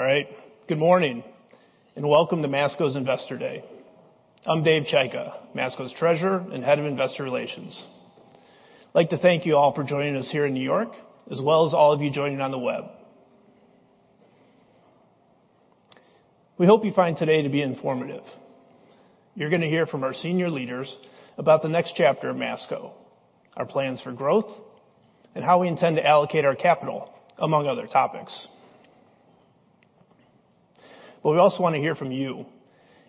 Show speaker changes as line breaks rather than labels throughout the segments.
All right. Good morning, welcome to Masco's Investor Day. I'm David Chaika, Masco's Treasurer and Head of Investor Relations. I'd like to thank you all for joining us here in New York, as well as all of you joining on the web. We hope you find today to be informative. You're going to hear from our senior leaders about the next chapter of Masco, our plans for growth, and how we intend to allocate our capital, among other topics. We also want to hear from you.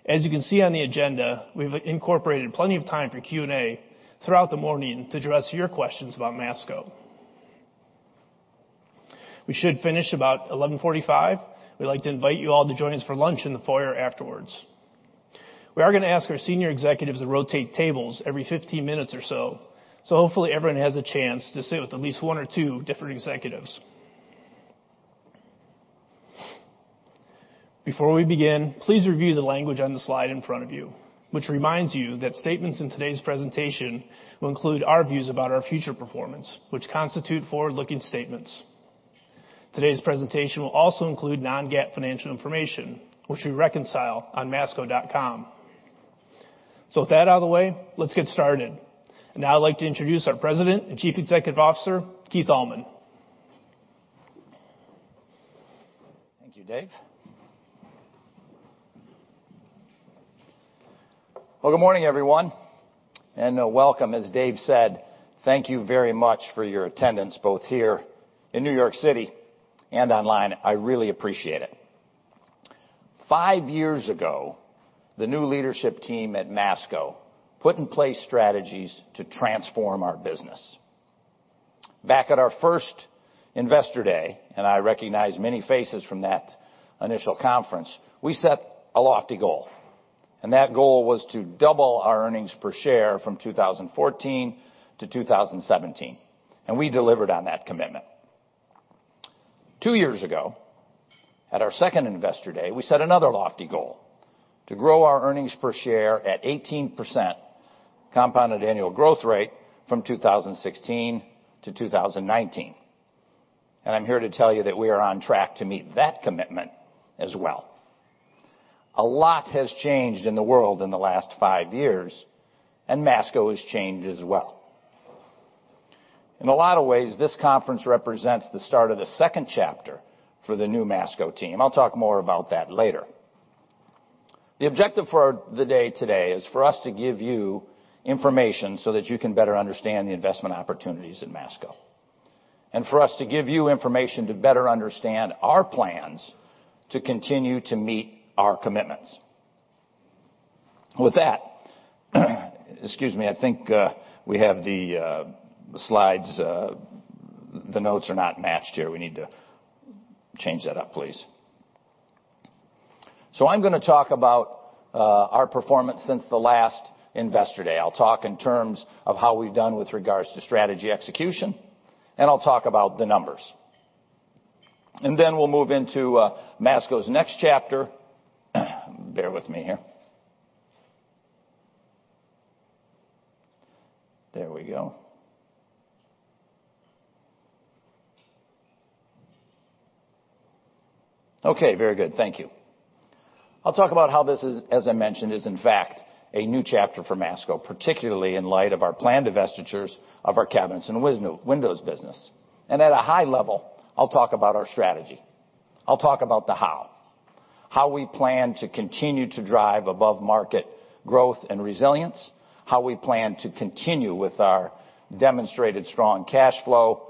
As you can see on the agenda, we've incorporated plenty of time for Q&A throughout the morning to address your questions about Masco. We should finish about 11:45. We'd like to invite you all to join us for lunch in the foyer afterwards. We are going to ask our senior executives to rotate tables every 15 minutes or so hopefully everyone has a chance to sit with at least one or two different executives. Before we begin, please review the language on the slide in front of you, which reminds you that statements in today's presentation will include our views about our future performance, which constitute forward-looking statements. Today's presentation will also include non-GAAP financial information, which we reconcile on masco.com. With that out of the way, let's get started. Now I'd like to introduce our President and Chief Executive Officer, Keith Allman.
Thank you, Dave. Well, good morning, everyone, and welcome. As Dave said, thank you very much for your attendance, both here in New York City and online. I really appreciate it. Five years ago, the new leadership team at Masco put in place strategies to transform our business. Back at our first Investor Day, and I recognize many faces from that initial conference, we set a lofty goal, and that goal was to double our earnings per share from 2014 to 2017, and we delivered on that commitment. Two years ago, at our second Investor Day, we set another lofty goal: to grow our earnings per share at 18% compounded annual growth rate from 2016 to 2019. I'm here to tell you that we are on track to meet that commitment as well. A lot has changed in the world in the last five years, and Masco has changed as well. In a lot of ways, this conference represents the start of the second chapter for the new Masco team. I'll talk more about that later. The objective for the day today is for us to give you information so that you can better understand the investment opportunities in Masco. For us to give you information to better understand our plans to continue to meet our commitments. With that, excuse me, I think we have the slides The notes are not matched here. We need to change that up, please. I'm going to talk about our performance since the last Investor Day. I'll talk in terms of how we've done with regards to strategy execution, and I'll talk about the numbers. We'll move into Masco's next chapter. Bear with me here. There we go. Okay. Very good. Thank you. I'll talk about how this is, as I mentioned, is in fact a new chapter for Masco, particularly in light of our planned divestitures of our cabinets and windows business. At a high level, I'll talk about our strategy. I'll talk about the how. How we plan to continue to drive above-market growth and resilience, how we plan to continue with our demonstrated strong cash flow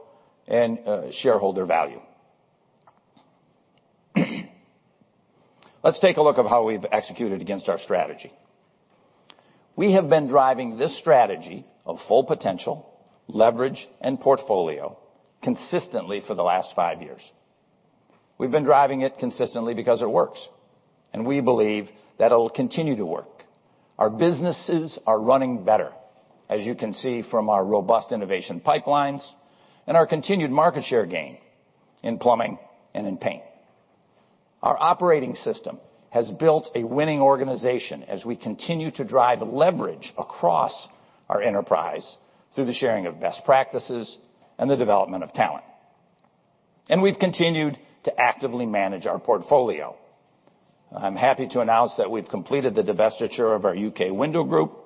and shareholder value. Let's take a look at how we've executed against our strategy. We have been driving this strategy of full potential, leverage, and portfolio consistently for the last five years. We've been driving it consistently because it works, and we believe that it'll continue to work. Our businesses are running better, as you can see from our robust innovation pipelines and our continued market share gain in plumbing and in paint. Our operating system has built a winning organization as we continue to drive leverage across our enterprise through the sharing of best practices and the development of talent. We've continued to actively manage our portfolio. I'm happy to announce that we've completed the divestiture of our UK Window Group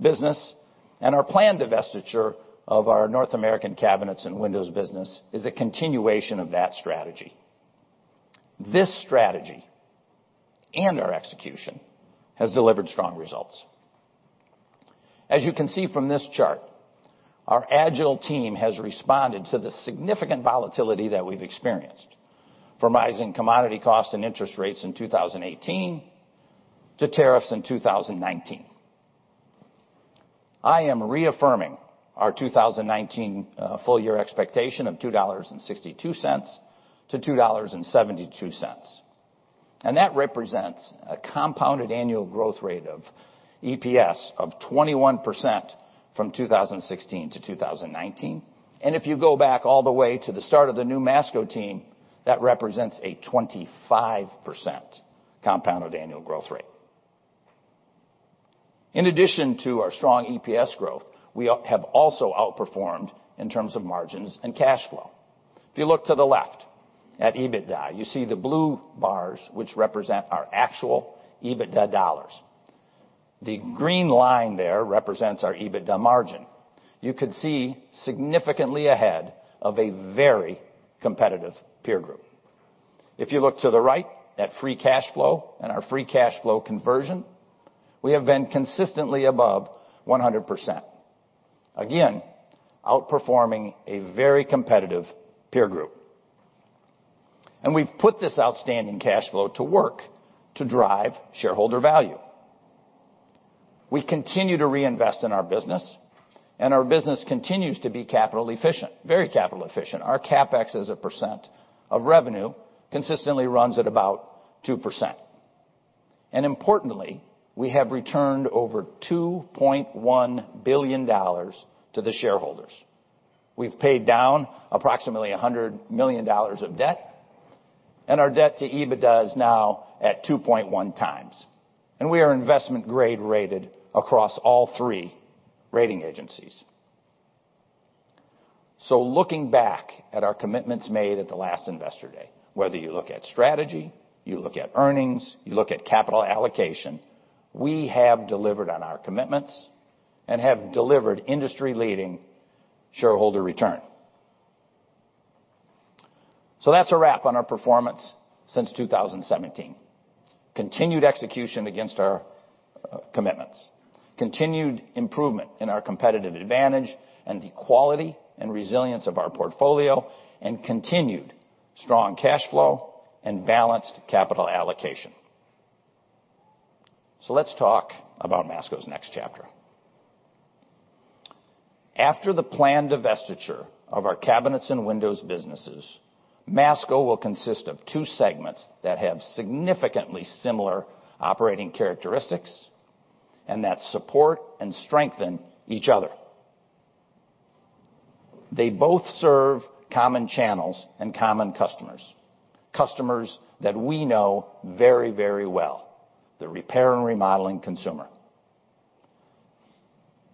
business and our planned divestiture of our North American Cabinets and Windows business is a continuation of that strategy. This strategy and our execution has delivered strong results. As you can see from this chart, our agile team has responded to the significant volatility that we've experienced, from rising commodity costs and interest rates in 2018 to tariffs in 2019. I am reaffirming our 2019 full-year expectation of $2.62 to $2.72. That represents a compounded annual growth rate of EPS of 21% from 2016 to 2019. If you go back all the way to the start of the new Masco team, that represents a 25% compounded annual growth rate. In addition to our strong EPS growth, we have also outperformed in terms of margins and cash flow. If you look to the left at EBITDA, you see the blue bars, which represent our actual EBITDA dollars. The green line there represents our EBITDA margin. You could see significantly ahead of a very competitive peer group. If you look to the right at free cash flow and our free cash flow conversion, we have been consistently above 100%. Again, outperforming a very competitive peer group. We've put this outstanding cash flow to work to drive shareholder value. We continue to reinvest in our business, and our business continues to be capital efficient, very capital efficient. Our CapEx as a % of revenue consistently runs at about 2%. Importantly, we have returned over $2.1 billion to the shareholders. We've paid down approximately $100 million of debt, and our debt to EBITDA is now at 2.1 times. We are investment grade rated across all three rating agencies. Looking back at our commitments made at the last Investor Day, whether you look at strategy, you look at earnings, you look at capital allocation, we have delivered on our commitments and have delivered industry-leading shareholder return. That's a wrap on our performance since 2017. Continued execution against our commitments, continued improvement in our competitive advantage, and the quality and resilience of our portfolio, and continued strong cash flow and balanced capital allocation. Let's talk about Masco's next chapter. After the planned divestiture of our cabinets and windows businesses, Masco will consist of two segments that have significantly similar operating characteristics and that support and strengthen each other. They both serve common channels and common customers. Customers that we know very, very well, the repair and remodeling consumer.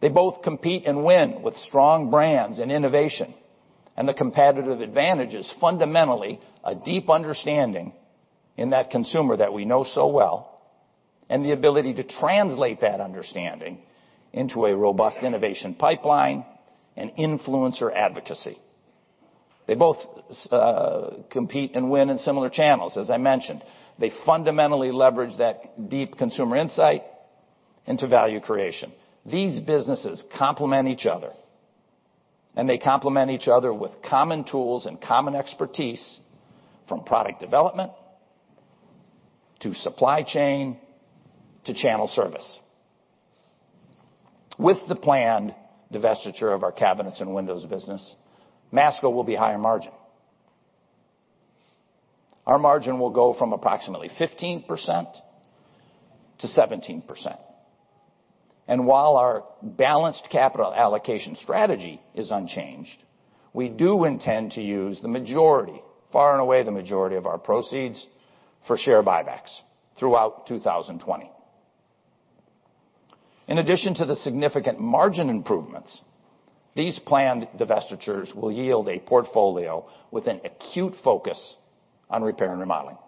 They both compete and win with strong brands and innovation, and the competitive advantage is fundamentally a deep understanding in that consumer that we know so well, and the ability to translate that understanding into a robust innovation pipeline and influencer advocacy. They both compete and win in similar channels, as I mentioned. They fundamentally leverage that deep consumer insight into value creation. These businesses complement each other, and they complement each other with common tools and common expertise from product development to supply chain to channel service. With the planned divestiture of our cabinets and windows business, Masco will be higher margin. Our margin will go from approximately 15%-17%. While our balanced capital allocation strategy is unchanged, we do intend to use the majority, far and away the majority of our proceeds for share buybacks throughout 2020. In addition to the significant margin improvements, these planned divestitures will yield a portfolio with an acute focus on repair and remodeling.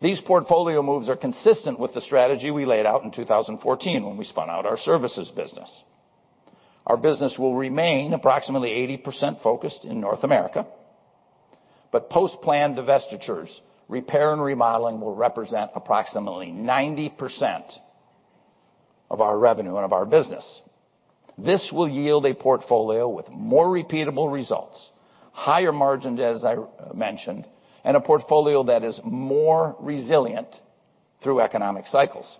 These portfolio moves are consistent with the strategy we laid out in 2014 when we spun out our services business. Our business will remain approximately 80% focused in North America. Post-planned divestitures, repair and remodeling will represent approximately 90% of our revenue and of our business. This will yield a portfolio with more repeatable results, higher margin, as I mentioned, and a portfolio that is more resilient through economic cycles.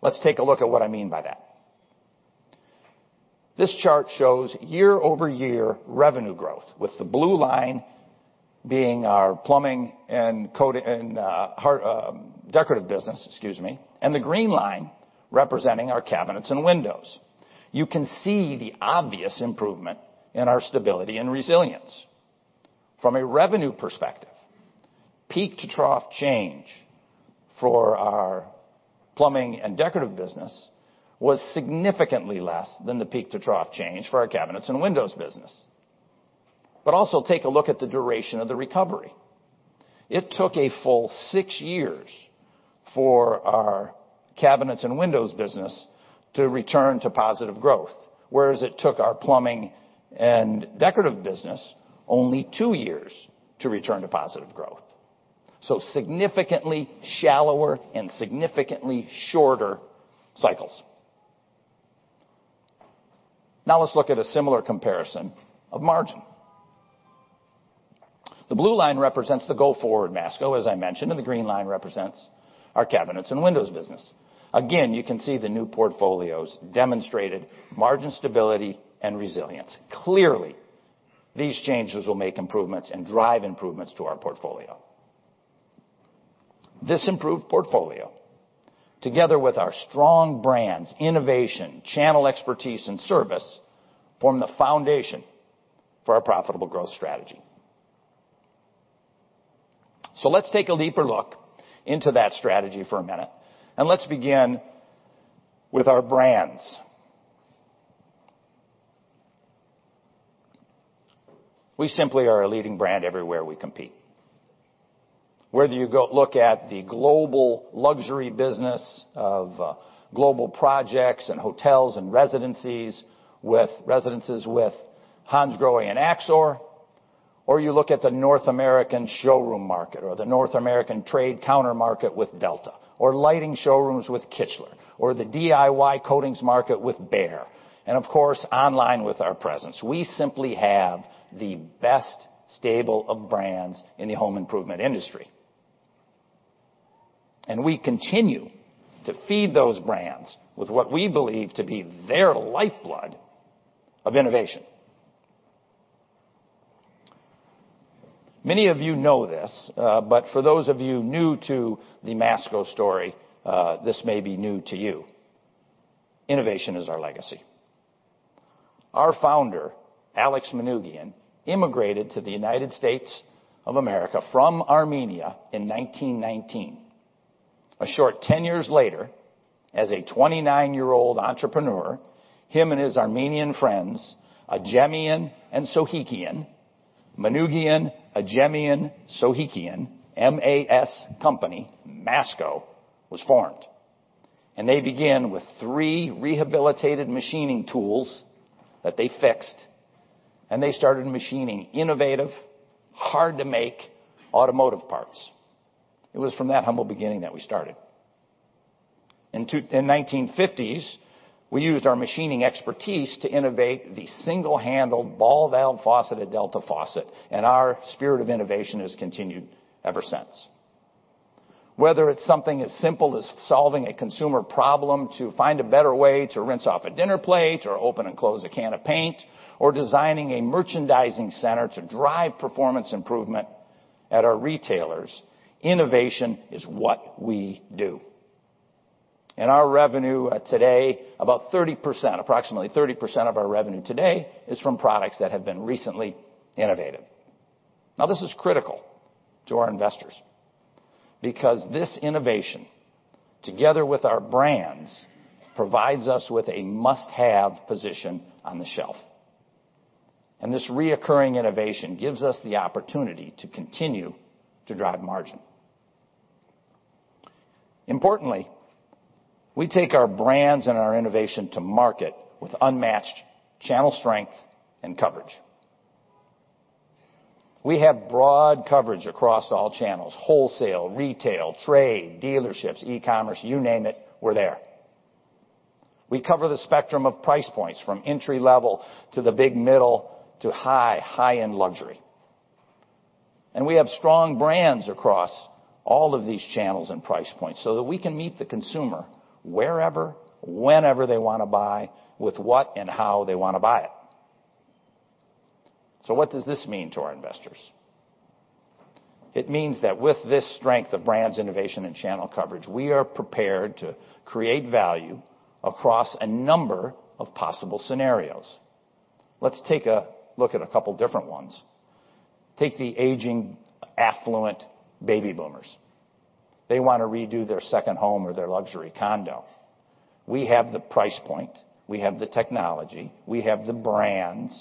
Let's take a look at what I mean by that. This chart shows year-over-year revenue growth, with the blue line being our plumbing and coatings and decorative business, excuse me, and the green line representing our cabinets and windows. You can see the obvious improvement in our stability and resilience. From a revenue perspective, peak-to-trough change for our plumbing and decorative business was significantly less than the peak-to-trough change for our cabinets and windows business. Also take a look at the duration of the recovery. It took a full six years for our cabinets and windows business to return to positive growth, whereas it took our plumbing and decorative business only two years to return to positive growth. Significantly shallower and significantly shorter cycles. Now let's look at a similar comparison of margin. The blue line represents the go-forward Masco, as I mentioned, and the green line represents our cabinets and windows business. Again, you can see the new portfolios demonstrated margin stability and resilience. Clearly, these changes will make improvements and drive improvements to our portfolio. This improved portfolio. Together with our strong brands, innovation, channel expertise and service form the foundation for our profitable growth strategy. Let's take a deeper look into that strategy for a minute, and let's begin with our brands. We simply are a leading brand everywhere we compete. Whether you look at the global luxury business of global projects and hotels and residences with Hansgrohe and AXOR, or you look at the North American showroom market or the North American trade counter market with Delta, or lighting showrooms with Kichler, or the DIY coatings market with BEHR, and of course online with our presence, we simply have the best stable of brands in the home improvement industry. We continue to feed those brands with what we believe to be their lifeblood of innovation. Many of you know this. For those of you new to the Masco story, this may be new to you. Innovation is our legacy. Our founder, Alex Manoogian, immigrated to the United States of America from Armenia in 1919. A short 10 years later, as a 29-year-old entrepreneur, him and his Armenian friends, Agemian and Sohikian. Manoogian, Agemian, Sohikian, M-A-S company, Masco, was formed. They began with three rehabilitated machining tools that they fixed, and they started machining innovative, hard to make automotive parts. It was from that humble beginning that we started. In 1950s, we used our machining expertise to innovate the single handle ball valve faucet at Delta Faucet, and our spirit of innovation has continued ever since. Whether it's something as simple as solving a consumer problem to find a better way to rinse off a dinner plate or open and close a can of paint, or designing a merchandising center to drive performance improvement at our retailers, innovation is what we do. Our revenue today, about 30%, approximately 30% of our revenue today is from products that have been recently innovated. Now, this is critical to our investors because this innovation, together with our brands, provides us with a must-have position on the shelf. This recurring innovation gives us the opportunity to continue to drive margin. Importantly, we take our brands and our innovation to market with unmatched channel strength and coverage. We have broad coverage across all channels, wholesale, retail, trade, dealerships, e-commerce, you name it, we're there. We have strong brands across all of these channels and price points so that we can meet the consumer wherever, whenever they want to buy with what and how they want to buy it. What does this mean to our investors? It means that with this strength of brands, innovation and channel coverage, we are prepared to create value across a number of possible scenarios. Let's take a look at a couple different ones. Take the aging affluent baby boomers. They want to redo their second home or their luxury condo. We have the price point. We have the technology. We have the brands.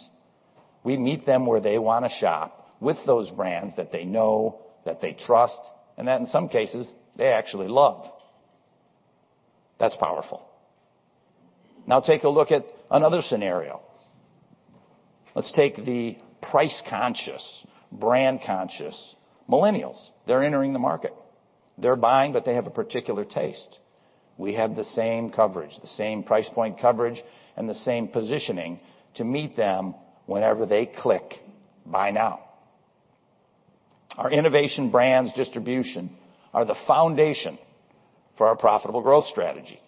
We meet them where they want to shop with those brands that they know, that they trust, and that in some cases they actually love. That's powerful. Take a look at another scenario. Let's take the price conscious, brand conscious millennials. They're entering the market. They're buying, but they have a particular taste. We have the same coverage, the same price point coverage, and the same positioning to meet them whenever they click buy now. Our innovation brands distribution are the foundation for our profitable growth strategy.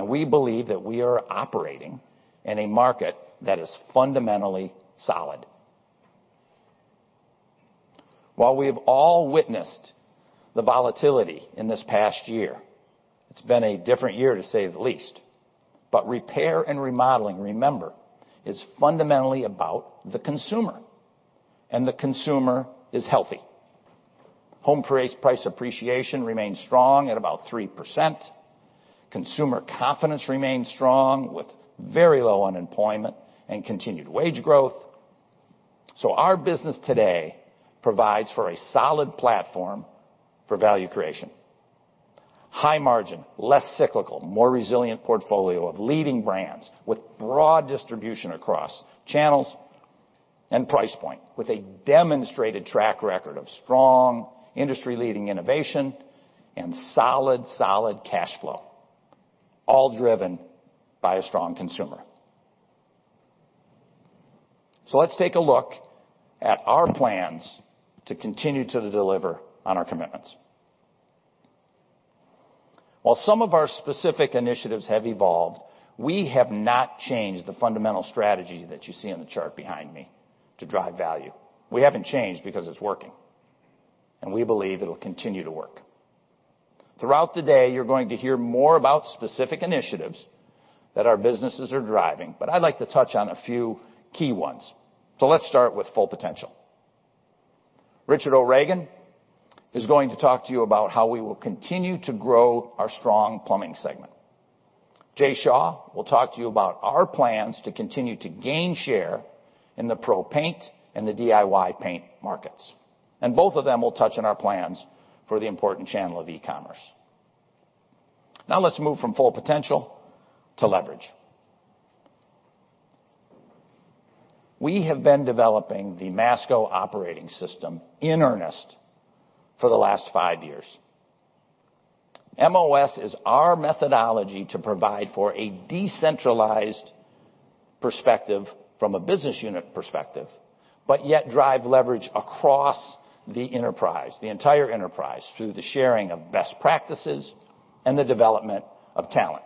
We believe that we are operating in a market that is fundamentally solid. While we have all witnessed the volatility in this past year, it's been a different year, to say the least. Repair and remodeling, remember, is fundamentally about the consumer, and the consumer is healthy. Home price appreciation remains strong at about 3%. Consumer confidence remains strong with very low unemployment and continued wage growth. Our business today provides for a solid platform for value creation. High margin, less cyclical, more resilient portfolio of leading brands with broad distribution across channels and price point with a demonstrated track record of strong industry leading innovation and solid cash flow, all driven by a strong consumer. Let's take a look at our plans to continue to deliver on our commitments. While some of our specific initiatives have evolved, we have not changed the fundamental strategy that you see on the chart behind me to drive value. We haven't changed because it's working. And we believe it'll continue to work. Throughout the day, you're going to hear more about specific initiatives that our businesses are driving, but I'd like to touch on a few key ones. Let's start with full potential. Richard O'Reagan is going to talk to you about how we will continue to grow our strong plumbing segment. Jai Shah will talk to you about our plans to continue to gain share in the pro paint and the DIY paint markets, and both of them will touch on our plans for the important channel of e-commerce. Now let's move from full potential to leverage. We have been developing the Masco Operating System in earnest for the last five years. MOS is our methodology to provide for a decentralized perspective from a business unit perspective, but yet drive leverage across the enterprise, the entire enterprise, through the sharing of best practices and the development of talent.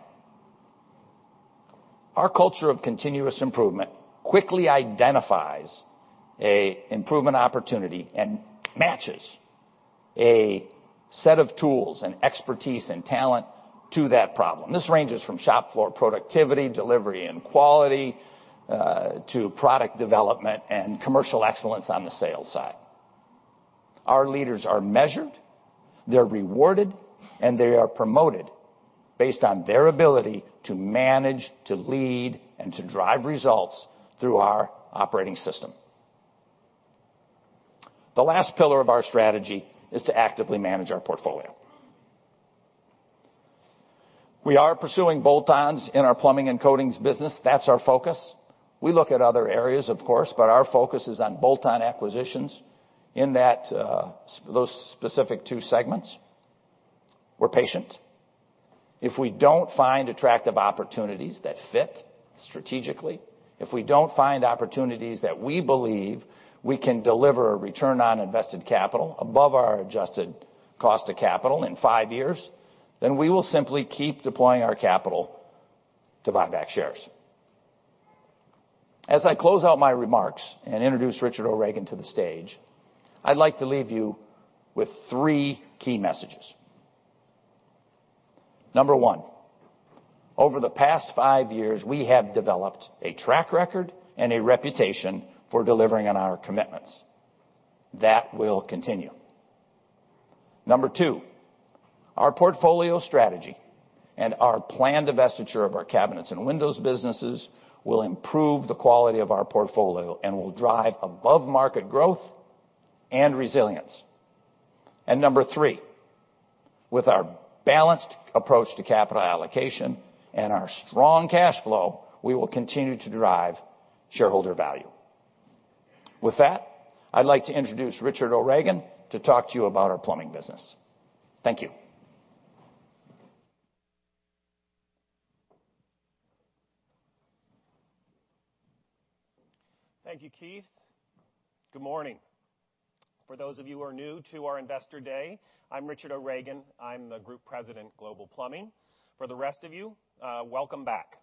Our culture of continuous improvement quickly identifies an improvement opportunity and matches a set of tools and expertise and talent to that problem. This ranges from shop floor productivity, delivery, and quality, to product development and commercial excellence on the sales side. Our leaders are measured, they're rewarded, and they are promoted based on their ability to manage, to lead, and to drive results through our operating system. The last pillar of our strategy is to actively manage our portfolio. We are pursuing bolt-ons in our plumbing and coatings business. That's our focus. We look at other areas, of course, but our focus is on bolt-on acquisitions in those specific two segments. We're patient. If we don't find attractive opportunities that fit strategically, if we don't find opportunities that we believe we can deliver a return on invested capital above our adjusted cost of capital in five years, then we will simply keep deploying our capital to buy back shares. As I close out my remarks and introduce Richard O'Reagan to the stage, I'd like to leave you with three key messages. Number one, over the past five years, we have developed a track record and a reputation for delivering on our commitments. That will continue. Number two, our portfolio strategy and our planned divestiture of our cabinets and windows businesses will improve the quality of our portfolio and will drive above-market growth and resilience. Number three, with our balanced approach to capital allocation and our strong cash flow, we will continue to drive shareholder value. With that, I'd like to introduce Richard O'Reagan to talk to you about our plumbing business. Thank you.
Thank you, Keith. Good morning. For those of you who are new to our investor day, I'm Richard O'Reagan. I'm the Group President, Global Plumbing. For the rest of you, welcome back.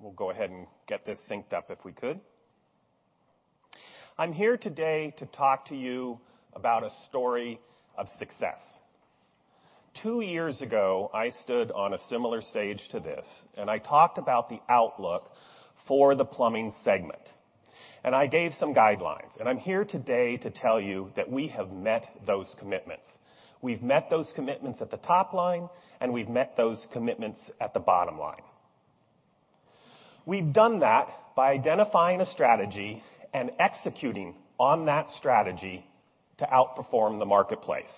We'll go ahead and get this synced up if we could. I'm here today to talk to you about a story of success. Two years ago, I stood on a similar stage to this. I talked about the outlook for the plumbing segment. I gave some guidelines. I'm here today to tell you that we have met those commitments. We've met those commitments at the top line. We've met those commitments at the bottom line. We've done that by identifying a strategy and executing on that strategy to outperform the marketplace.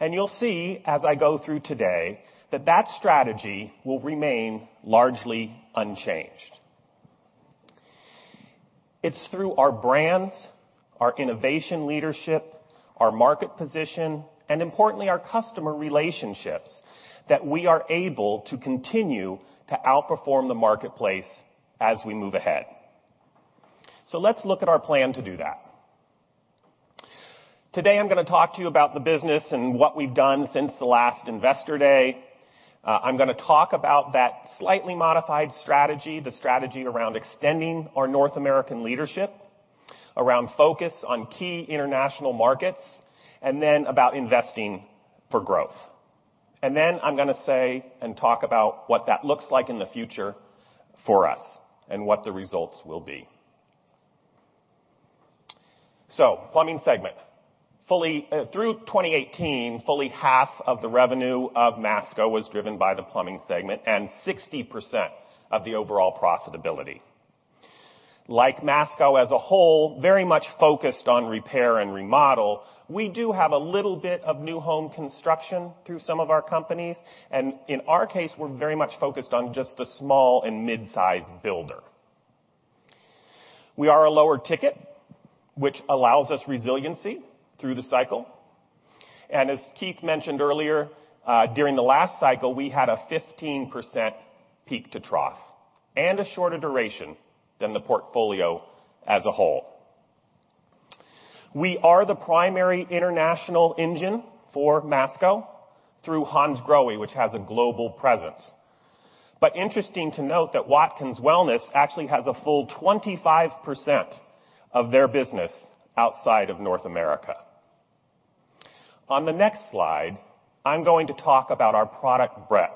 You'll see as I go through today that that strategy will remain largely unchanged. It's through our brands, our innovation leadership, our market position, and importantly, our customer relationships, that we are able to continue to outperform the marketplace as we move ahead. Let's look at our plan to do that. Today, I'm going to talk to you about the business and what we've done since the last investor day. I'm going to talk about that slightly modified strategy, the strategy around extending our North American leadership, around focus on key international markets, and then about investing for growth. Then I'm going to say and talk about what that looks like in the future for us and what the results will be. Plumbing segment. Through 2018, fully half of the revenue of Masco was driven by the Plumbing segment and 60% of the overall profitability. Like Masco as a whole, very much focused on repair and remodel, we do have a little bit of new home construction through some of our companies. In our case, we're very much focused on just the small and mid-size builder. We are a lower ticket, which allows us resiliency through the cycle. As Keith mentioned earlier, during the last cycle, we had a 15% peak to trough and a shorter duration than the portfolio as a whole. We are the primary international engine for Masco through Hansgrohe, which has a global presence. Interesting to note that Watkins Wellness actually has a full 25% of their business outside of North America. On the next slide, I'm going to talk about our product breadth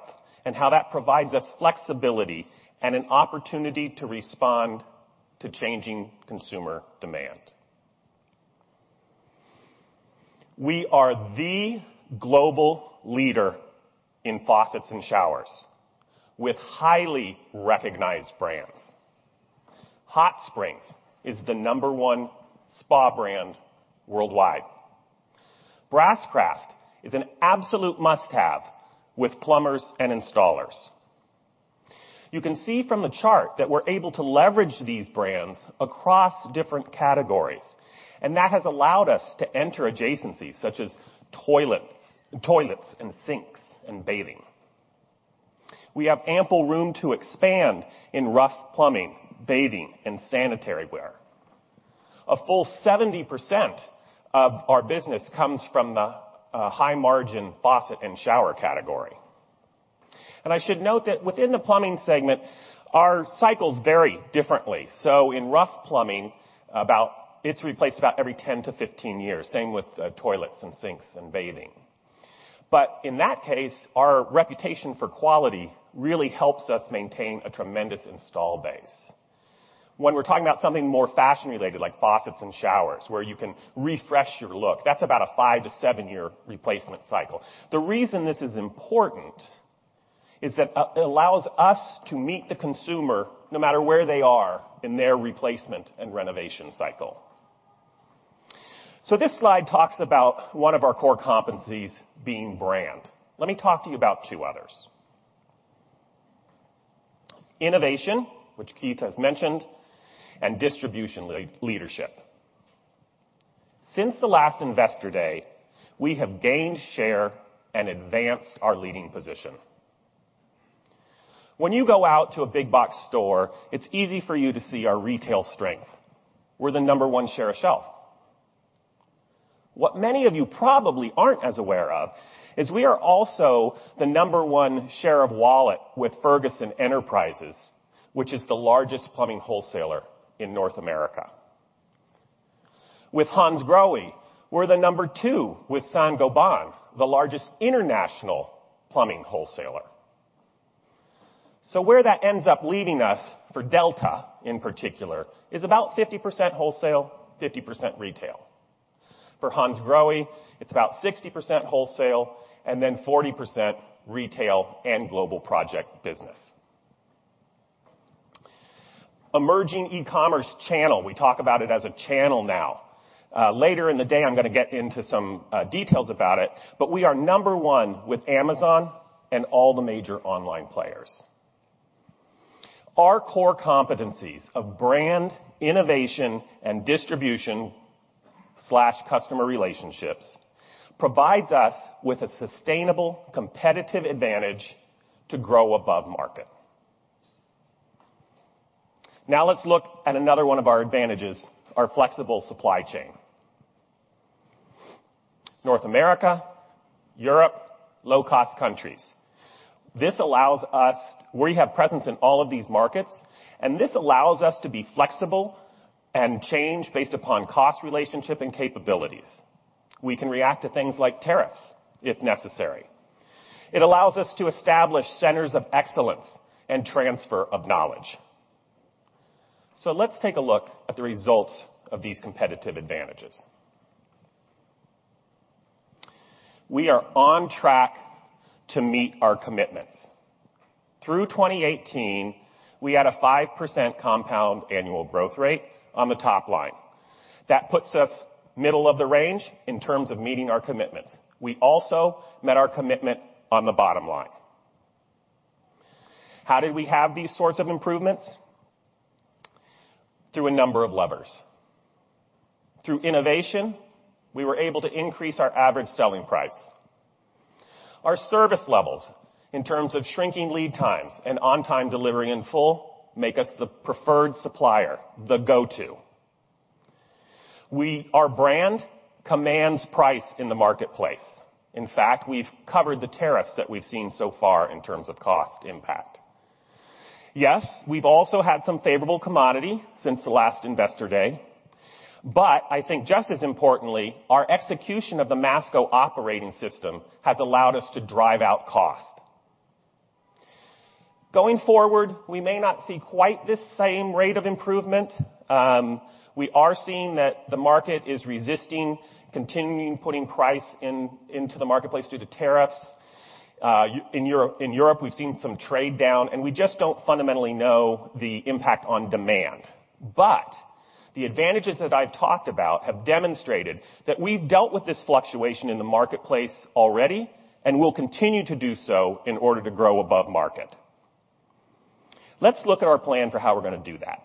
and how that provides us flexibility and an opportunity to respond to changing consumer demand. We are the global leader in faucets and showers with highly recognized brands. Hot Spring is the number one spa brand worldwide. BrassCraft is an absolute must-have with plumbers and installers. You can see from the chart that we're able to leverage these brands across different categories, and that has allowed us to enter adjacencies such as toilets, and sinks, and bathing. We have ample room to expand in rough plumbing, bathing, and sanitary ware. A full 70% of our business comes from the high margin faucet and shower category. I should note that within the plumbing segment, our cycles vary differently. In rough plumbing, it's replaced about every 10-15 years. Same with toilets and sinks and bathing. In that case, our reputation for quality really helps us maintain a tremendous install base. When we're talking about something more fashion related, like faucets and showers, where you can refresh your look, that's about a five to seven year replacement cycle. The reason this is important is that it allows us to meet the consumer no matter where they are in their replacement and renovation cycle. This slide talks about one of our core competencies being brand. Let me talk to you about two others. Innovation, which Keith has mentioned, and distribution leadership. Since the last investor day, we have gained share and advanced our leading position. When you go out to a big box store, it's easy for you to see our retail strength. We're the number one share of shelf. What many of you probably aren't as aware of is we are also the number one share of wallet with Ferguson Enterprises, which is the largest plumbing wholesaler in North America. With Hansgrohe, we're the number two with Saint-Gobain, the largest international plumbing wholesaler. Where that ends up leaving us for Delta in particular, is about 50% wholesale, 50% retail. For Hansgrohe, it's about 60% wholesale and then 40% retail and global project business. Emerging e-commerce channel, we talk about it as a channel now. Later in the day, I'm going to get into some details about it, but we are number one with Amazon and all the major online players. Our core competencies of brand, innovation, and distribution/customer relationships provides us with a sustainable competitive advantage to grow above market. Let's look at another one of our advantages, our flexible supply chain. North America, Europe, low cost countries. We have presence in all of these markets, and this allows us to be flexible and change based upon cost relationship and capabilities. We can react to things like tariffs if necessary. It allows us to establish centers of excellence and transfer of knowledge. Let's take a look at the results of these competitive advantages. We are on track to meet our commitments. Through 2018, we had a 5% compound annual growth rate on the top line. That puts us middle of the range in terms of meeting our commitments. We also met our commitment on the bottom line. How did we have these sorts of improvements? Through a number of levers. Through innovation, we were able to increase our average selling price. Our service levels in terms of shrinking lead times and on time delivery in full make us the preferred supplier, the go-to. Our brand commands price in the marketplace. In fact, we've covered the tariffs that we've seen so far in terms of cost impact. Yes, we've also had some favorable commodity since the last investor day, but I think just as importantly, our execution of the Masco Operating System has allowed us to drive out cost. Going forward, we may not see quite the same rate of improvement. We are seeing that the market is resisting continuing putting price into the marketplace due to tariffs. In Europe, we've seen some trade down, and we just don't fundamentally know the impact on demand. The advantages that I've talked about have demonstrated that we've dealt with this fluctuation in the marketplace already and will continue to do so in order to grow above market. Let's look at our plan for how we're going to do that.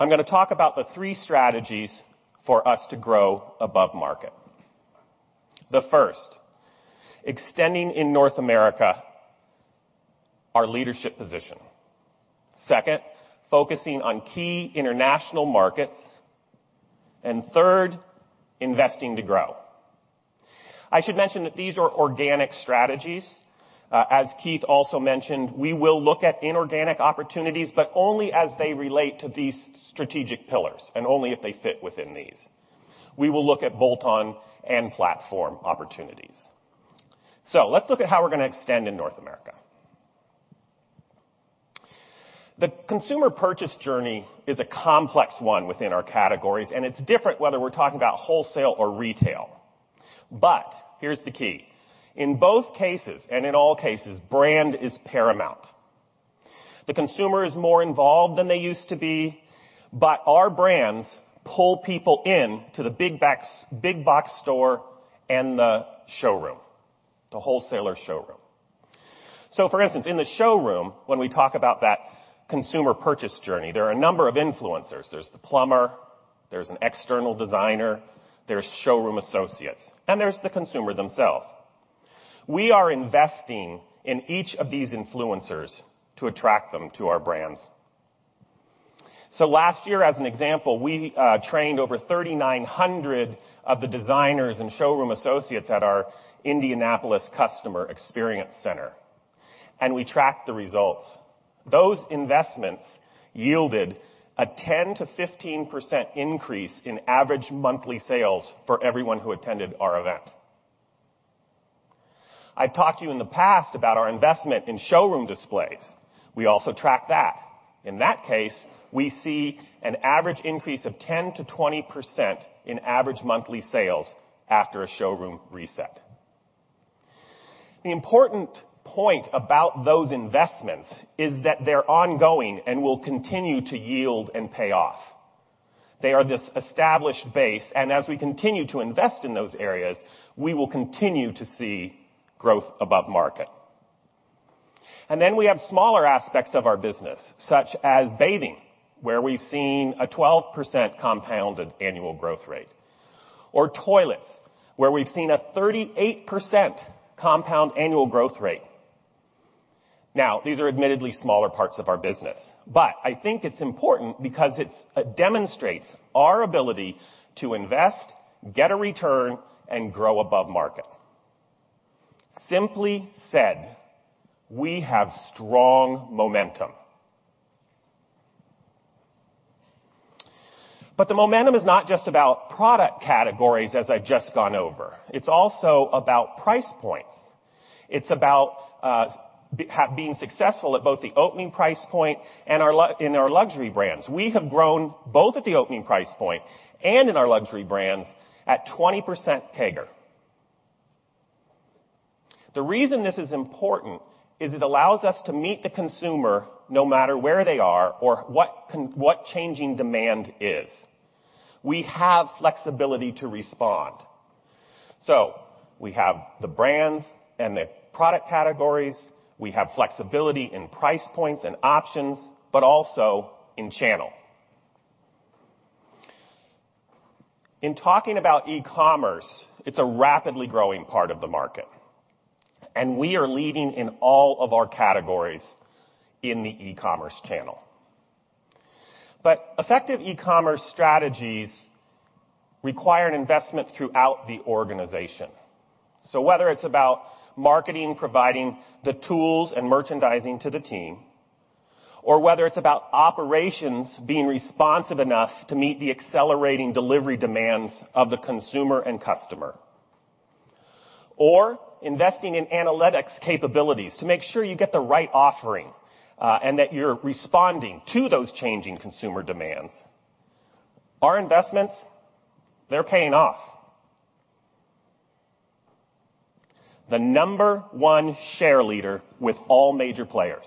I'm going to talk about the three strategies for us to grow above market. The first, extending in North America, our leadership position. Second, focusing on key international markets, and third, investing to grow. I should mention that these are organic strategies. As Keith also mentioned, we will look at inorganic opportunities, but only as they relate to these strategic pillars, and only if they fit within these. We will look at bolt-on and platform opportunities. Let's look at how we're going to extend in North America. The consumer purchase journey is a complex one within our categories, and it's different whether we're talking about wholesale or retail. Here's the key. In both cases and in all cases, brand is paramount. The consumer is more involved than they used to be, but our brands pull people in to the big box store and the showroom, the wholesaler showroom. For instance, in the showroom, when we talk about that consumer purchase journey, there are a number of influencers. There's the plumber, there's an external designer, there's showroom associates, and there's the consumer themselves. We are investing in each of these influencers to attract them to our brands. Last year, as an example, we trained over 3,900 of the designers and showroom associates at our Indianapolis Customer Experience Center, and we tracked the results. Those investments yielded a 10%-15% increase in average monthly sales for everyone who attended our event. I've talked to you in the past about our investment in showroom displays. We also track that. In that case, we see an average increase of 10%-20% in average monthly sales after a showroom reset. The important point about those investments is that they're ongoing and will continue to yield and pay off. They are this established base, as we continue to invest in those areas, we will continue to see growth above market. Then we have smaller aspects of our business, such as bathing, where we've seen a 12% Compounded Annual Growth Rate. Toilets, where we've seen a 38% Compounded Annual Growth Rate. These are admittedly smaller parts of our business, I think it's important because it demonstrates our ability to invest, get a return, and grow above market. Simply said, we have strong momentum. The momentum is not just about product categories as I've just gone over. It's also about price points. It's about being successful at both the opening price point and in our luxury brands. We have grown both at the opening price point and in our luxury brands at 20% CAGR. The reason this is important is it allows us to meet the consumer no matter where they are or what changing demand is. We have flexibility to respond. We have the brands and the product categories. We have flexibility in price points and options, but also in channel. In talking about e-commerce, it's a rapidly growing part of the market. We are leading in all of our categories in the e-commerce channel. Effective e-commerce strategies require an investment throughout the organization. Whether it's about marketing providing the tools and merchandising to the team, or whether it's about operations being responsive enough to meet the accelerating delivery demands of the consumer and customer. Investing in analytics capabilities to make sure you get the right offering, and that you're responding to those changing consumer demands. Our investments, they're paying off. The number one share leader with all major players.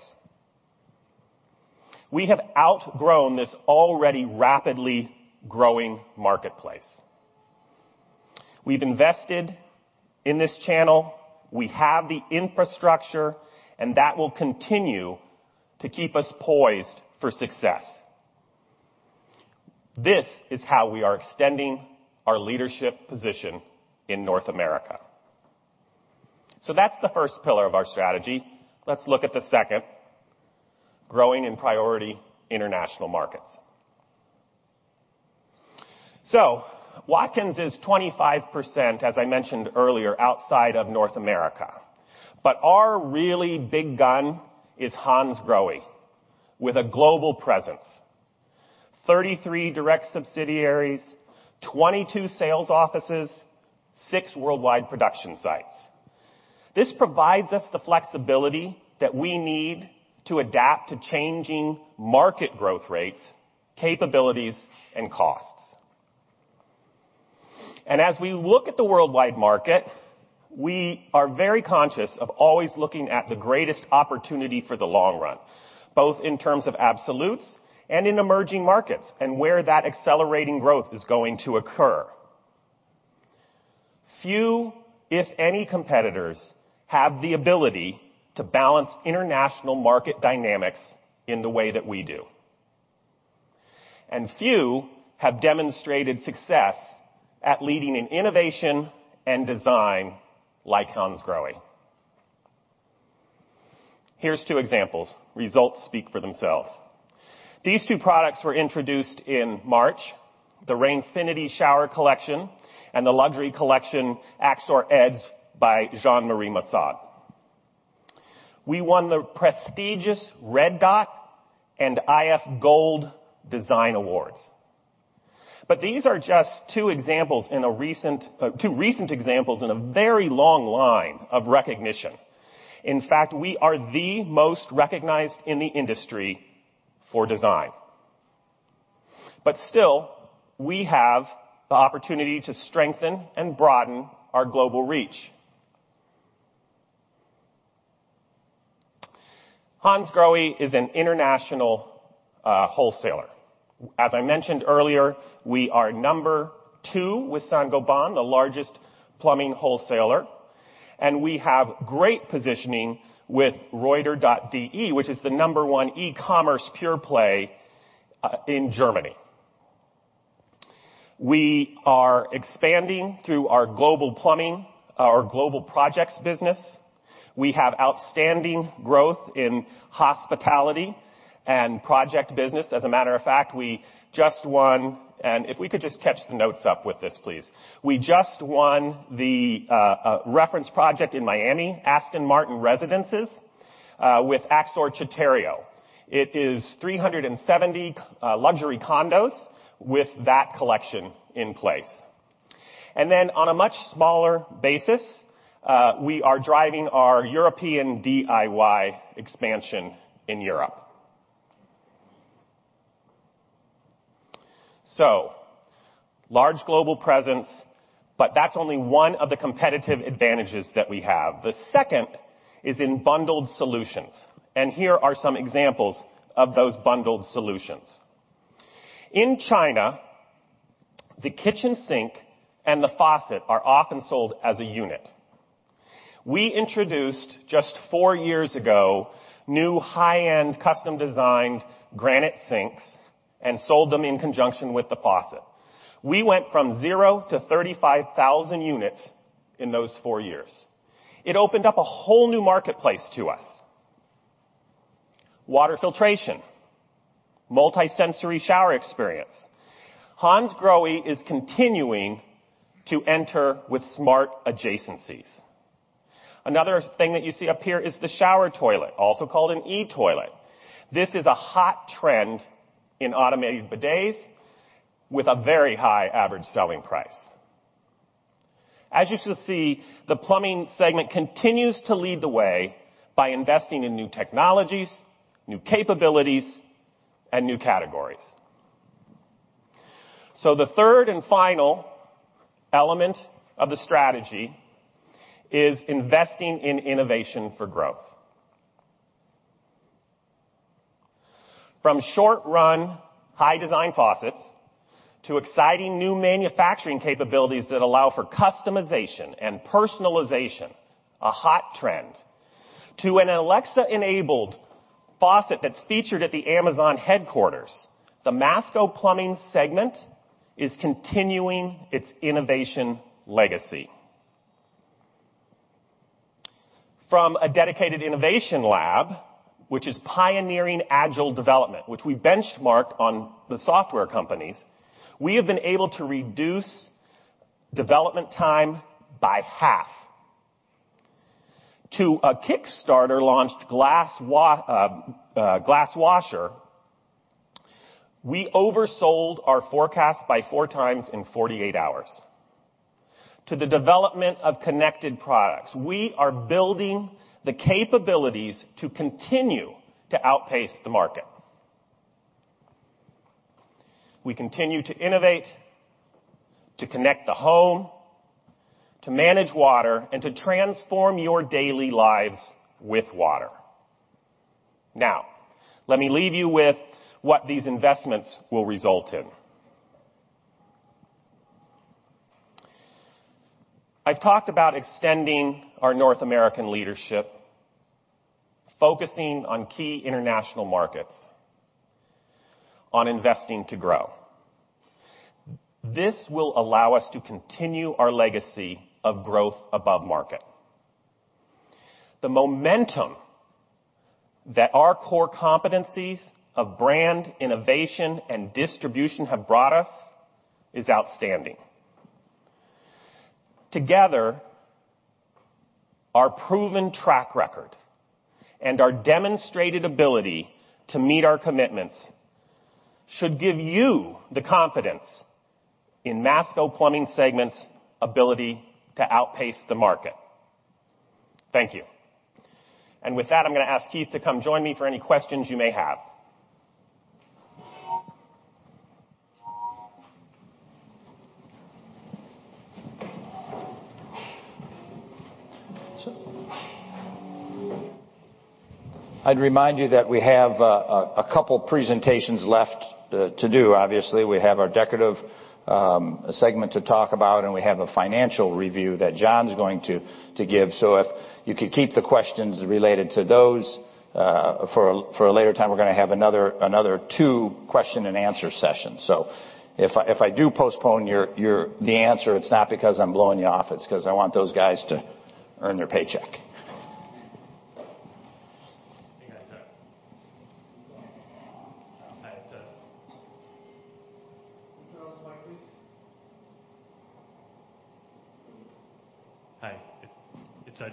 We have outgrown this already rapidly growing marketplace. We've invested in this channel. We have the infrastructure, and that will continue to keep us poised for success. This is how we are extending our leadership position in North America. That's the first pillar of our strategy. Let's look at the second, growing in priority international markets. Watkins is 25%, as I mentioned earlier, outside of North America, but our really big gun is Hansgrohe with a global presence. 33 direct subsidiaries, 22 sales offices, six worldwide production sites. This provides us the flexibility that we need to adapt to changing market growth rates, capabilities, and costs. As we look at the worldwide market, we are very conscious of always looking at the greatest opportunity for the long run, both in terms of absolutes and in emerging markets, and where that accelerating growth is going to occur. Few, if any, competitors have the ability to balance international market dynamics in the way that we do. Few have demonstrated success at leading in innovation and design like Hansgrohe. Here's two examples. Results speak for themselves. These two products were introduced in March, the Rainfinity Shower Collection and the luxury collection AXOR Edge by Jean-Marie Massaud. We won the prestigious Red Dot Design Award and iF Gold Design Award. These are just two recent examples in a very long line of recognition. In fact, we are the most recognized in the industry for design. Still, we have the opportunity to strengthen and broaden our global reach. Hansgrohe is an international wholesaler. As I mentioned earlier, we are number two with Saint-Gobain, the largest plumbing wholesaler, and we have great positioning with Reuter.de, which is the number one e-commerce pure play in Germany. We are expanding through our global plumbing, our global projects business. We have outstanding growth in hospitality and project business. And if we could just catch the notes up with this, please. We just won the reference project in Miami, Aston Martin Residences, with AXOR Citterio. It is 370 luxury condos with that collection in place. On a much smaller basis, we are driving our European DIY expansion in Europe. Large global presence, but that's only one of the competitive advantages that we have. The second is in bundled solutions, and here are some examples of those bundled solutions. In China, the kitchen sink and the faucet are often sold as a unit. We introduced, just four years ago, new high-end, custom-designed granite sinks and sold them in conjunction with the faucet. We went from zero to 35,000 units in those four years. It opened up a whole new marketplace to us. Water filtration, multi-sensory shower experience. Hansgrohe is continuing to enter with smart adjacencies. Another thing that you see up here is the shower toilet, also called an e-toilet. This is a hot trend in automated bidets with a very high average selling price. As you shall see, the plumbing segment continues to lead the way by investing in new technologies, new capabilities, and new categories. The third and final element of the strategy is investing in innovation for growth. From short-run, high-design faucets to exciting new manufacturing capabilities that allow for customization and personalization, a hot trend, to an Alexa-enabled faucet that's featured at the Amazon headquarters, the Masco Plumbing segment is continuing its innovation legacy. From a dedicated innovation lab, which is pioneering agile development, which we benchmark on the software companies, we have been able to reduce development time by half. To a Kickstarter-launched glass washer, we oversold our forecast by four times in 48 hours. To the development of connected products, we are building the capabilities to continue to outpace the market. We continue to innovate, to connect the home, to manage water, and to transform your daily lives with water. Now, let me leave you with what these investments will result in. I've talked about extending our North American leadership, focusing on key international markets, on investing to grow. This will allow us to continue our legacy of growth above market. The momentum that our core competencies of brand, innovation, and distribution have brought us is outstanding. Together, our proven track record and our demonstrated ability to meet our commitments should give you the confidence in Masco Plumbing segment's ability to outpace the market. Thank you. With that, I'm going to ask Keith to come join me for any questions you may have.
I'd remind you that we have a couple presentations left to do. Obviously, we have our Decorative Segment to talk about, and we have a financial review that John's going to give. If you could keep the questions related to those for a later time, we're going to have another two question and answer sessions. If I do postpone the answer, it's not because I'm blowing you off, it's because I want those guys to earn their paycheck.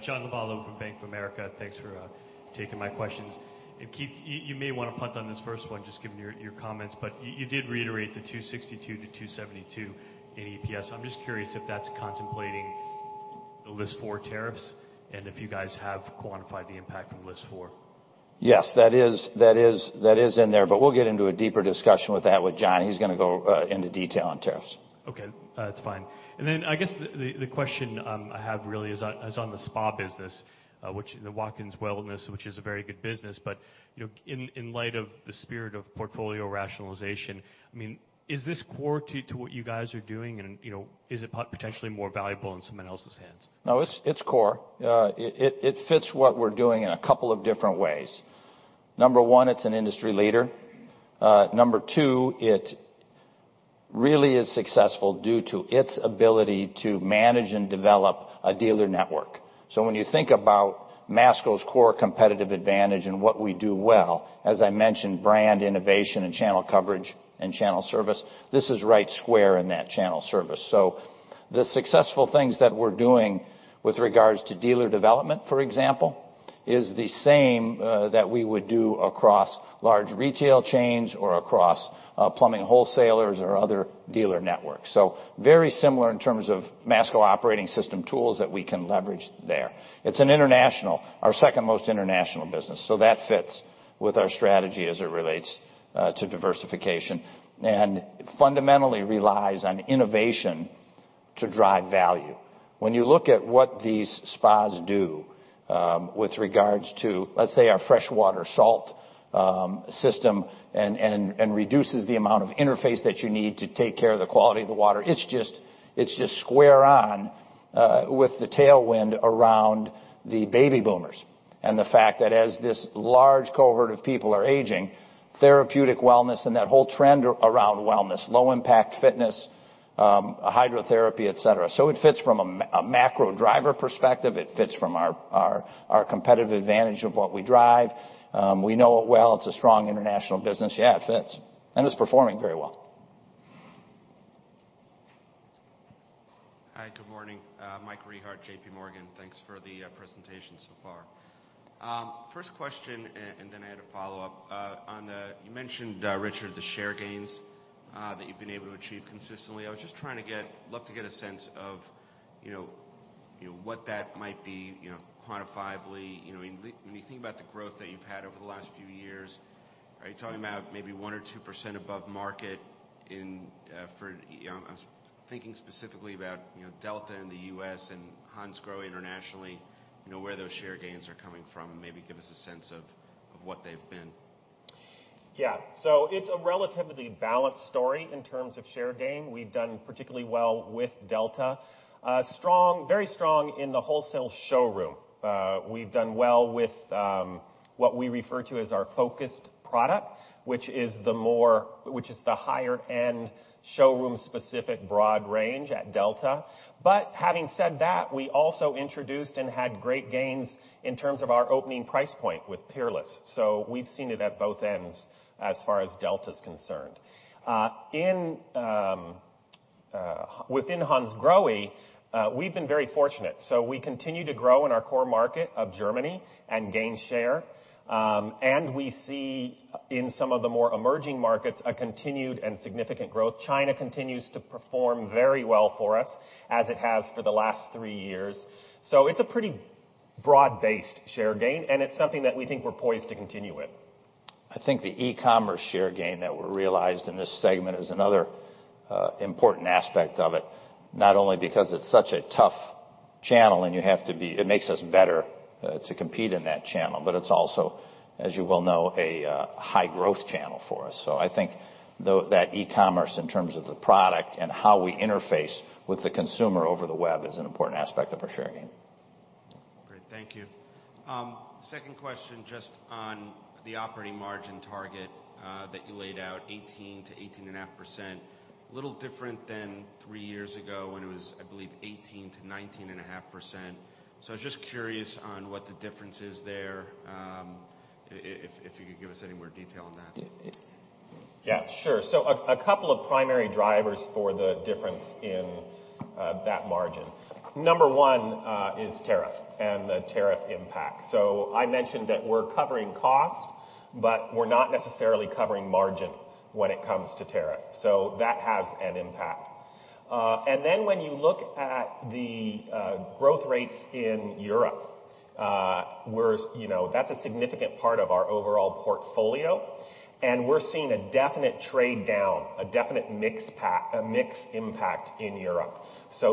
Hey, guys.
Can you turn on his mic, please?
Hi. It's John Lovallo from Bank of America. Thanks for taking my questions. Keith, you may want to punt on this first one, just given your comments, but you did reiterate the $2.62 to $2.72 in EPS. I'm just curious if that's contemplating the List 4 tariffs and if you guys have quantified the impact from List 4.
Yes, that is in there, but we'll get into a deeper discussion with that with John. He's going into detail on tariffs.
Okay. That's fine. I guess the question I have really is on the spa business, the Watkins Wellness, which is a very good business. In light of the spirit of portfolio rationalization, is this core to what you guys are doing? Is it potentially more valuable in someone else's hands?
No, it's core. It fits what we're doing in a couple of different ways. Number one, it's an industry leader. Number two, it really is successful due to its ability to manage and develop a dealer network. When you think about Masco's core competitive advantage and what we do well, as I mentioned, brand innovation and channel coverage and channel service, this is right square in that channel service. The successful things that we're doing with regards to dealer development, for example, is the same that we would do across large retail chains or across plumbing wholesalers or other dealer networks. Very similar in terms of Masco Operating System tools that we can leverage there. It's our second most international business, so that fits with our strategy as it relates to diversification, and fundamentally relies on innovation to drive value. When you look at what these spas do with regards to, let's say, our FreshWater Salt System and reduces the amount of interface that you need to take care of the quality of the water, it's just square on with the tailwind around the baby boomers, and the fact that as this large cohort of people are aging, therapeutic wellness and that whole trend around wellness, low-impact fitness, hydrotherapy, et cetera. It fits from a macro driver perspective. It fits from our competitive advantage of what we drive. We know it well. It's a strong international business. Yeah, it fits, and it's performing very well.
Hi. Good morning. Michael Rehaut, JPMorgan. Thanks for the presentation so far. First question. Then I had a follow-up. You mentioned, Richard, the share gains that you've been able to achieve consistently. Love to get a sense of what that might be quantifiably. When you think about the growth that you've had over the last few years, are you talking about maybe one or 2% above market I was thinking specifically about Delta in the U.S. and Hansgrohe internationally, where those share gains are coming from, and maybe give us a sense of what they've been?
It's a relatively balanced story in terms of share gain. We've done particularly well with Delta. Very strong in the wholesale showroom. We've done well with what we refer to as our focused product, which is the higher end showroom specific broad range at Delta. Having said that, we also introduced and had great gains in terms of our opening price point with Peerless. We've seen it at both ends as far as Delta's concerned. Within Hansgrohe, we've been very fortunate. We continue to grow in our core market of Germany and gain share. We see in some of the more emerging markets, a continued and significant growth. China continues to perform very well for us, as it has for the last three years. It's a pretty broad-based share gain, and it's something that we think we're poised to continue with.
I think the e-commerce share gain that were realized in this segment is another important aspect of it. Not only because it's such a tough channel, and it makes us better to compete in that channel, but it's also, as you well know, a high growth channel for us. I think that e-commerce in terms of the product and how we interface with the consumer over the web is an important aspect of our share gain.
Great. Thank you. Second question, just on the operating margin target that you laid out, 18%-18.5%. A little different than three years ago when it was, I believe, 18%-19.5%. I was just curious on what the difference is there, if you could give us any more detail on that.
Yeah, sure. A couple of primary drivers for the difference in that margin. Number one is tariff and the tariff impact. I mentioned that we're covering cost, but we're not necessarily covering margin when it comes to tariff. That has an impact. When you look at the growth rates in Europe, that's a significant part of our overall portfolio, and we're seeing a definite trade down, a definite mix impact in Europe.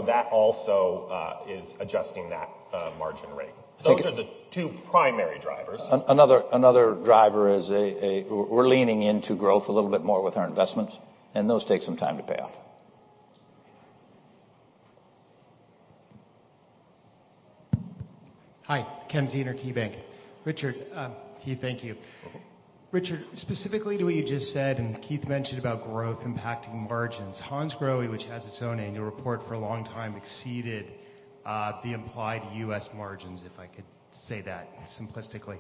That also is adjusting that margin rate. Those are the two primary drivers.
Another driver is we're leaning into growth a little bit more with our investments, and those take some time to pay off.
Hi, Kenneth Zener, KeyBank. Richard, Keith, thank you. Richard, specifically to what you just said, and Keith mentioned about growth impacting margins, Hansgrohe, which has its own annual report for a long time, exceeded the implied U.S. margins, if I could say that simplistically.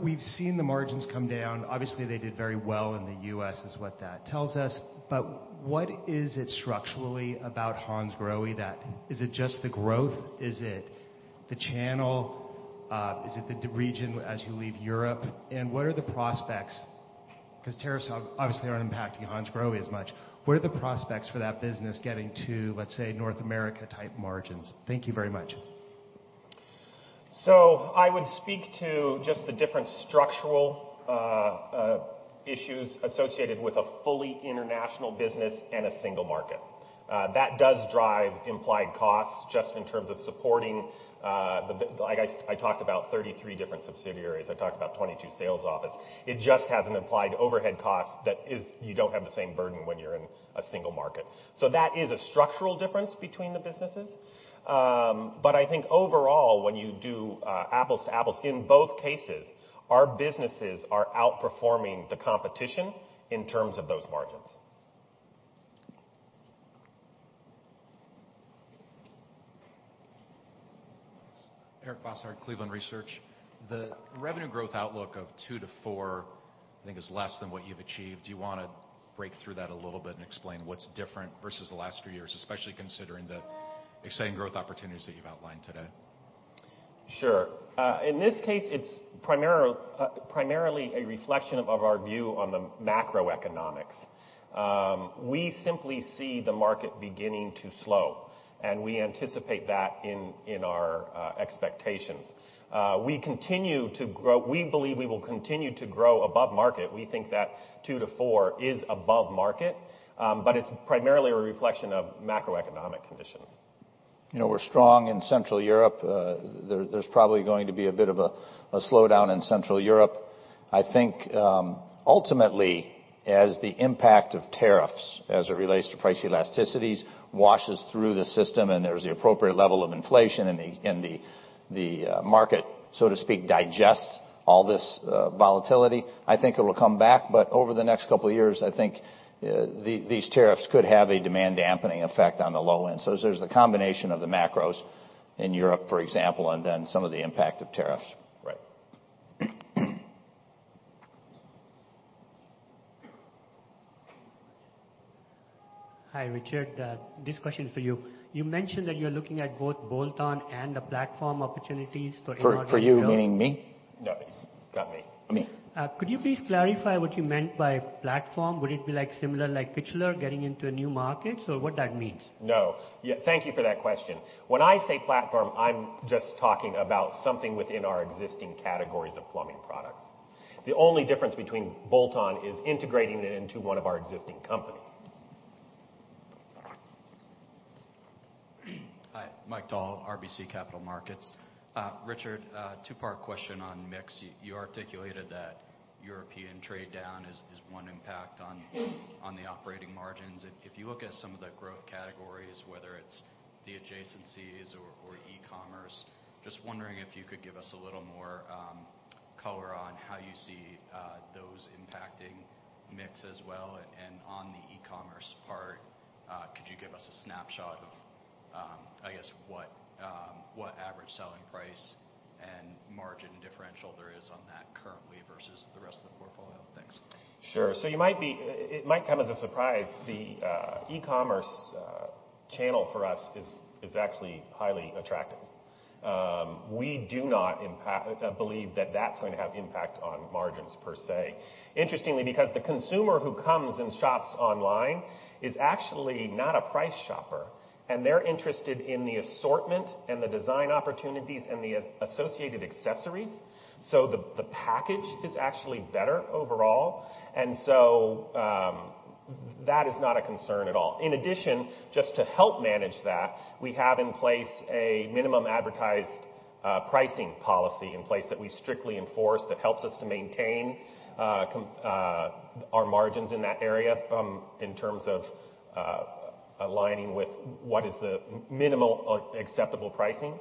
We've seen the margins come down. Obviously, they did very well in the U.S. is what that tells us. What is it structurally about Hansgrohe? Is it just the growth? Is it the channel? Is it the region as you leave Europe? What are the prospects, because tariffs obviously aren't impacting Hansgrohe as much, what are the prospects for that business getting to, let's say, North America type margins? Thank you very much.
I would speak to just the different structural issues associated with a fully international business and a single market. That does drive implied costs just in terms of supporting, I talked about 33 different subsidiaries, I talked about 22 sales offices. It just has an implied overhead cost that you don't have the same burden when you're in a single market. That is a structural difference between the businesses. I think overall, when you do apples to apples, in both cases, our businesses are outperforming the competition in terms of those margins.
Eric Bosshard, Cleveland Research. The revenue growth outlook of two to four, I think is less than what you've achieved. Do you want to break through that a little bit and explain what's different versus the last few years, especially considering the exciting growth opportunities that you've outlined today?
Sure. In this case, it's primarily a reflection of our view on the macroeconomics. We simply see the market beginning to slow, and we anticipate that in our expectations. We believe we will continue to grow above market. We think that 2%-4% is above market, but it's primarily a reflection of macroeconomic conditions.
We're strong in Central Europe. There's probably going to be a bit of a slowdown in Central Europe. I think, ultimately, as the impact of tariffs, as it relates to price elasticities, washes through the system and there's the appropriate level of inflation in the market, so to speak, digests all this volatility, I think it'll come back, but over the next couple of years, I think these tariffs could have a demand dampening effect on the low end. There's the combination of the macros in Europe, for example, and then some of the impact of tariffs.
Right.
Hi, Richard. This question is for you. You mentioned that you're looking at both bolt-on and the platform opportunities for inorganic growth.
For you, meaning me?
Not me. Me.
Could you please clarify what you meant by platform? Would it be similar like Kichler getting into a new market? What that means.
No. Thank you for that question. When I say platform, I'm just talking about something within our existing categories of plumbing products. The only difference between bolt-on is integrating it into one of our existing companies.
Hi, Mike Dahl, RBC Capital Markets. Richard, a two-part question on mix. You articulated that European trade down is one impact on the operating margins. If you look at some of the growth categories, whether it's the adjacencies or e-commerce, just wondering if you could give us a little more color on how you see those impacting mix as well, and on the e-commerce part, could you give us a snapshot of, I guess, what average selling price and margin differential there is on that currently versus the rest of the portfolio? Thanks.
Sure. It might come as a surprise. The e-commerce channel for us is actually highly attractive. We do not believe that that's going to have impact on margins per se. Interestingly, because the consumer who comes and shops online is actually not a price shopper, and they're interested in the assortment and the design opportunities and the associated accessories. The package is actually better overall, that is not a concern at all. In addition, just to help manage that, we have in place a Minimum Advertised Price policy in place that we strictly enforce that helps us to maintain our margins in that area in terms of aligning with what is the minimal acceptable pricing.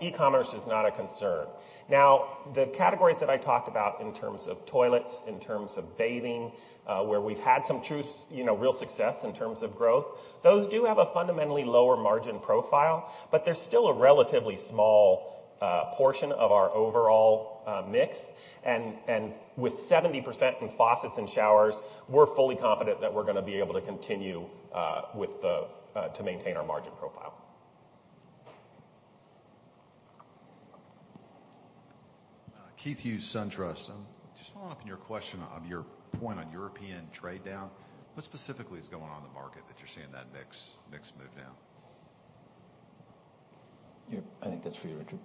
E-commerce is not a concern. The categories that I talked about in terms of toilets, in terms of bathing, where we've had some real success in terms of growth, those do have a fundamentally lower margin profile, but they're still a relatively small portion of our overall mix. With 70% in faucets and showers, we're fully confident that we're going to be able to continue to maintain our margin profile.
Keith Hughes, SunTrust. Just following up on your question of your point on European trade down, what specifically is going on in the market that you're seeing that mix move down?
Yeah, I think that's for you, Richard.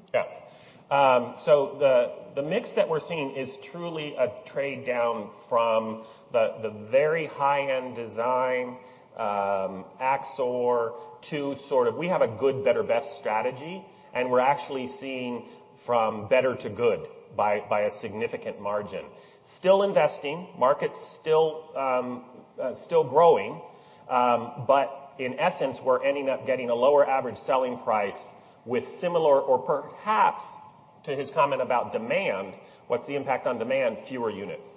The mix that we're seeing is truly a trade down from the very high-end design, AXOR, to sort of we have a good better best strategy, and we're actually seeing from better to good by a significant margin. Still investing. Market's still growing. In essence, we're ending up getting a lower average selling price with similar or perhaps to his comment about demand, what's the impact on demand? Fewer units.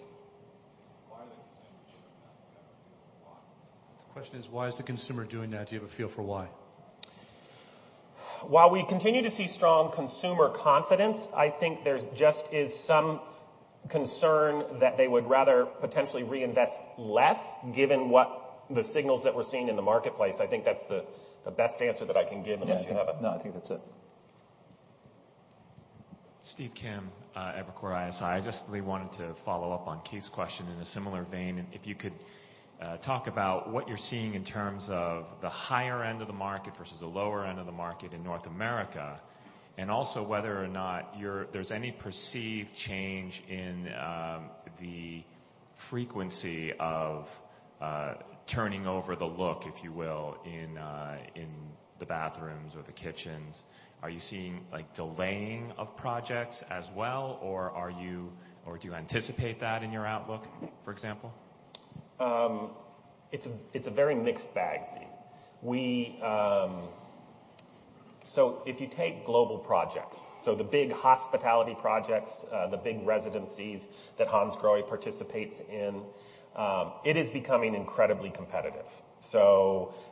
Why are the consumers doing that? Do you have a feel for why?
The question is, why is the consumer doing that? Do you have a feel for why?
While we continue to see strong consumer confidence, I think there just is some concern that they would rather potentially reinvest less given what the signals that we're seeing in the marketplace. I think that's the best answer that I can give, unless you have.
No, I think that's it.
Stephen Kim, Evercore ISI. I just really wanted to follow up on Keith's question in a similar vein. If you could talk about what you're seeing in terms of the higher end of the market versus the lower end of the market in North America, and also whether or not there's any perceived change in the frequency of turning over the look, if you will, in the bathrooms or the kitchens. Are you seeing delaying of projects as well, or do you anticipate that in your outlook, for example?
It's a very mixed bag, Stephen. If you take global projects, so the big hospitality projects, the big residencies that Hansgrohe participates in, it is becoming incredibly competitive.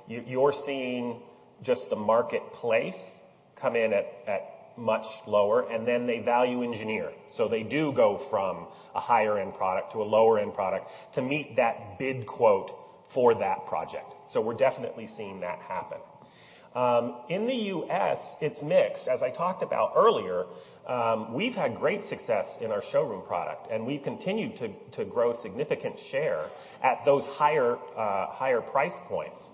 You're seeing just the marketplace come in at much lower, and then they value engineer. They do go from a higher end product to a lower end product to meet that bid quote for that project. We're definitely seeing that happen. In the U.S., it's mixed. As I talked about earlier, we've had great success in our showroom product, and we've continued to grow significant share at those higher price points.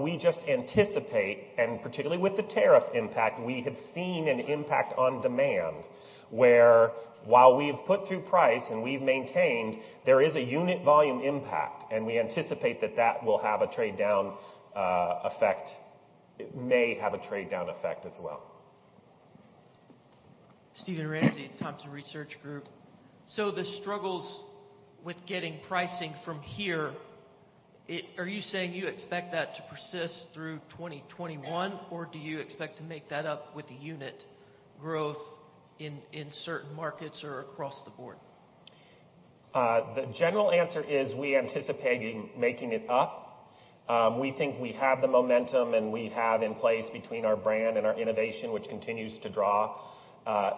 We just anticipate, and particularly with the tariff impact, we have seen an impact on demand, where while we've put through price and we've maintained, there is a unit volume impact, and we anticipate that will have a trade down effect as well.
Steven Ramsey, Thompson Research Group. The struggles with getting pricing from here, are you saying you expect that to persist through 2021, or do you expect to make that up with the unit growth in certain markets or across the board?
The general answer is we anticipate making it up. We think we have the momentum, and we have in place between our brand and our innovation, which continues to draw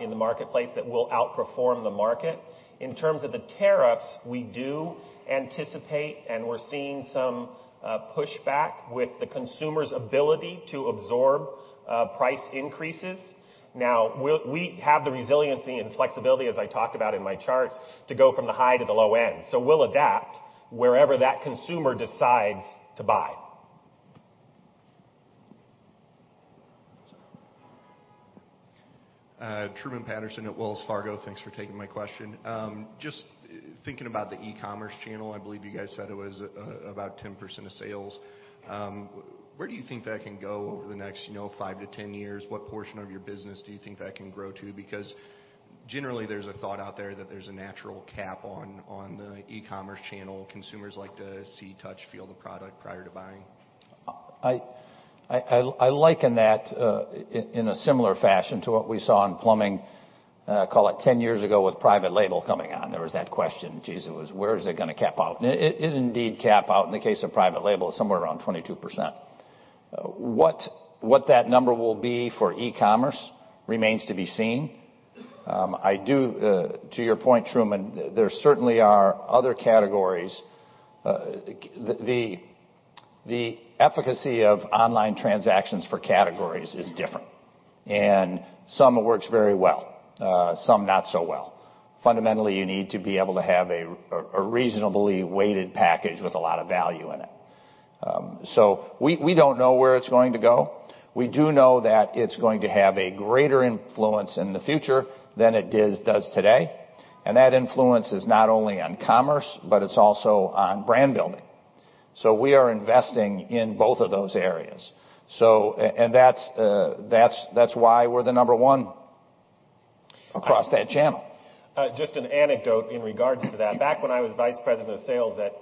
in the marketplace that will outperform the market. In terms of the tariffs, we do anticipate, and we're seeing some pushback with the consumer's ability to absorb price increases. Now, we have the resiliency and flexibility, as I talked about in my charts, to go from the high to the low end. We'll adapt wherever that consumer decides to buy.
Truman Patterson at Wells Fargo. Thanks for taking my question. Just thinking about the e-commerce channel, I believe you guys said it was about 10% of sales. Where do you think that can go over the next 5 to 10 years? What portion of your business do you think that can grow to? Because generally, there's a thought out there that there's a natural cap on the e-commerce channel. Consumers like to see, touch, feel the product prior to buying.
I liken that in a similar fashion to what we saw in plumbing, call it 10 years ago with private label coming on. There was that question. Geez, where is it going to cap out? It indeed cap out in the case of private label, somewhere around 22%. What that number will be for e-commerce remains to be seen. To your point, Truman, there certainly are other categories. The efficacy of online transactions for categories is different, and some it works very well, some not so well. Fundamentally, you need to be able to have a reasonably weighted package with a lot of value in it. We don't know where it's going to go. We do know that it's going to have a greater influence in the future than it does today, and that influence is not only on commerce, but it's also on brand building. We are investing in both of those areas. That's why we're the number one across that channel.
Just an anecdote in regards to that. Back when I was vice president of sales at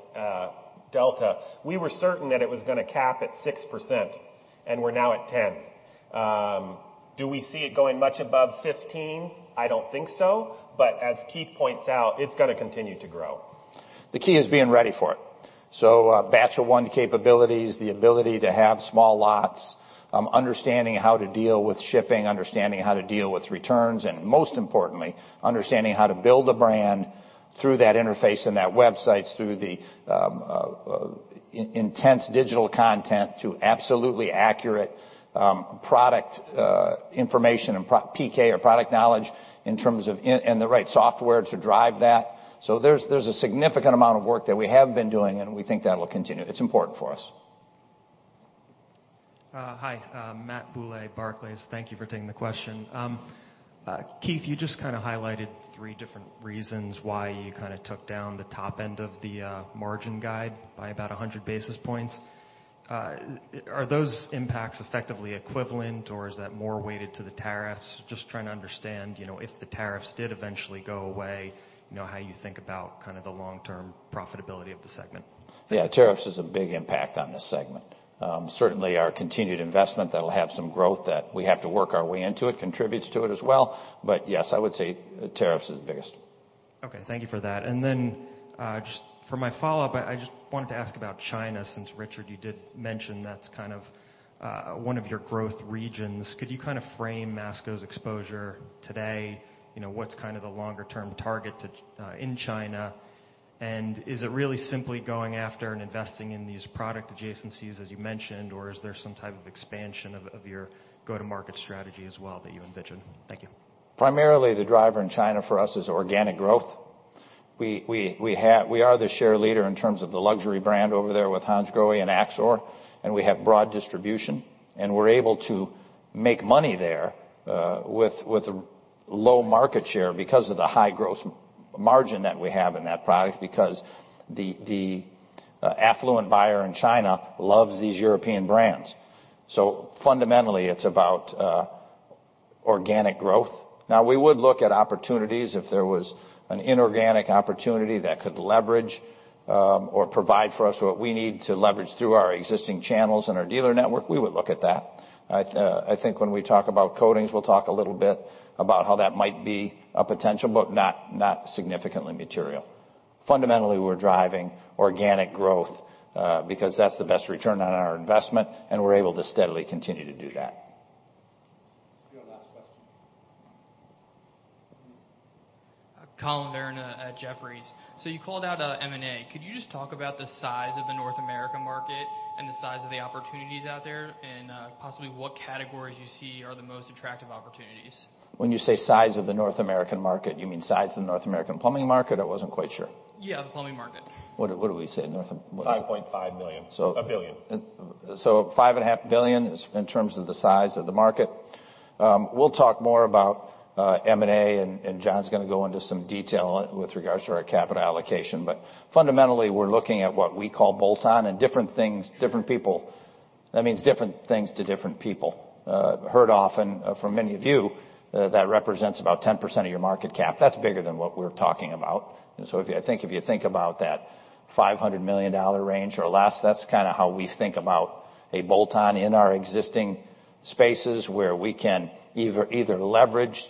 Delta, we were certain that it was going to cap at 6%, and we're now at 10. Do we see it going much above 15? I don't think so, but as Keith points out, it's going to continue to grow.
The key is being ready for it. Batch one capabilities, the ability to have small lots, understanding how to deal with shipping, understanding how to deal with returns, and most importantly, understanding how to build a brand through that interface and that website through the intense digital content to absolutely accurate product information and PK or product knowledge in terms of and the right software to drive that. There's a significant amount of work that we have been doing, and we think that will continue. It's important for us.
Hi, Matthew Bouley, Barclays. Thank you for taking the question. Keith, you just highlighted three different reasons why you took down the top end of the margin guide by about 100 basis points. Are those impacts effectively equivalent, or is that more weighted to the tariffs? Just trying to understand, if the tariffs did eventually go away, how you think about the long-term profitability of the segment.
Yeah, tariffs is a big impact on this segment. Certainly our continued investment that'll have some growth that we have to work our way into it contributes to it as well. Yes, I would say tariffs is the biggest.
Okay. Thank you for that. Just for my follow-up, I just wanted to ask about China, since, Richard, you did mention that's one of your growth regions. Could you frame Masco's exposure today? What's the longer-term target in China? Is it really simply going after and investing in these product adjacencies, as you mentioned, or is there some type of expansion of your go-to-market strategy as well that you envision? Thank you.
Primarily, the driver in China for us is organic growth. We are the share leader in terms of the luxury brand over there with Hansgrohe and AXOR, and we have broad distribution, and we're able to make money there with low market share because of the high gross margin that we have in that product because the affluent buyer in China loves these European brands. Fundamentally, it's about organic growth. We would look at opportunities if there was an inorganic opportunity that could leverage or provide for us what we need to leverage through our existing channels and our dealer network. We would look at that. When we talk about coatings, we'll talk a little bit about how that might be a potential, but not significantly material. Fundamentally, we're driving organic growth because that's the best return on our investment, and we're able to steadily continue to do that.
Let's go to our last question.
Philip Ng at Jefferies. You called out M&A. Could you just talk about the size of the North American market and the size of the opportunities out there, and possibly what categories you see are the most attractive opportunities?
When you say size of the North American market, you mean size of the North American plumbing market? I wasn't quite sure.
Yeah, the plumbing market.
What did we say?
$5.5 million. $1 billion.
Five and a half billion in terms of the size of the market. We'll talk more about M&A, and John's going to go into some detail with regards to our capital allocation. Fundamentally, we're looking at what we call bolt-on and different things, different people. That means different things to different people. Heard often from many of you that represents about 10% of your market cap. That's bigger than what we're talking about. If you think about that $500 million range or less, that's kind of how we think about a bolt-on in our existing spaces where we can either leverage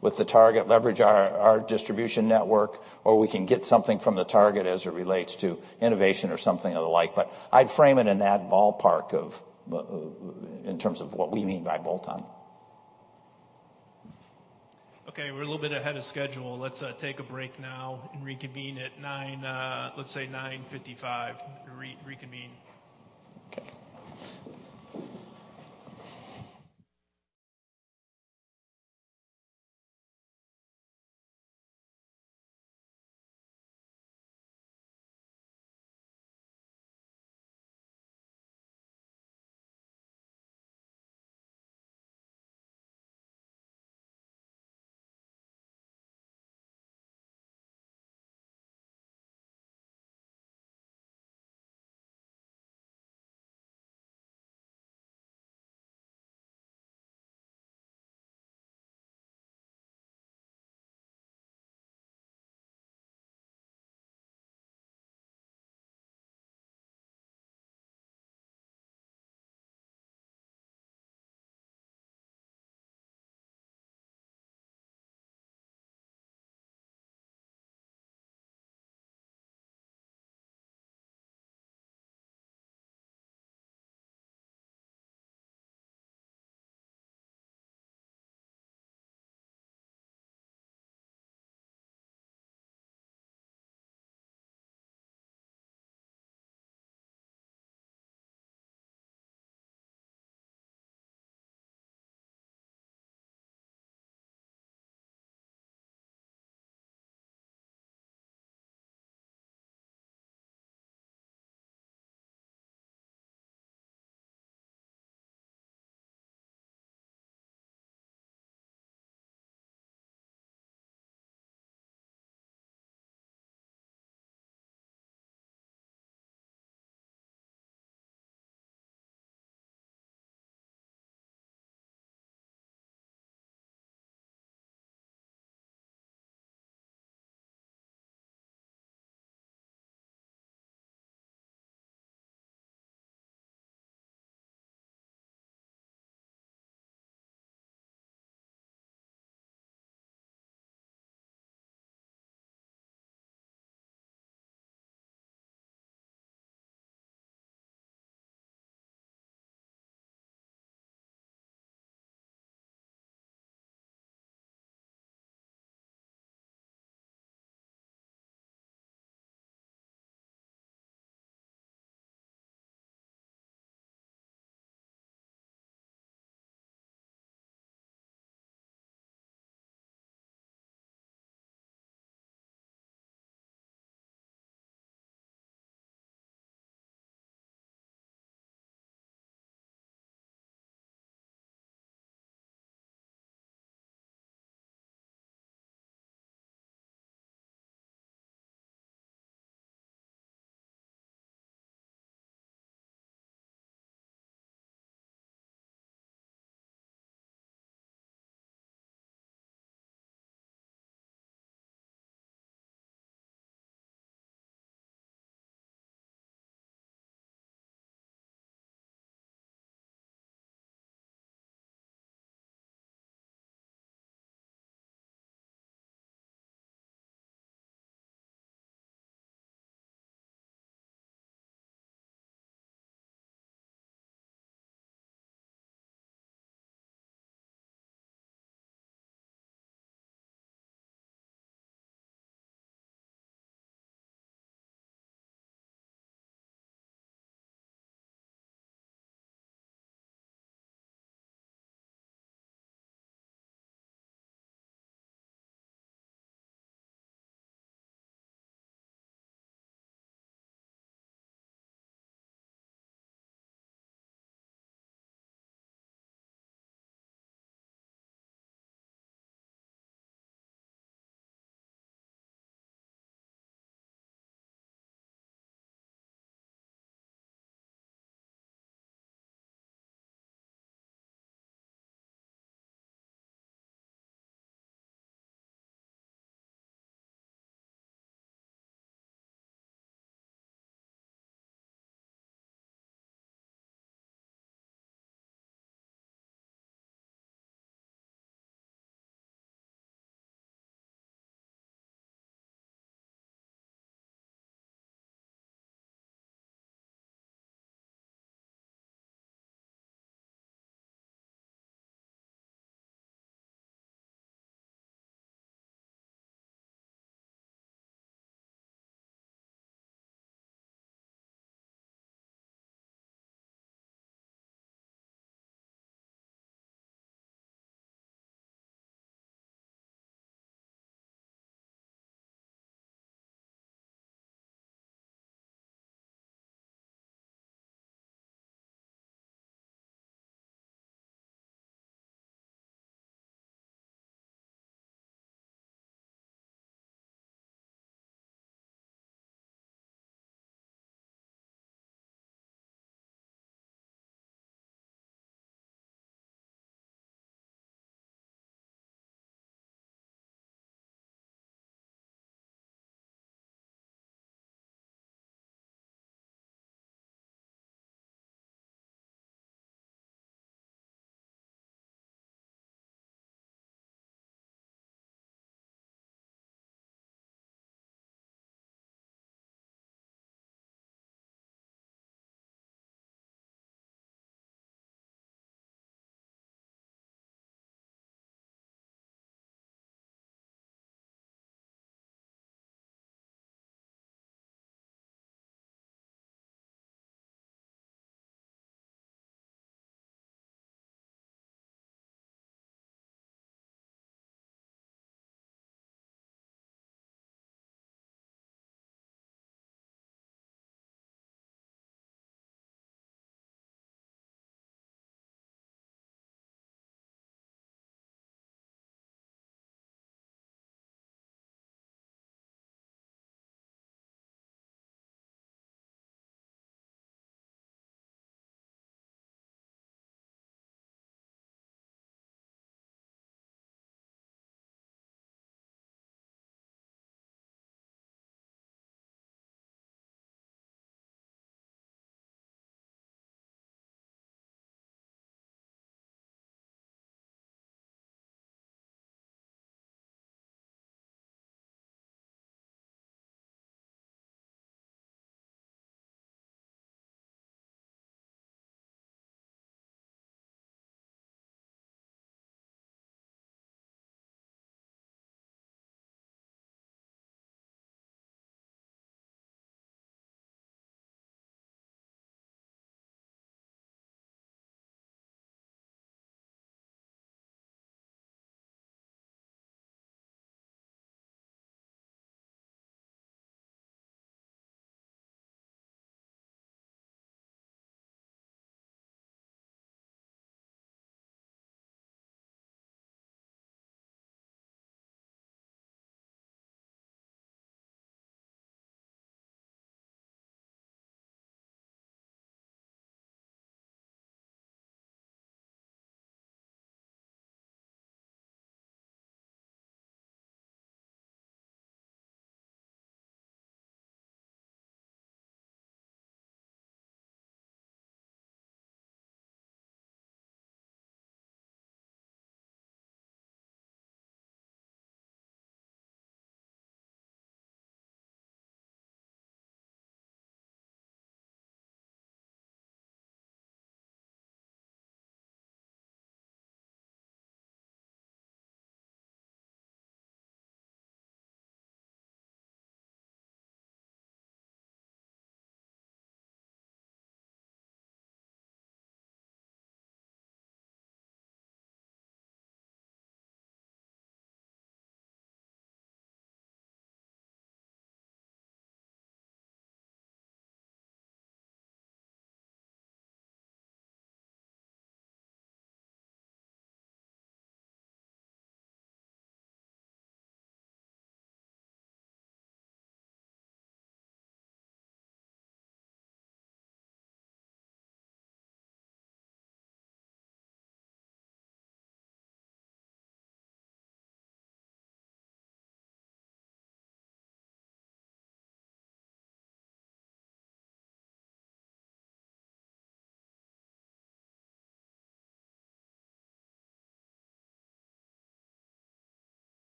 with the target, leverage our distribution network, or we can get something from the target as it relates to innovation or something of the like. I'd frame it in that ballpark in terms of what we mean by bolt-on.
Okay, we're a little bit ahead of schedule. Let's take a break now and reconvene at let's say 9:55.
Okay.
We're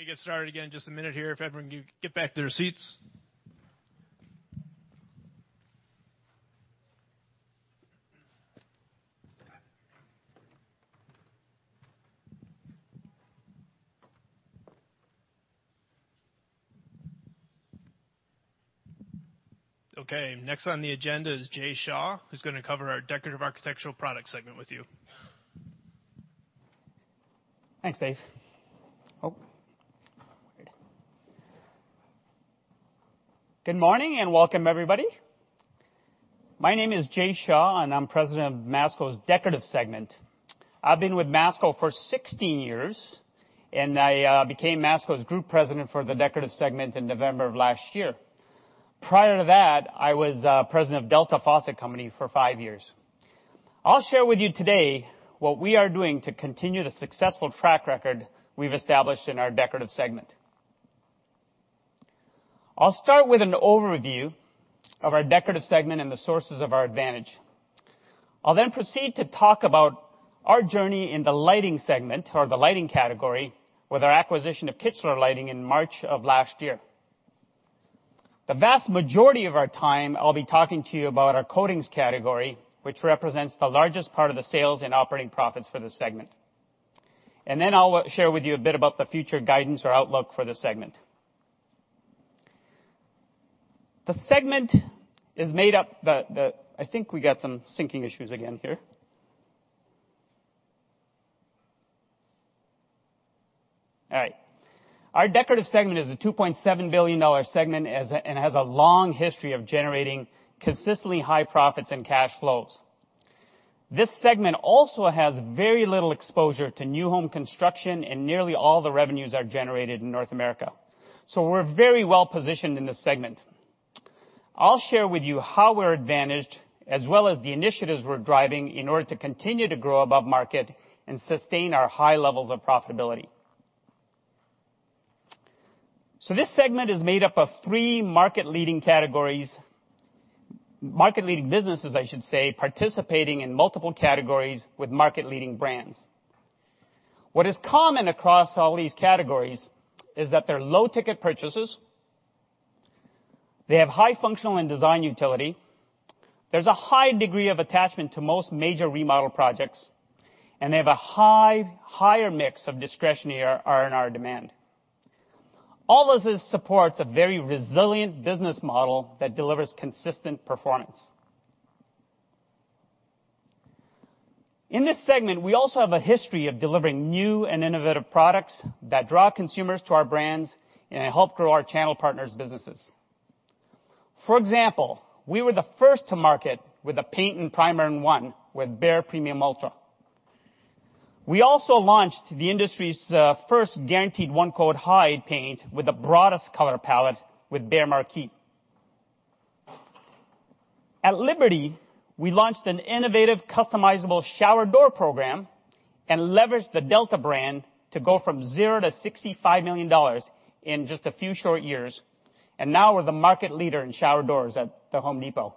going to get started again in just a minute here, if everyone can get back to their seats. Okay, next on the agenda is Jai Shah, who's going to cover our Decorative Architectural Products segment with you.
Thanks, Dave. Good morning, welcome everybody. My name is Jai Shah, I'm President of Masco's Decorative segment. I've been with Masco for 16 years, I became Masco's Group President for the Decorative segment in November of last year. Prior to that, I was President of Delta Faucet Company for five years. I'll share with you today what we are doing to continue the successful track record we've established in our Decorative segment. I'll start with an overview of our Decorative segment and the sources of our advantage. I'll proceed to talk about our journey in the lighting segment or the lighting category with our acquisition of Kichler Lighting in March of last year. The vast majority of our time, I'll be talking to you about our coatings category, which represents the largest part of the sales and operating profits for this segment. I'll share with you a bit about the future guidance or outlook for the segment. The segment is made up. I think we got some syncing issues again here. All right. Our Decorative segment is a $2.7 billion segment and has a long history of generating consistently high profits and cash flows. This segment also has very little exposure to new home construction, and nearly all the revenues are generated in North America. We're very well positioned in this segment. I'll share with you how we're advantaged as well as the initiatives we're driving in order to continue to grow above market and sustain our high levels of profitability. This segment is made up of three market-leading businesses, participating in multiple categories with market-leading brands. What is common across all these categories is that they're low-ticket purchases, they have high functional and design utility, there's a high degree of attachment to most major remodel projects, and they have a higher mix of discretionary R&R demand. All of this supports a very resilient business model that delivers consistent performance. In this segment, we also have a history of delivering new and innovative products that draw consumers to our brands and help grow our channel partners' businesses. For example, we were the first to market with a paint and primer in one with BEHR ULTRA. We also launched the industry's first guaranteed one-coat hide paint with the broadest color palette with BEHR MARQUEE. At Liberty, we launched an innovative customizable shower door program and leveraged the Delta brand to go from 0 to $65 million in just a few short years. Now we're the market leader in shower doors at The Home Depot.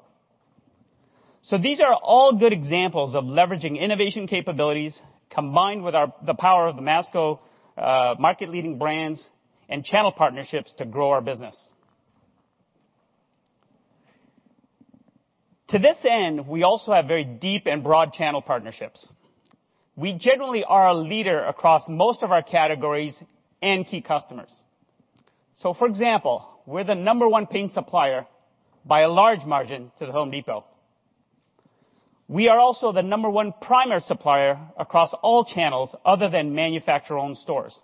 These are all good examples of leveraging innovation capabilities combined with the power of the Masco market-leading brands and channel partnerships to grow our business. To this end, we also have very deep and broad channel partnerships. We generally are a leader across most of our categories and key customers. For example, we're the number one paint supplier by a large margin to The Home Depot. We are also the number one primer supplier across all channels other than manufacturer-owned stores.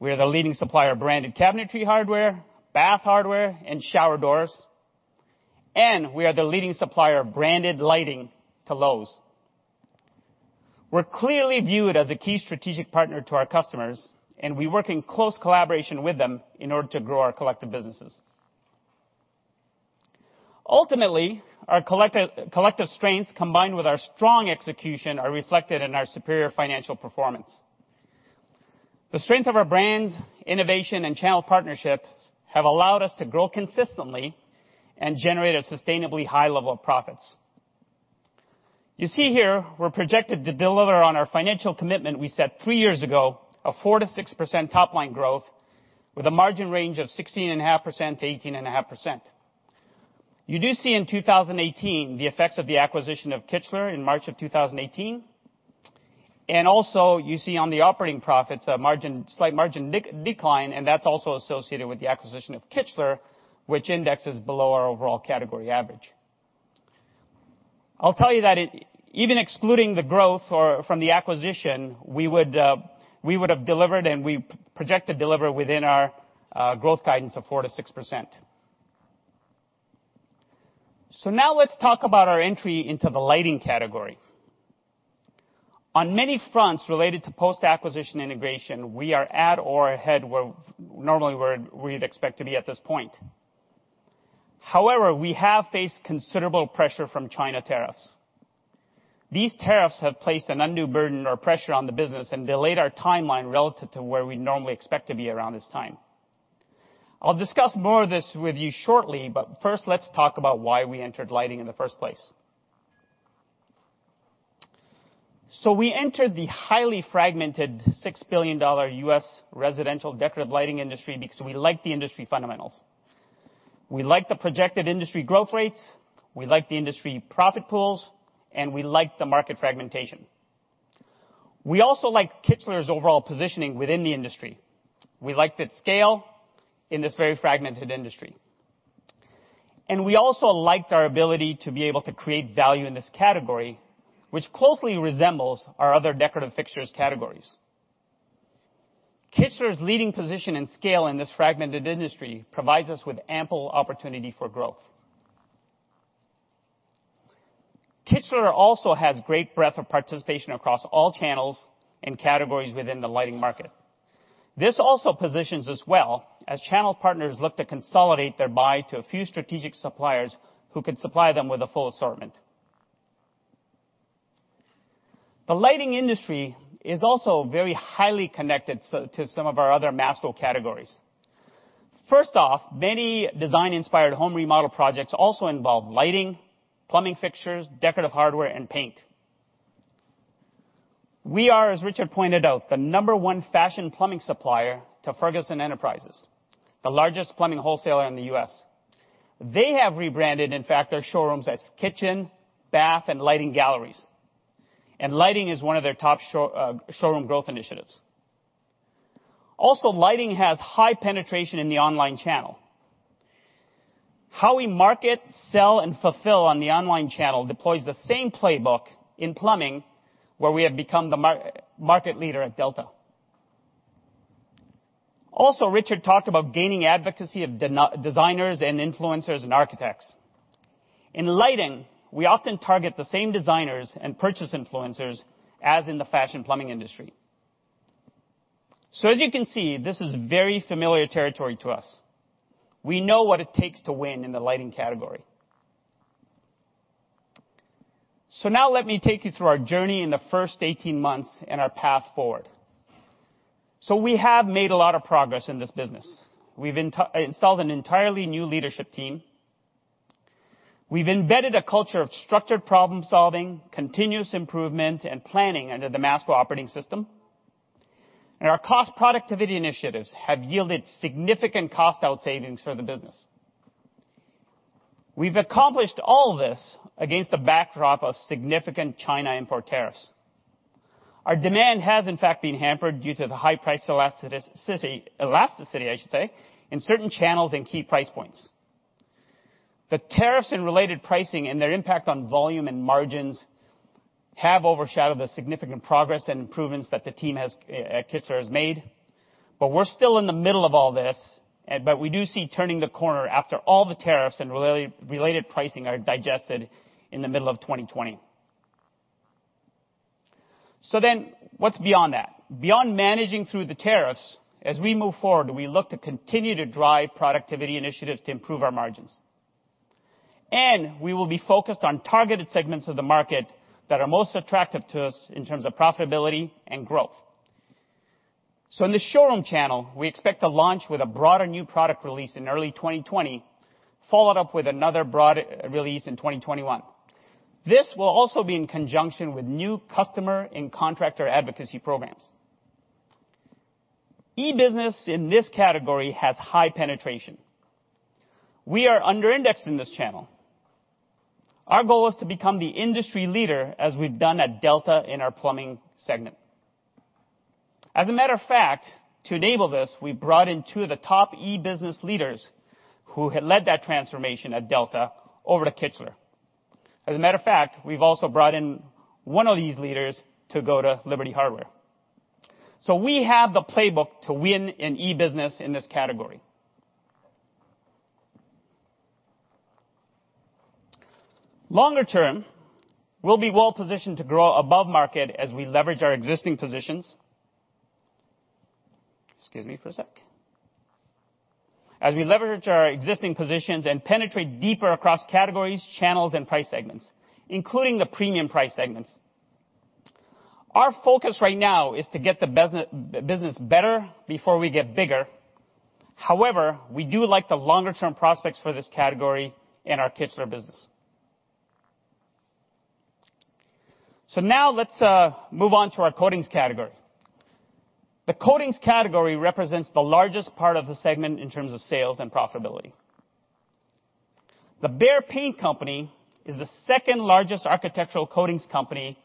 We are the leading supplier of branded cabinetry hardware, bath hardware, and shower doors, and we are the leading supplier of branded lighting to Lowe's. We're clearly viewed as a key strategic partner to our customers, and we work in close collaboration with them in order to grow our collective businesses. Ultimately, our collective strengths combined with our strong execution are reflected in our superior financial performance. The strength of our brands, innovation, and channel partnerships have allowed us to grow consistently and generate a sustainably high level of profits. You see here we're projected to deliver on our financial commitment we set three years ago of 4%-6% top-line growth with a margin range of 16.5%-18.5%. You do see in 2018 the effects of the acquisition of Kichler in March of 2018, and also you see on the operating profits a slight margin decline, and that's also associated with the acquisition of Kichler, which indexes below our overall category average. I'll tell you that even excluding the growth from the acquisition, we would have delivered, and we project to deliver within our growth guidance of 4%-6%. Now let's talk about our entry into the lighting category. On many fronts related to post-acquisition integration, we are at or ahead where normally we'd expect to be at this point. However, we have faced considerable pressure from China tariffs. These tariffs have placed an undue burden or pressure on the business and delayed our timeline relative to where we'd normally expect to be around this time. I'll discuss more of this with you shortly, first let's talk about why we entered lighting in the first place. We entered the highly fragmented $6 billion U.S. residential decorative lighting industry because we like the industry fundamentals. We like the projected industry growth rates, we like the industry profit pools, and we like the market fragmentation. We also like Kichler's overall positioning within the industry. We like that scale in this very fragmented industry. We also liked our ability to be able to create value in this category, which closely resembles our other decorative fixtures categories. Kichler's leading position and scale in this fragmented industry provides us with ample opportunity for growth. Kichler also has great breadth of participation across all channels and categories within the lighting market. This also positions us well as channel partners look to consolidate their buy to a few strategic suppliers who can supply them with a full assortment. The lighting industry is also very highly connected to some of our other Masco categories. First off, many design-inspired home remodel projects also involve lighting, plumbing fixtures, decorative hardware, and paint. We are, as Richard pointed out, the number one fashion plumbing supplier to Ferguson Enterprises, the largest plumbing wholesaler in the U.S. They have rebranded, in fact, their showrooms as kitchen, bath, and lighting galleries. Lighting is one of their top showroom growth initiatives. Lighting has high penetration in the online channel. How we market, sell, and fulfill on the online channel deploys the same playbook in plumbing, where we have become the market leader at Delta. Richard talked about gaining advocacy of designers and influencers and architects. In lighting, we often target the same designers and purchase influencers as in the fashion plumbing industry. As you can see, this is very familiar territory to us. We know what it takes to win in the lighting category. Now let me take you through our journey in the first 18 months and our path forward. We have made a lot of progress in this business. We've installed an entirely new leadership team. We've embedded a culture of structured problem-solving, continuous improvement, and planning under the Masco Operating System. Our cost productivity initiatives have yielded significant cost out savings for the business. We've accomplished all this against the backdrop of significant China import tariffs. Our demand has in fact been hampered due to the high price elasticity, I should say, in certain channels and key price points. The tariffs and related pricing and their impact on volume and margins have overshadowed the significant progress and improvements that the team at Kichler has made. We're still in the middle of all this, but we do see turning the corner after all the tariffs and related pricing are digested in the middle of 2020. What's beyond that? Beyond managing through the tariffs, as we move forward, we look to continue to drive productivity initiatives to improve our margins. We will be focused on targeted segments of the market that are most attractive to us in terms of profitability and growth. In the showroom channel, we expect to launch with a broader new product release in early 2020, followed up with another broad release in 2021. This will also be in conjunction with new customer and contractor advocacy programs. E-business in this category has high penetration. We are under-indexed in this channel. Our goal is to become the industry leader, as we've done at Delta in our plumbing segment. As a matter of fact, to enable this, we brought in two of the top e-business leaders who had led that transformation at Delta over to Kichler. As a matter of fact, we've also brought in one of these leaders to go to Liberty Hardware. We have the playbook to win in e-business in this category. Longer term, we'll be well positioned to grow above market as we leverage our existing positions. Excuse me for a sec. As we leverage our existing positions and penetrate deeper across categories, channels, and price segments, including the premium price segments. Our focus right now is to get the business better before we get bigger. We do like the longer-term prospects for this category in our Kichler business. Now let's move on to our coatings category. The coatings category represents the largest part of the segment in terms of sales and profitability. The Behr Paint Company is the second-largest architectural coatings company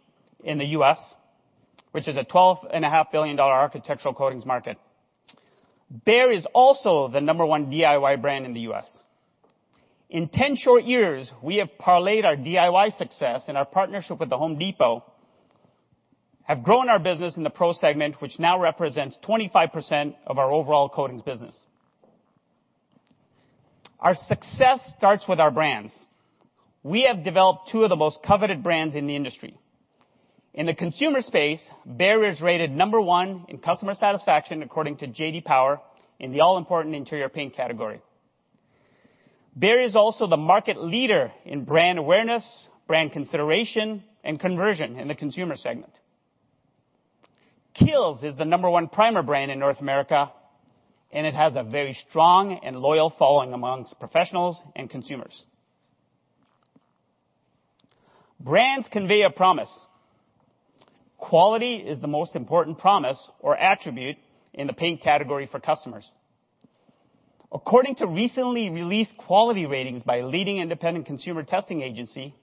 in the U.S., which is a $12.5 billion architectural coatings market. Behr is also the number one DIY brand in the U.S. In 10 short years, we have parlayed our DIY success and our partnership with The Home Depot, have grown our business in the pro segment, which now represents 25% of our overall coatings business. Our success starts with our brands. We have developed two of the most coveted brands in the industry. In the consumer space, Behr is rated number one in customer satisfaction, according to J.D. Power, in the all-important interior paint category. Behr is also the market leader in brand awareness, brand consideration, and conversion in the consumer segment. Kilz is the number one primer brand in North America, and it has a very strong and loyal following amongst professionals and consumers. Brands convey a promise. Quality is the most important promise or attribute in the paint category for customers. According to recently released quality ratings by a leading independent consumer testing agency,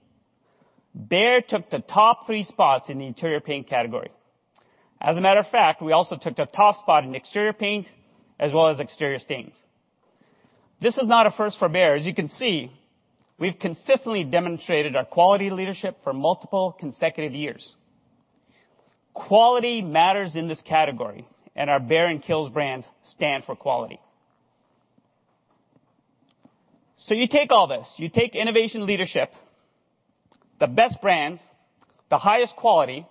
BEHR took the top 3 spots in the interior paint category. As a matter of fact, we also took the top spot in exterior paint as well as exterior stains. This is not a first for BEHR. As you can see, we've consistently demonstrated our quality leadership for multiple consecutive years. Quality matters in this category, and our BEHR and KILZ brands stand for quality. You take all this, you take innovation leadership, the best brands, the highest quality,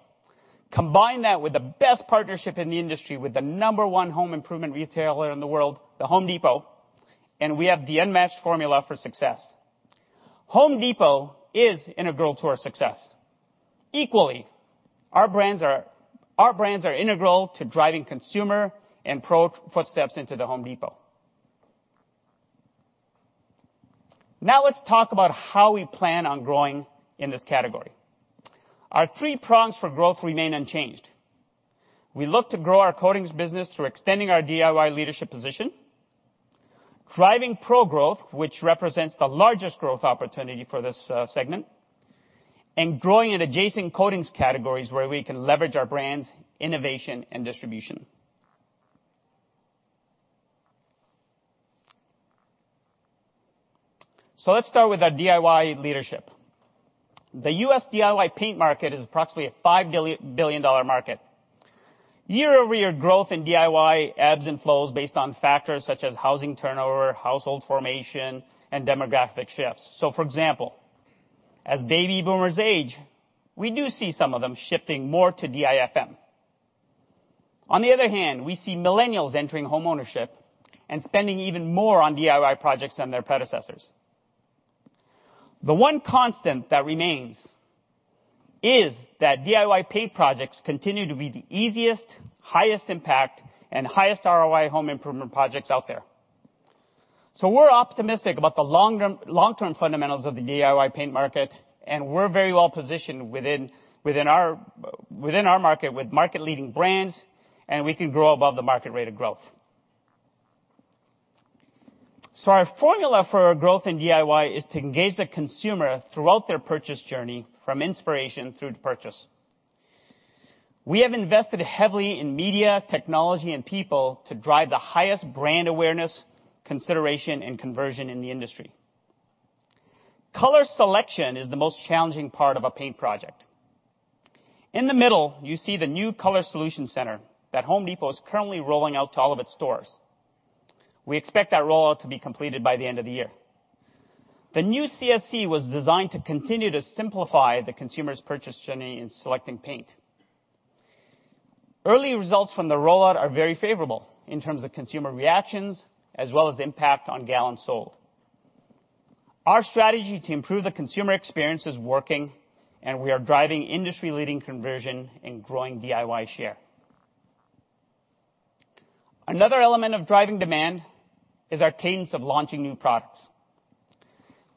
combine that with the best partnership in the industry, with the number 1 home improvement retailer in the world, The Home Depot, and we have the unmatched formula for success. The Home Depot is integral to our success. Equally, our brands are integral to driving consumer and pro footsteps into The Home Depot. Let's talk about how we plan on growing in this category. Our three prongs for growth remain unchanged. We look to grow our coatings business through extending our DIY leadership position, driving pro growth, which represents the largest growth opportunity for this segment, and growing in adjacent coatings categories where we can leverage our brands' innovation and distribution. Let's start with our DIY leadership. The U.S. DIY paint market is approximately a $5 billion market. Year-over-year growth in DIY ebbs and flows based on factors such as housing turnover, household formation, and demographic shifts. For example, as baby boomers age, we do see some of them shifting more to DIFM. On the other hand, we see millennials entering home ownership and spending even more on DIY projects than their predecessors. The one constant that remains is that DIY paint projects continue to be the easiest, highest impact, and highest ROI home improvement projects out there. We're optimistic about the long-term fundamentals of the DIY paint market, and we're very well positioned within our market with market leading brands, and we can grow above the market rate of growth. Our formula for our growth in DIY is to engage the consumer throughout their purchase journey from inspiration through to purchase. We have invested heavily in media, technology, and people to drive the highest brand awareness, consideration, and conversion in the industry. Color selection is the most challenging part of a paint project. In the middle, you see the new Color Solution Center that The Home Depot is currently rolling out to all of its stores. We expect that rollout to be completed by the end of the year. The new CSC was designed to continue to simplify the consumer's purchase journey in selecting paint. Early results from the rollout are very favorable in terms of consumer reactions as well as impact on gallons sold. Our strategy to improve the consumer experience is working, and we are driving industry leading conversion and growing DIY share. Another element of driving demand is our cadence of launching new products.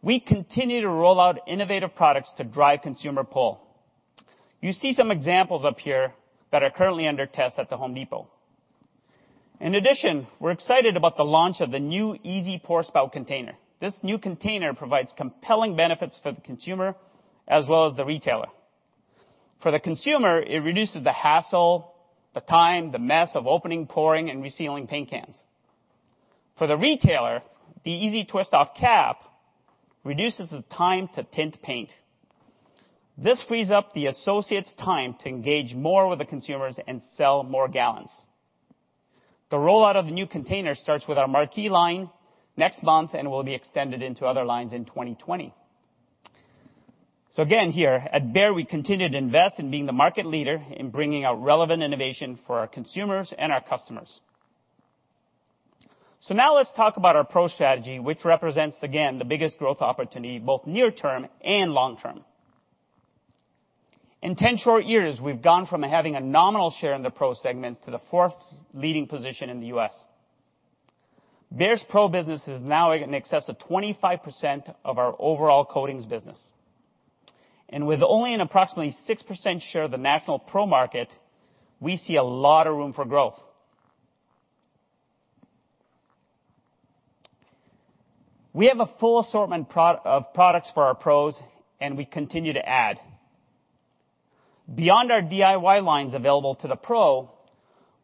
We continue to roll out innovative products to drive consumer pull. You see some examples up here that are currently under test at The Home Depot. In addition, we're excited about the launch of the new easy pour spout container. This new container provides compelling benefits for the consumer as well as the retailer. For the consumer, it reduces the hassle, the time, the mess of opening, pouring, and resealing paint cans. For the retailer, the easy twist-off cap reduces the time to tint paint. This frees up the associate's time to engage more with the consumers and sell more gallons. The rollout of the new container starts with our MARQUEE line next month and will be extended into other lines in 2020. Again, here at BEHR, we continue to invest in being the market leader in bringing out relevant innovation for our consumers and our customers. Now let's talk about our pro strategy, which represents, again, the biggest growth opportunity, both near term and long term. In 10 short years, we've gone from having a nominal share in the pro segment to the fourth leading position in the U.S. BEHR's pro business is now in excess of 25% of our overall coatings business. With only an approximately 6% share of the national pro market, we see a lot of room for growth. We have a full assortment of products for our pros, and we continue to add. Beyond our DIY lines available to the pro,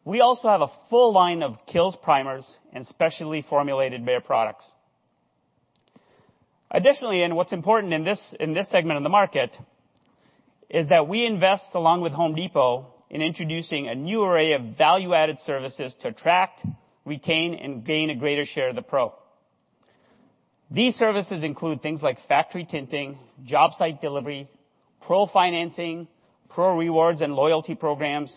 we also have a full line of KILZ primers and specially formulated BEHR products. Additionally, what's important in this segment of the market, is that we invest along with The Home Depot in introducing a new array of value-added services to attract, retain, and gain a greater share of the pro. These services include things like factory tinting, job site delivery, pro financing, pro rewards and loyalty programs,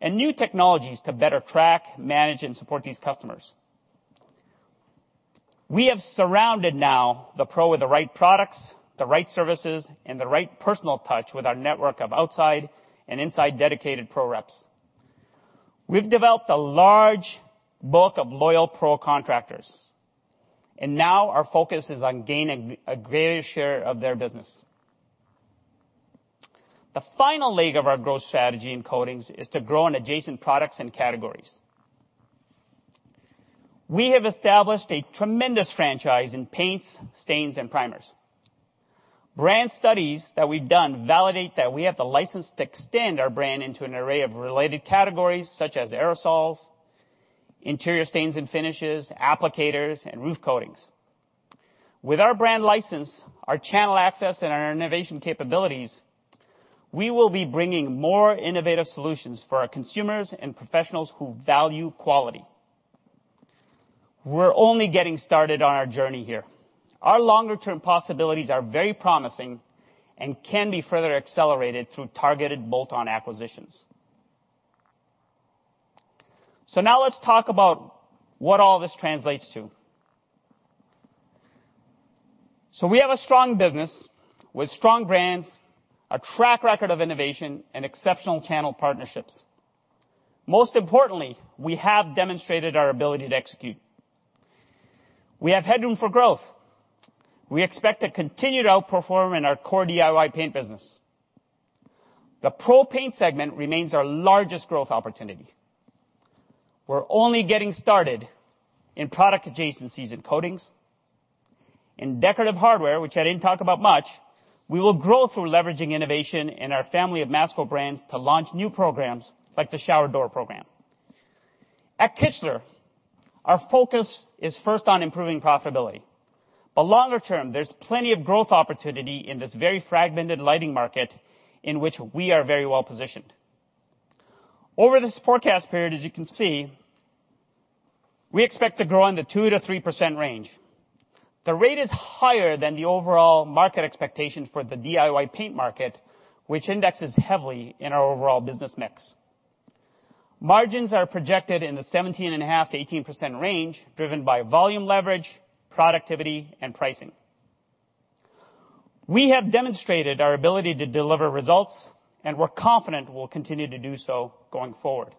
and new technologies to better track, manage, and support these customers. We have surrounded now the pro with the right products, the right services, and the right personal touch with our network of outside and inside dedicated pro reps. We've developed a large book of loyal pro contractors, and now our focus is on gaining a greater share of their business. The final leg of our growth strategy in coatings is to grow in adjacent products and categories. We have established a tremendous franchise in paints, stains, and primers. Brand studies that we've done validate that we have the license to extend our brand into an array of related categories such as aerosols, interior stains and finishes, applicators, and roof coatings. With our brand license, our channel access, and our innovation capabilities, we will be bringing more innovative solutions for our consumers and professionals who value quality. We're only getting started on our journey here. Our longer-term possibilities are very promising and can be further accelerated through targeted bolt-on acquisitions. Now let's talk about what all this translates to. We have a strong business with strong brands, a track record of innovation, and exceptional channel partnerships. Most importantly, we have demonstrated our ability to execute. We have headroom for growth. We expect to continue to outperform in our core DIY paint business. The pro paint segment remains our largest growth opportunity. We're only getting started in product adjacencies in coatings. In Decorative Hardware, which I didn't talk about much, we will grow through leveraging innovation in our family of Masco brands to launch new programs like the shower door program. At Kichler, our focus is first on improving profitability, but longer term, there's plenty of growth opportunity in this very fragmented lighting market in which we are very well positioned. Over this forecast period, as you can see, we expect to grow in the 2%-3% range. The rate is higher than the overall market expectation for the DIY paint market, which indexes heavily in our overall business mix. Margins are projected in the 17.5%-18% range, driven by volume leverage, productivity, and pricing. We have demonstrated our ability to deliver results. We're confident we'll continue to do so going forward.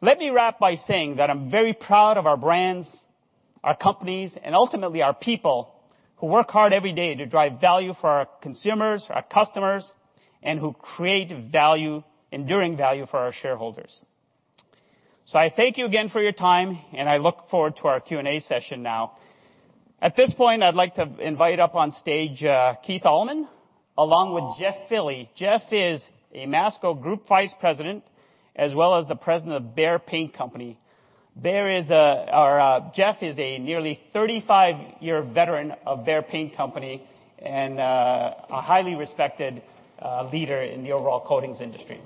Let me wrap by saying that I'm very proud of our brands, our companies, and ultimately our people, who work hard every day to drive value for our consumers, our customers, and who create enduring value for our shareholders. I thank you again for your time, and I look forward to our Q&A session now. At this point, I'd like to invite up on stage, Keith Allman, along with Jeff Filley. Jeff is a Masco Group Vice President, as well as the President of Behr Paint Company. Jeff is a nearly 35-year veteran of Behr Paint Company and a highly respected leader in the overall coatings industry.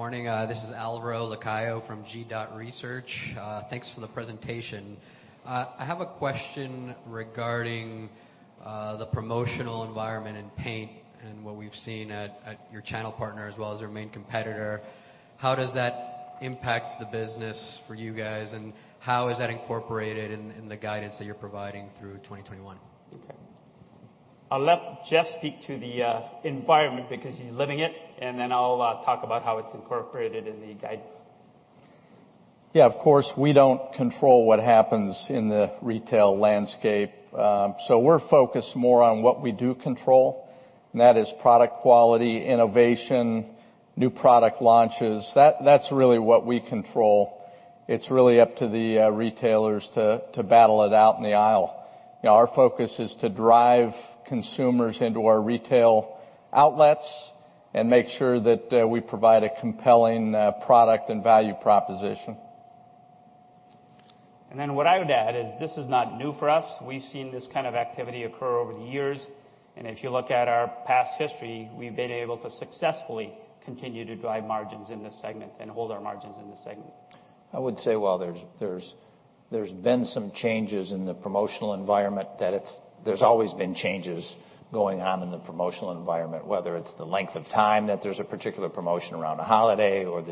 Here, return. No.
Good morning. This is Alvaro Lacayo from G.Research. Thanks for the presentation. I have a question regarding the promotional environment in paint and what we've seen at your channel partner as well as your main competitor. How does that impact the business for you guys, and how is that incorporated in the guidance that you're providing through 2021?
Okay. I'll let Jeff speak to the environment because he's living it, and then I'll talk about how it's incorporated in the guidance.
Yeah, of course, we don't control what happens in the retail landscape. We're focused more on what we do control, and that is product quality, innovation, new product launches. That's really what we control. It's really up to the retailers to battle it out in the aisle. Our focus is to drive consumers into our retail outlets and make sure that we provide a compelling product and value proposition.
What I would add is this is not new for us. We've seen this kind of activity occur over the years, and if you look at our past history, we've been able to successfully continue to drive margins in this segment and hold our margins in this segment.
I would say while there's been some changes in the promotional environment, there's always been changes going on in the promotional environment, whether it's the length of time that there's a particular promotion around a holiday or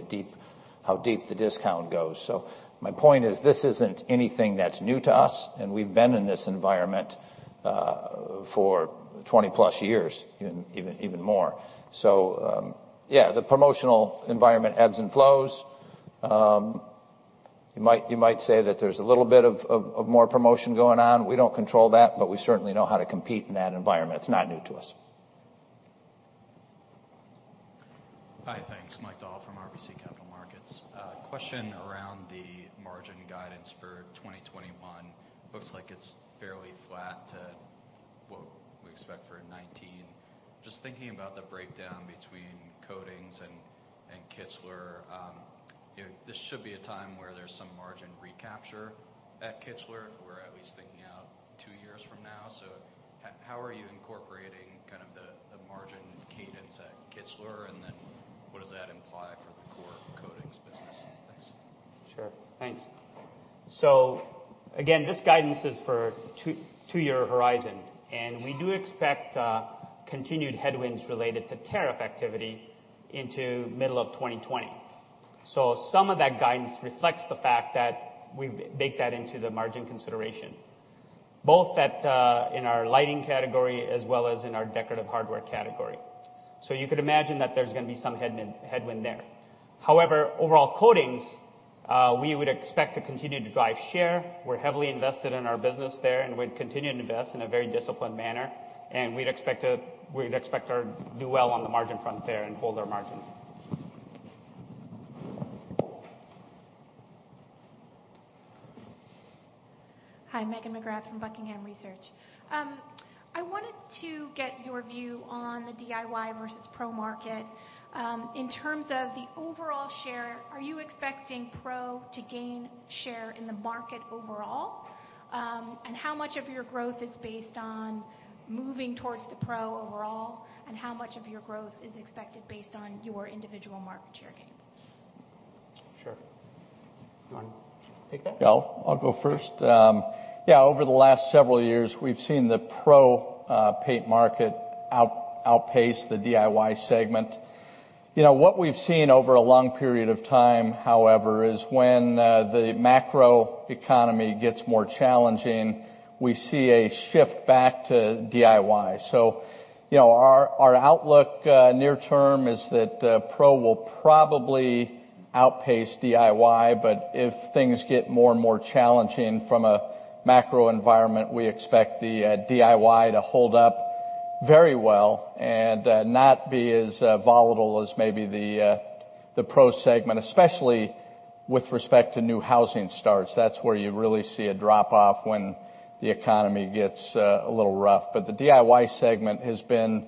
how deep the discount goes. My point is, this isn't anything that's new to us, and we've been in this environment for 20+ years, even more. Yeah, the promotional environment ebbs and flows. You might say that there's a little bit of more promotion going on. We don't control that, but we certainly know how to compete in that environment. It's not new to us.
Hi, thanks. Mike Dahl from RBC Capital Markets. A question around the margin guidance for 2021. Looks like it's fairly flat to what we expect for 2019. Just thinking about the breakdown between Coatings and Kichler. This should be a time where there's some margin recapture at Kichler if we're at least thinking out two years from now. How are you incorporating kind of the margin cadence at Kichler, and then what does that imply for the core coatings business? Thanks.
Sure. Thanks. Again, this guidance is for two-year horizon, we do expect continued headwinds related to tariff activity into middle of 2020. Some of that guidance reflects the fact that we've baked that into the margin consideration, both in our lighting category as well as in our decorative hardware category. You could imagine that there's going to be some headwind there. However, overall coatings, we would expect to continue to drive share. We're heavily invested in our business there, we'd continue to invest in a very disciplined manner, we'd expect to do well on the margin front there and hold our margins.
Hi, Megan McGrath from Buckingham Research. I wanted to get your view on the DIY versus pro market. In terms of the overall share, are you expecting pro to gain share in the market overall? How much of your growth is based on moving towards the pro overall, and how much of your growth is expected based on your individual market share gains?
Sure. You want to take that?
I'll go first. Over the last several years, we've seen the pro paint market outpace the DIY segment. What we've seen over a long period of time, however, is when the macro economy gets more challenging, we see a shift back to DIY. Our outlook near term is that pro will probably outpace DIY, but if things get more and more challenging from a macro environment, we expect the DIY to hold up very well and not be as volatile as maybe the pro segment, especially with respect to new housing starts. That's where you really see a drop-off when the economy gets a little rough. The DIY segment has been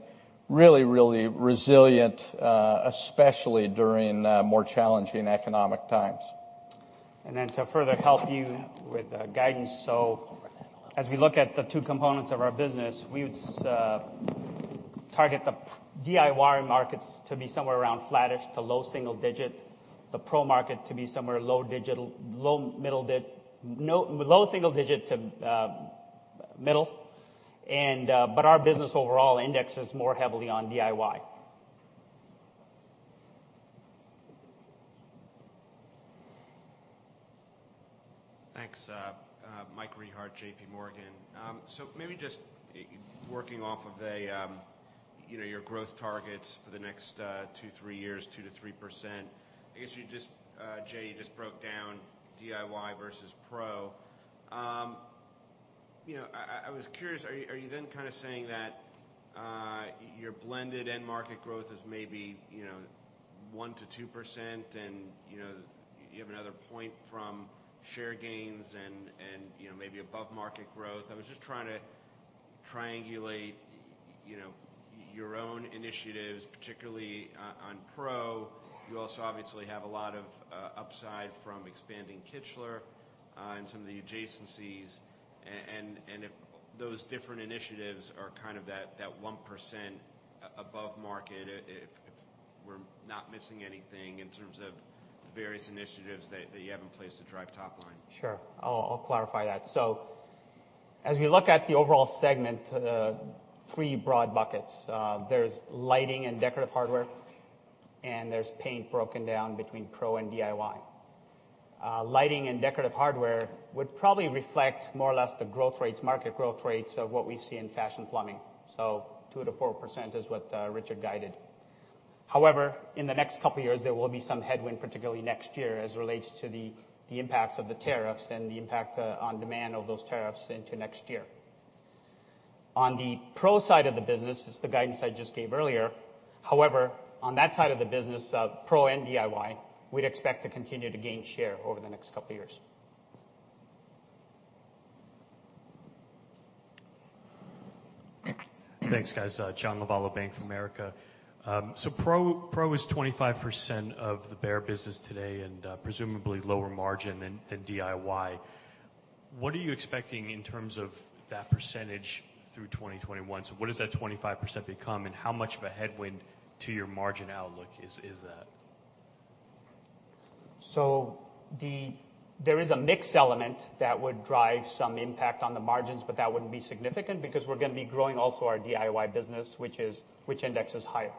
really resilient, especially during more challenging economic times.
To further help you with guidance, as we look at the two components of our business, we would target the DIY markets to be somewhere around flattish to low single digit, the pro market to be somewhere low single digit to middle, but our business overall indexes more heavily on DIY.
Thanks. Mike Rehaut, JPMorgan. Maybe just working off of your growth targets for the next two, three years, 2%-3%. I guess, Jai, you just broke down DIY versus pro. I was curious, are you then kind of saying that your blended end market growth is maybe 1%-2%, and you have another point from share gains and maybe above market growth? I was just trying to triangulate your own initiatives, particularly on pro. You also obviously have a lot of upside from expanding Kichler on some of the adjacencies, and if those different initiatives are kind of that 1% above market, if we're not missing anything in terms of the various initiatives that you have in place to drive top line.
Sure. I'll clarify that. As we look at the overall segment, three broad buckets, there's lighting and decorative hardware, and there's paint broken down between pro and DIY. Lighting and decorative hardware would probably reflect more or less the market growth rates of what we see in fashion plumbing, 2%-4% is what Richard guided. However, in the next couple of years, there will be some headwind, particularly next year, as it relates to the impacts of the tariffs and the impact on demand of those tariffs into next year. On the pro side of the business is the guidance I just gave earlier. However, on that side of the business, pro and DIY, we'd expect to continue to gain share over the next couple of years.
Thanks, guys. John Lovallo, Bank of America. Pro is 25% of the Behr business today and presumably lower margin than DIY. What are you expecting in terms of that percentage through 2021? What does that 25% become, and how much of a headwind to your margin outlook is that?
There is a mix element that would drive some impact on the margins, but that wouldn't be significant because we're going to be growing also our DIY business, which indexes higher.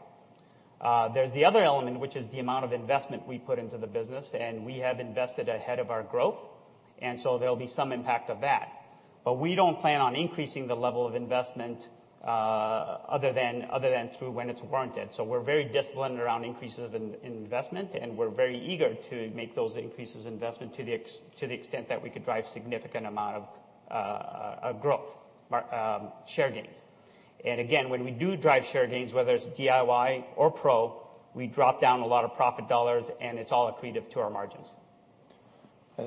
There's the other element, which is the amount of investment we put into the business, and we have invested ahead of our growth, and so there'll be some impact of that. We don't plan on increasing the level of investment other than through when it's warranted. We're very disciplined around increases in investment, and we're very eager to make those increases in investment to the extent that we could drive significant amount of growth, share gains. Again, when we do drive share gains, whether it's DIY or pro, we drop down a lot of profit dollars and it's all accretive to our margins.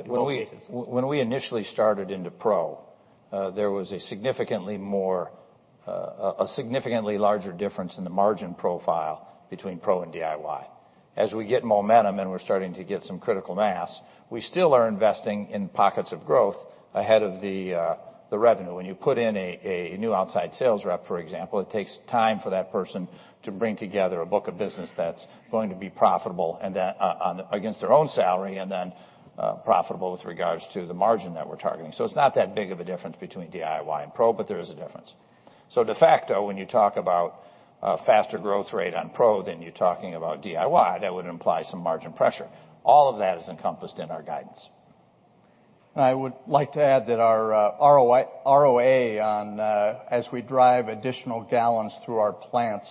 When we initially started into pro, there was a significantly larger difference in the margin profile between pro and DIY. As we get momentum and we're starting to get some critical mass, we still are investing in pockets of growth ahead of the revenue. When you put in a new outside sales rep, for example, it takes time for that person to bring together a book of business that's going to be profitable against their own salary, and then profitable with regards to the margin that we're targeting. It's not that big of a difference between DIY and pro, but there is a difference. De facto, when you talk about a faster growth rate on pro than you're talking about DIY, that would imply some margin pressure. All of that is encompassed in our guidance. I would like to add that our ROA, as we drive additional gallons through our plants,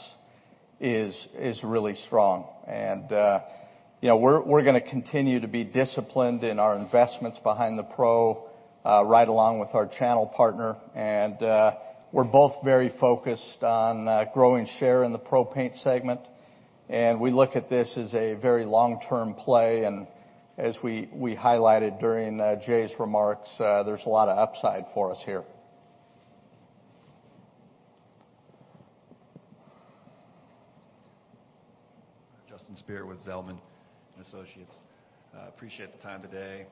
is really strong. We're going to continue to be disciplined in our investments behind the pro, right along with our channel partner, and we're both very focused on growing share in the pro paint segment. We look at this as a very long-term play, and as we highlighted during Jai's remarks, there's a lot of upside for us here.
Justin Speer with Zelman & Associates. Appreciate the time today.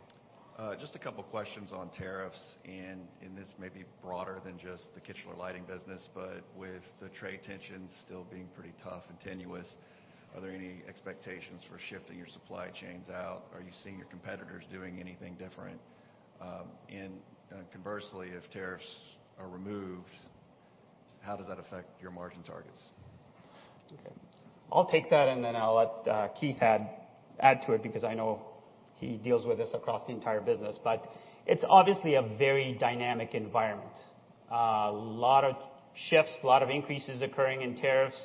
Just a couple questions on tariffs, and this may be broader than just the Kichler lighting business, but with the trade tensions still being pretty tough and tenuous, are there any expectations for shifting your supply chains out? Are you seeing your competitors doing anything different? Conversely, if tariffs are removed, how does that affect your margin targets?
Okay. I'll take that and then I'll let Keith add to it because I know he deals with this across the entire business. It's obviously a very dynamic environment. A lot of shifts, a lot of increases occurring in tariffs,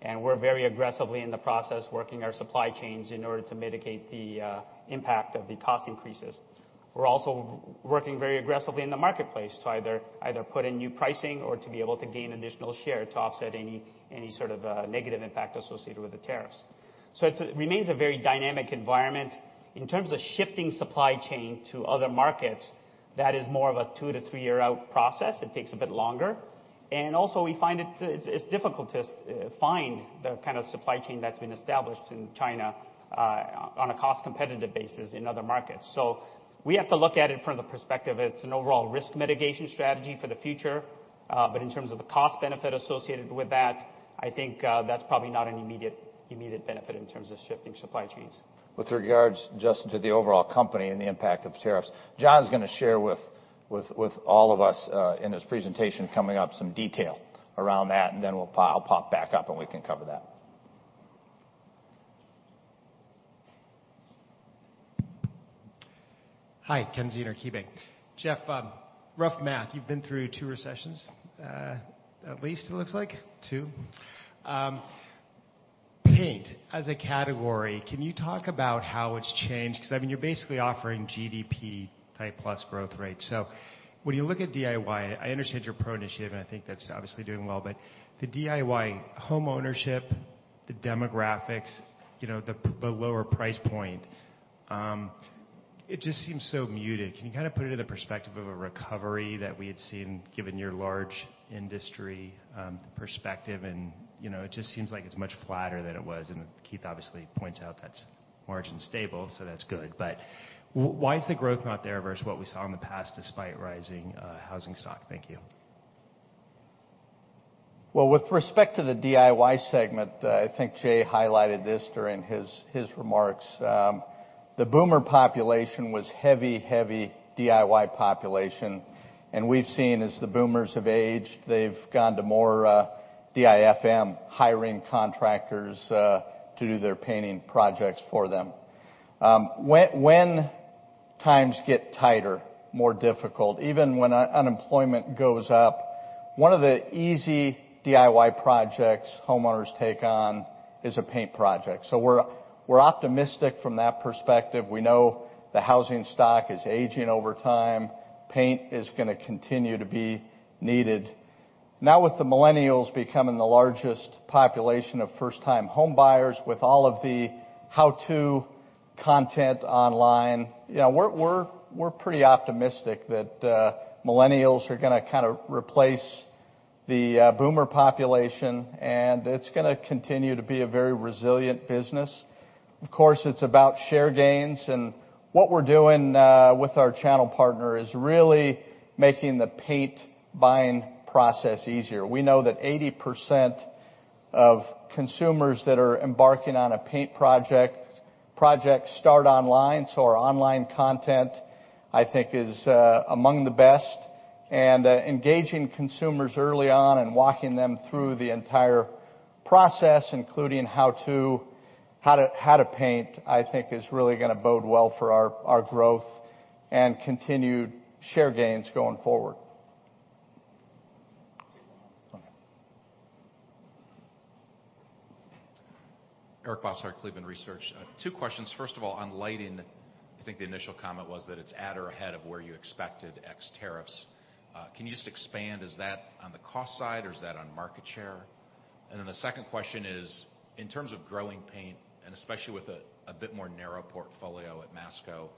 and we're very aggressively in the process, working our supply chains in order to mitigate the impact of the cost increases. We're also working very aggressively in the marketplace to either put in new pricing or to be able to gain additional share to offset any sort of negative impact associated with the tariffs. It remains a very dynamic environment. In terms of shifting supply chain to other markets, that is more of a two- to three-year-out process. It takes a bit longer. Also, we find it's difficult to find the kind of supply chain that's been established in China on a cost-competitive basis in other markets. We have to look at it from the perspective, it's an overall risk mitigation strategy for the future. In terms of the cost benefit associated with that, I think that's probably not an immediate benefit in terms of shifting supply chains.
With regards, Justin, to the overall company and the impact of tariffs, John's going to share with all of us in his presentation coming up, some detail around that, and then I'll pop back up and we can cover that.
Hi, Ken Zener, KeyBank. Jeff, rough math, you've been through two recessions, at least it looks like, two. Paint as a category, can you talk about how it's changed? You're basically offering GDP type plus growth rate. When you look at DIY, I understand your pro initiative, and I think that's obviously doing well, but the DIY home ownership, the demographics, the lower price point, it just seems so muted. Can you kind of put it into perspective of a recovery that we had seen given your large industry perspective? It just seems like it's much flatter than it was. Keith obviously points out that's margin stable, so that's good. Why is the growth not there versus what we saw in the past despite rising housing stock? Thank you.
With respect to the DIY segment, I think Jai highlighted this during his remarks. The Boomer population was heavy DIY population. We've seen as the Boomers have aged, they've gone to more DIFM, hiring contractors to do their painting projects for them. When times get tighter, more difficult, even when unemployment goes up, one of the easy DIY projects homeowners take on is a paint project. We're optimistic from that perspective. We know the housing stock is aging over time. Paint is going to continue to be needed. Now with the Millennials becoming the largest population of first-time home buyers with all of the how-to content online, we're pretty optimistic that Millennials are going to kind of replace the Boomer population, and it's going to continue to be a very resilient business. Of course, it's about share gains, and what we're doing with our channel partner is really making the paint buying process easier. We know that 80% of consumers that are embarking on a paint project start online, so our online content, I think, is among the best. Engaging consumers early on and walking them through the entire process, including how to paint, I think is really going to bode well for our growth and continued share gains going forward. Okay.
Eric Bosshard, Cleveland Research. Two questions. First of all, on lighting, I think the initial comment was that it's at or ahead of where you expected ex tariffs. Can you just expand, is that on the cost side or is that on market share? The second question is, in terms of growing paint and especially with a bit more narrow portfolio at Masco,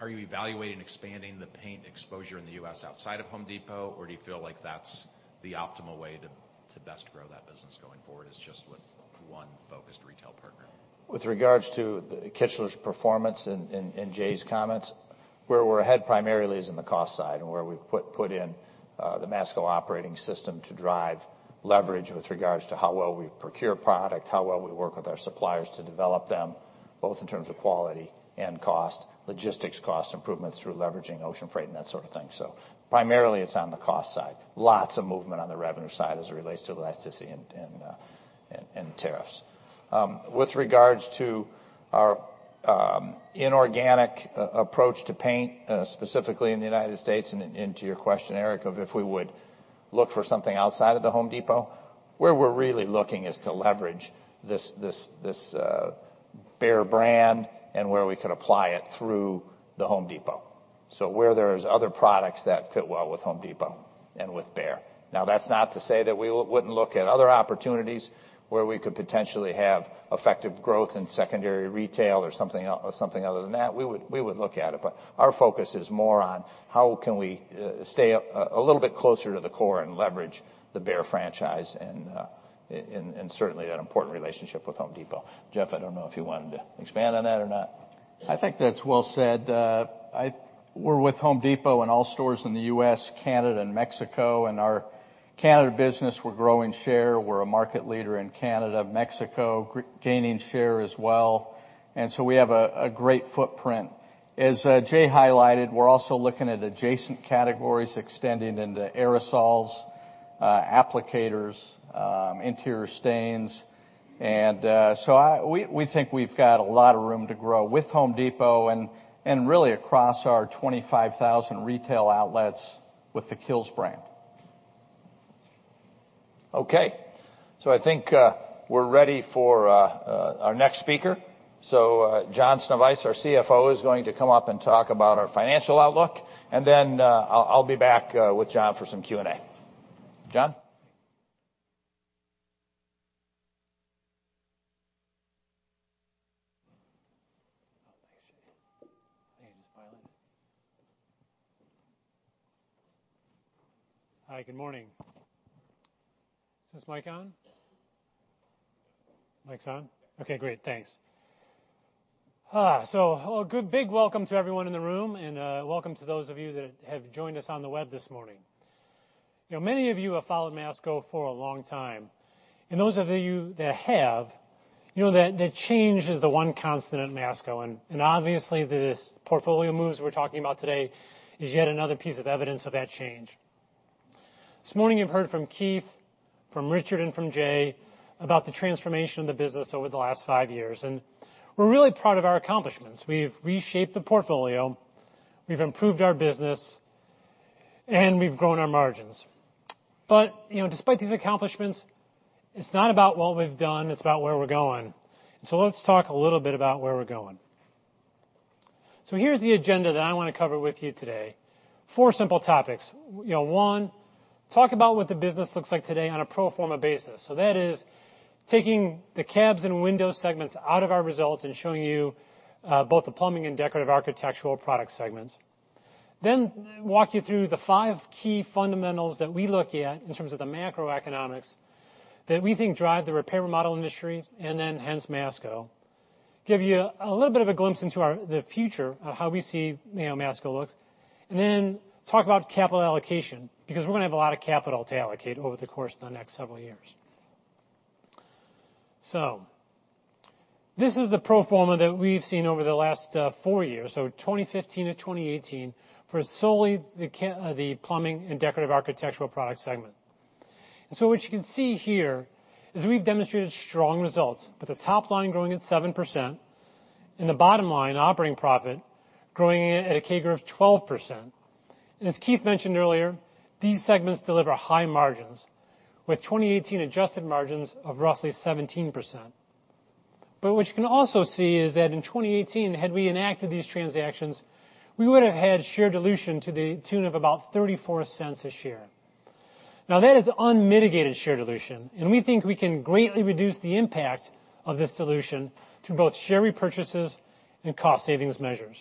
are you evaluating expanding the paint exposure in the U.S. outside of The Home Depot, or do you feel like that's the optimal way to best grow that business going forward is just with one focused retail partner?
With regards to the Kichler's performance and Jai's comments, where we're ahead primarily is in the cost side and where we've put in the Masco Operating System to drive leverage with regards to how well we procure product, how well we work with our suppliers to develop them, both in terms of quality and cost, logistics cost improvements through leveraging ocean freight and that sort of thing. Primarily, it's on the cost side. Lots of movement on the revenue side as it relates to elasticity and tariffs. With regards to our inorganic approach to paint, specifically in the United States and into your question, Eric, of if we would look for something outside of The Home Depot, where we're really looking is to leverage this BEHR brand and where we could apply it through The Home Depot. Where there's other products that fit well with The Home Depot and with BEHR. That's not to say that we wouldn't look at other opportunities where we could potentially have effective growth in secondary retail or something other than that. We would look at it, our focus is more on how can we stay a little bit closer to the core and leverage the BEHR franchise and certainly that important relationship with The Home Depot. Jeff, I don't know if you wanted to expand on that or not.
I think that's well said. We're with The Home Depot in all stores in the U.S., Canada, and Mexico. In our Canada business, we're growing share. We're a market leader in Canada. Mexico, gaining share as well. We have a great footprint. As Jai highlighted, we're also looking at adjacent categories extending into aerosols, applicators, interior stains. We think we've got a lot of room to grow with The Home Depot and really across our 25,000 retail outlets with the KILZ brand.
Okay. I think we're ready for our next speaker. John Sznewajs, our CFO, is going to come up and talk about our financial outlook. I'll be back with John for some Q&A. John?
Hi, good morning. Is this mic on? Mic's on? Okay, great. Thanks. A big welcome to everyone in the room, and welcome to those of you that have joined us on the web this morning. Many of you have followed Masco for a long time, and those of you that have, you know that change is the one constant at Masco, and obviously the portfolio moves we're talking about today is yet another piece of evidence of that change. This morning, you've heard from Keith, from Richard, and from Jai about the transformation of the business over the last five years, and we're really proud of our accomplishments. We've reshaped the portfolio, we've improved our business, and we've grown our margins. Despite these accomplishments, it's not about what we've done, it's about where we're going. Let's talk a little bit about where we're going. Here's the agenda that I want to cover with you today. Four simple topics. One, talk about what the business looks like today on a pro forma basis. That is taking the cabs and windows segments out of our results and showing you both the plumbing and Decorative Architectural Products segments. Walk you through the five key fundamentals that we look at in terms of the macroeconomics that we think drive the R&R industry and then hence Masco. Give you a little bit of a glimpse into the future of how we see Masco looks. Talk about capital allocation, because we're going to have a lot of capital to allocate over the course of the next several years. This is the pro forma that we've seen over the last 4 years, 2015-2018, for solely the plumbing and Decorative Architectural Products segment. What you can see here is we've demonstrated strong results with the top line growing at 7% and the bottom line, operating profit, growing at a CAGR of 12%. As Keith mentioned earlier, these segments deliver high margins with 2018 adjusted margins of roughly 17%. What you can also see is that in 2018, had we enacted these transactions, we would have had share dilution to the tune of about $0.34 a share. Now, that is unmitigated share dilution, and we think we can greatly reduce the impact of this dilution through both share repurchases and cost savings measures.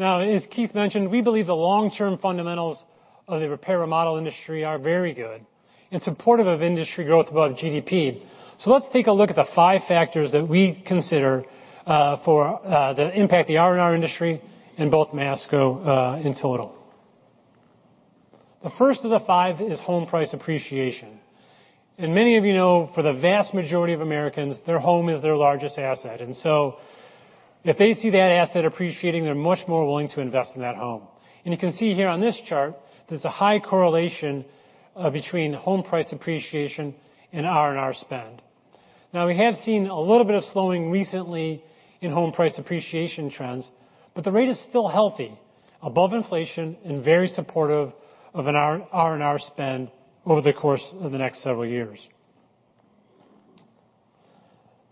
As Keith mentioned, we believe the long-term fundamentals of the repair/remodel industry are very good and supportive of industry growth above GDP. Let's take a look at the 5 factors that we consider for the impact the R&R industry and both Masco in total. The first of the 5 is home price appreciation. Many of you know for the vast majority of Americans, their home is their largest asset. If they see that asset appreciating, they're much more willing to invest in that home. You can see here on this chart, there's a high correlation between home price appreciation and R&R spend. We have seen a little bit of slowing recently in home price appreciation trends, but the rate is still healthy, above inflation and very supportive of an R&R spend over the course of the next several years.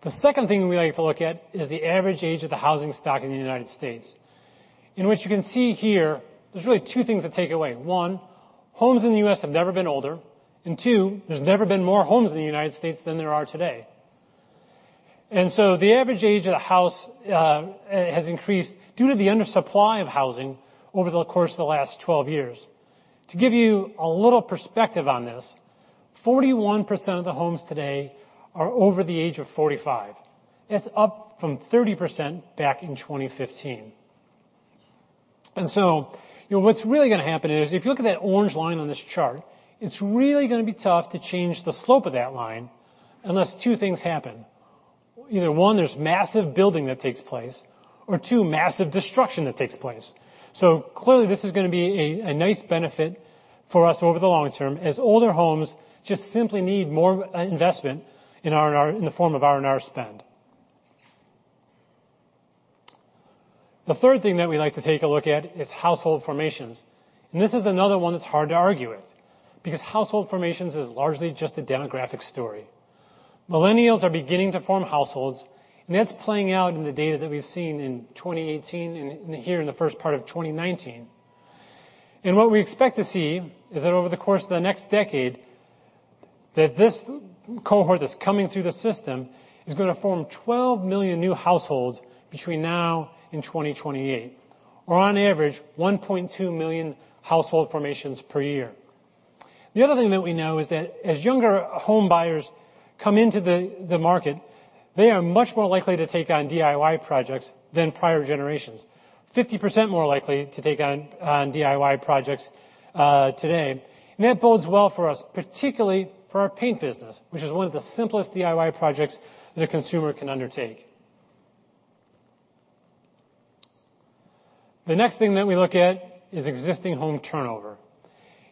The second thing we like to look at is the average age of the housing stock in the U.S. In which you can see here, there's really two things to take away. One, homes in the U.S. have never been older, and two, there's never been more homes in the U.S. than there are today. The average age of the house has increased due to the undersupply of housing over the course of the last 12 years. To give you a little perspective on this, 41% of the homes today are over the age of 45. That's up from 30% back in 2015. What's really going to happen is, if you look at that orange line on this chart, it's really going to be tough to change the slope of that line unless two things happen. Either 1, there's massive building that takes place, or 2, massive destruction that takes place. Clearly, this is going to be a nice benefit for us over the long term as older homes just simply need more investment in the form of R&R spend. The third thing that we like to take a look at is household formations, this is another one that's hard to argue with because household formations is largely just a demographic story. Millennials are beginning to form households, that's playing out in the data that we've seen in 2018 and here in the first part of 2019. What we expect to see is that over the course of the next decade, that this cohort that's coming through the system is going to form 12 million new households between now and 2028, or on average, 1.2 million household formations per year. The other thing that we know is that as younger home buyers come into the market, they are much more likely to take on DIY projects than prior generations, 50% more likely to take on DIY projects today. That bodes well for us, particularly for our paint business, which is one of the simplest DIY projects that a consumer can undertake. The next thing that we look at is existing home turnover.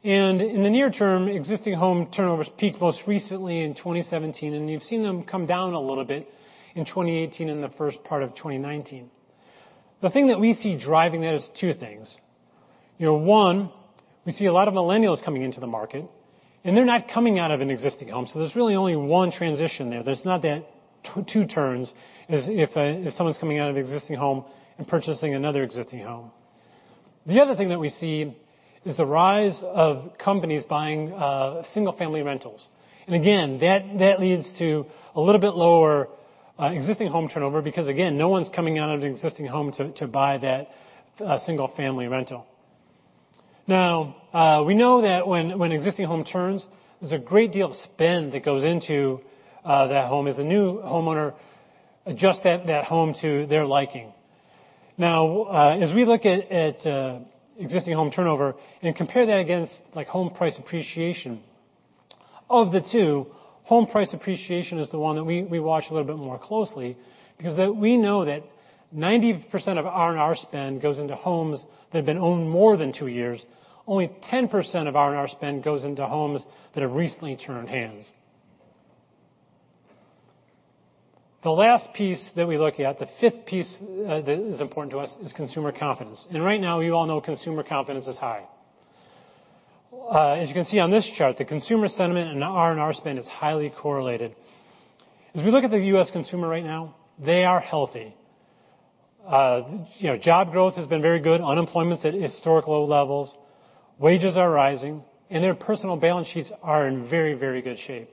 In the near term, existing home turnovers peaked most recently in 2017, and you've seen them come down a little bit in 2018 and the first part of 2019. The thing that we see driving that is two things. One, we see a lot of millennials coming into the market, and they're not coming out of an existing home. There's really only one transition there. There's not that two turns as if someone's coming out of an existing home and purchasing another existing home. The other thing that we see is the rise of companies buying single family rentals. Again, that leads to a little bit lower existing home turnover because, again, no one's coming out of an existing home to buy that single family rental. We know that when existing home turns, there's a great deal of spend that goes into that home as a new homeowner adjusts that home to their liking. As we look at existing home turnover and compare that against home price appreciation, of the two, home price appreciation is the one that we watch a little bit more closely because we know that 90% of R&R spend goes into homes that have been owned more than two years. Only 10% of R&R spend goes into homes that have recently turned hands. The last piece that we look at, the fifth piece that is important to us, is consumer confidence. Right now, we all know consumer confidence is high. As you can see on this chart, the consumer sentiment and R&R spend is highly correlated. As we look at the U.S. consumer right now, they are healthy. Job growth has been very good. Unemployment's at historic low levels. Wages are rising, and their personal balance sheets are in very good shape.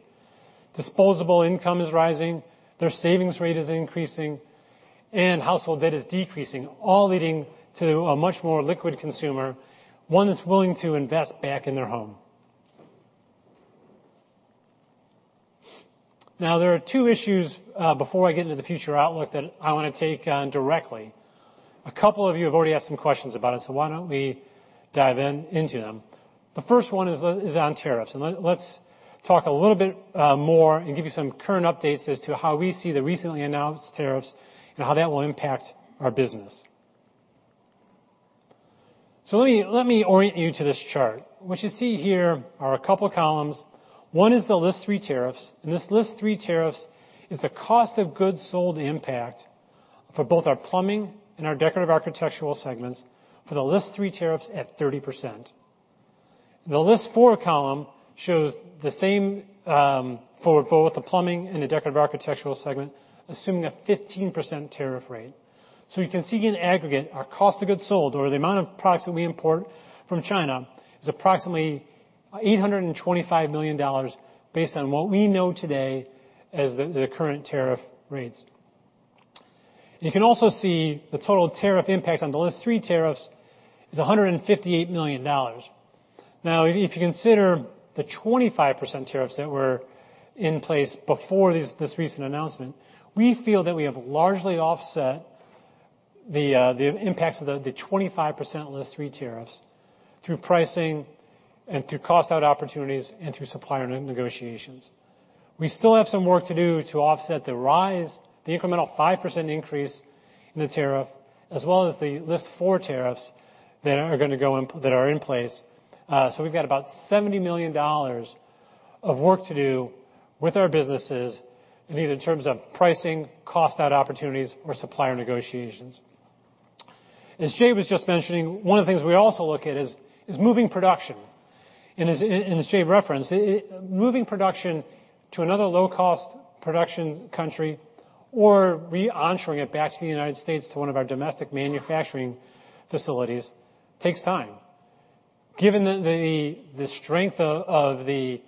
Disposable income is rising, their savings rate is increasing, and household debt is decreasing, all leading to a much more liquid consumer, one that's willing to invest back in their home. Now, there are two issues before I get into the future outlook that I want to take on directly. A couple of you have already asked some questions about it. Why don't we dive into them. The first one is on tariffs. Let's talk a little bit more and give you some current updates as to how we see the recently announced tariffs and how that will impact our business. Let me orient you to this chart. What you see here are a couple columns. One is the List 3 tariffs. This List 3 tariffs is the cost of goods sold impact for both our plumbing and our Decorative Architectural segments for the List 3 tariffs at 30%. The List 4 column shows the same for both the plumbing and the Decorative Architectural segment, assuming a 15% tariff rate. You can see in aggregate, our cost of goods sold or the amount of products that we import from China is approximately $825 million based on what we know today as the current tariff rates. You can also see the total tariff impact on the List Three tariffs is $158 million. If you consider the 25% tariffs that were in place before this recent announcement, we feel that we have largely offset the impacts of the 25% List Three tariffs through pricing and through cost out opportunities and through supplier negotiations. We still have some work to do to offset the rise, the incremental 5% increase in the tariff, as well as the List Four tariffs that are in place. We've got about $70 million of work to do with our businesses, and either in terms of pricing, cost out opportunities, or supplier negotiations. As Jai was just mentioning, one of the things we also look at is moving production. As Jai referenced, moving production to another low-cost production country or re-onshoring it back to the U.S. to one of our domestic manufacturing facilities takes time. Given the strength of the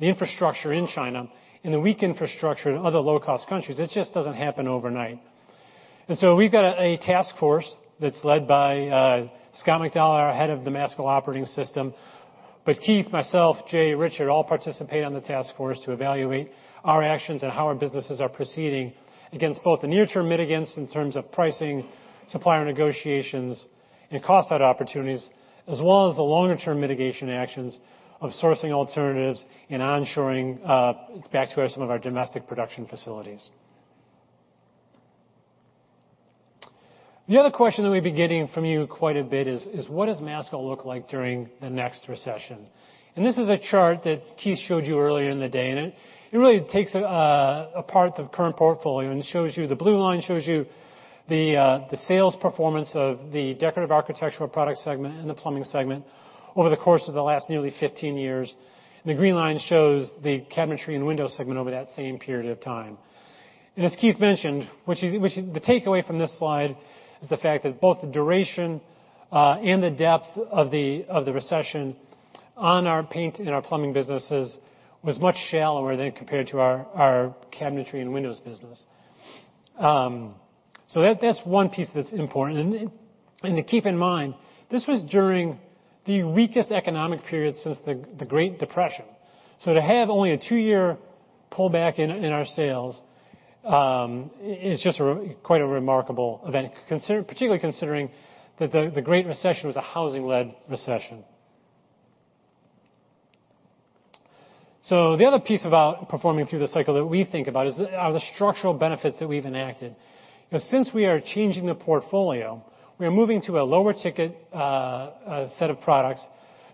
infrastructure in China and the weak infrastructure in other low-cost countries, it just doesn't happen overnight. We've got a task force that's led by Scott McDowell, our head of the Masco Operating System. Keith, myself, Jai, Richard, all participate on the task force to evaluate our actions and how our businesses are proceeding against both the near-term mitigants in terms of pricing, supplier negotiations, and cost out opportunities, as well as the longer-term mitigation actions of sourcing alternatives and onshoring back to some of our domestic production facilities. The other question that we've been getting from you quite a bit is, what does Masco look like during the next recession? This is a chart that Keith showed you earlier in the day, it really takes apart the current portfolio and the blue line shows you the sales performance of the Decorative Architectural Products segment and the Plumbing segment over the course of the last nearly 15 years. The green line shows the Cabinetry and Windows segment over that same period of time. As Keith mentioned, the takeaway from this slide is the fact that both the duration and the depth of the recession on our paint and our plumbing businesses was much shallower than compared to our cabinetry and windows business. That's one piece that's important. To keep in mind, this was during the weakest economic period since the Great Depression. To have only a two-year pullback in our sales is just quite a remarkable event, particularly considering that the Great Recession was a housing-led recession. The other piece about performing through the cycle that we think about are the structural benefits that we've enacted. Since we are changing the portfolio, we are moving to a lower ticket set of products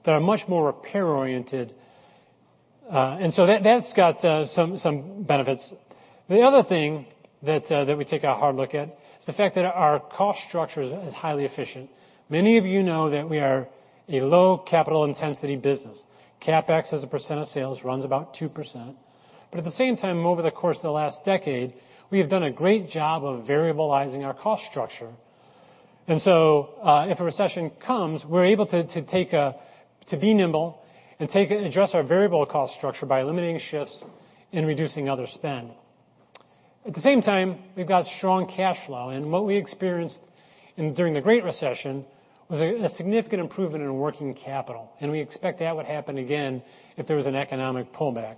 that are much more repair oriented. That's got some benefits. The other thing that we take a hard look at is the fact that our cost structure is highly efficient. Many of you know that we are a low capital intensity business. CapEx as a percent of sales runs about 2%. At the same time, over the course of the last decade, we have done a great job of variabilizing our cost structure. If a recession comes, we're able to be nimble and address our variable cost structure by eliminating shifts and reducing other spend. At the same time, we've got strong cash flow, and what we experienced during the Great Recession was a significant improvement in working capital, and we expect that would happen again if there was an economic pullback.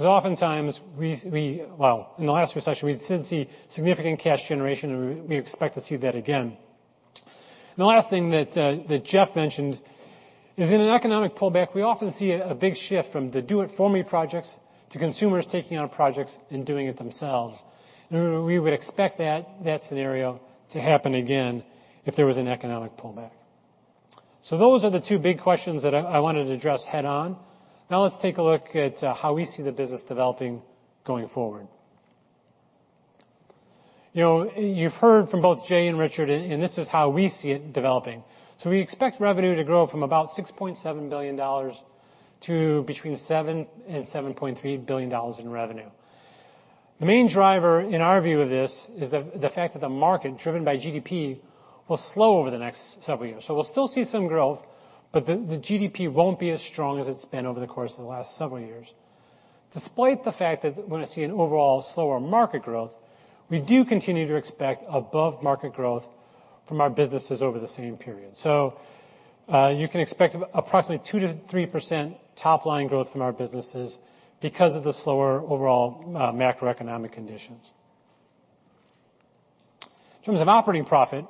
Oftentimes, in the last recession, we did see significant cash generation, and we expect to see that again. The last thing that Jeff mentioned is in an economic pullback, we often see a big shift from the do it for me projects to consumers taking on projects and doing it themselves. We would expect that scenario to happen again if there was an economic pullback. Those are the two big questions that I wanted to address head on. Let's take a look at how we see the business developing going forward. You've heard from both Jai and Richard, and this is how we see it developing. We expect revenue to grow from about $6.7 billion to between $7 billion and $7.3 billion in revenue. The main driver in our view of this is the fact that the market, driven by GDP, will slow over the next several years. We'll still see some growth, but the GDP won't be as strong as it's been over the course of the last several years. Despite the fact that we're going to see an overall slower market growth, we do continue to expect above-market growth from our businesses over the same period. You can expect approximately 2%-3% top-line growth from our businesses because of the slower overall macroeconomic conditions. In terms of operating profit,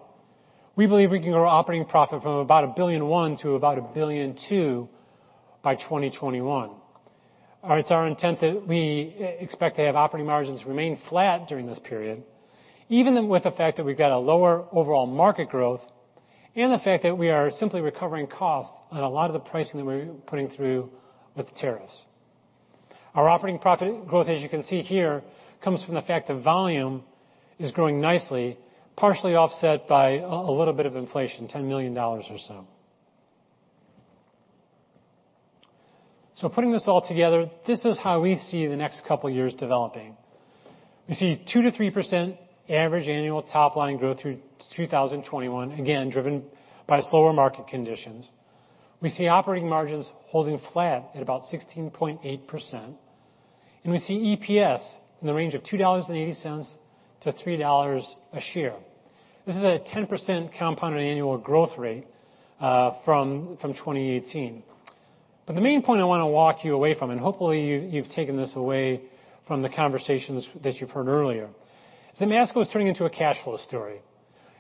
we believe we can grow operating profit from about $1.1 billion to about $1.2 billion by 2021. It's our intent that we expect to have operating margins remain flat during this period, even with the fact that we've got a lower overall market growth and the fact that we are simply recovering costs on a lot of the pricing that we're putting through with tariffs. Our operating profit growth, as you can see here, comes from the fact that volume is growing nicely, partially offset by a little bit of inflation, $10 million or so. Putting this all together, this is how we see the next couple of years developing. We see 2%-3% average annual top line growth through 2021, again, driven by slower market conditions. We see operating margins holding flat at about 16.8%, and we see EPS in the range of $2.80 to $3 a share. This is a 10% compounded annual growth rate from 2018. The main point I want to walk you away from, and hopefully, you've taken this away from the conversations that you've heard earlier, is that Masco is turning into a cash flow story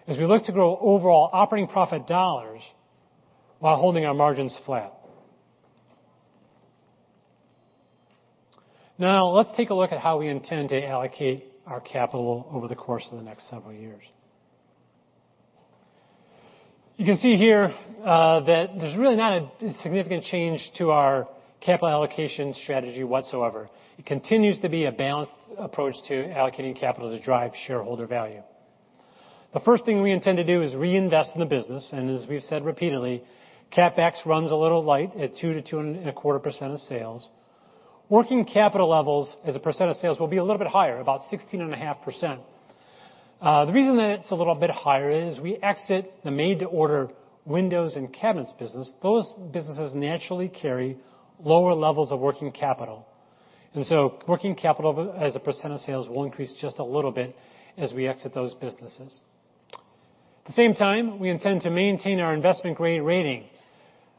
as we look to grow overall operating profit dollars while holding our margins flat. Now, let's take a look at how we intend to allocate our capital over the course of the next several years. You can see here that there's really not a significant change to our capital allocation strategy whatsoever. It continues to be a balanced approach to allocating capital to drive shareholder value. The first thing we intend to do is reinvest in the business, and as we've said repeatedly, CapEx runs a little light at 2% to 2.25% of sales. Working capital levels as a percent of sales will be a little bit higher, about 16.5%. The reason that it's a little bit higher is we exit the made-to-order windows and cabinets business. Those businesses naturally carry lower levels of working capital. Working capital as a percent of sales will increase just a little bit as we exit those businesses. At the same time, we intend to maintain our investment-grade rating.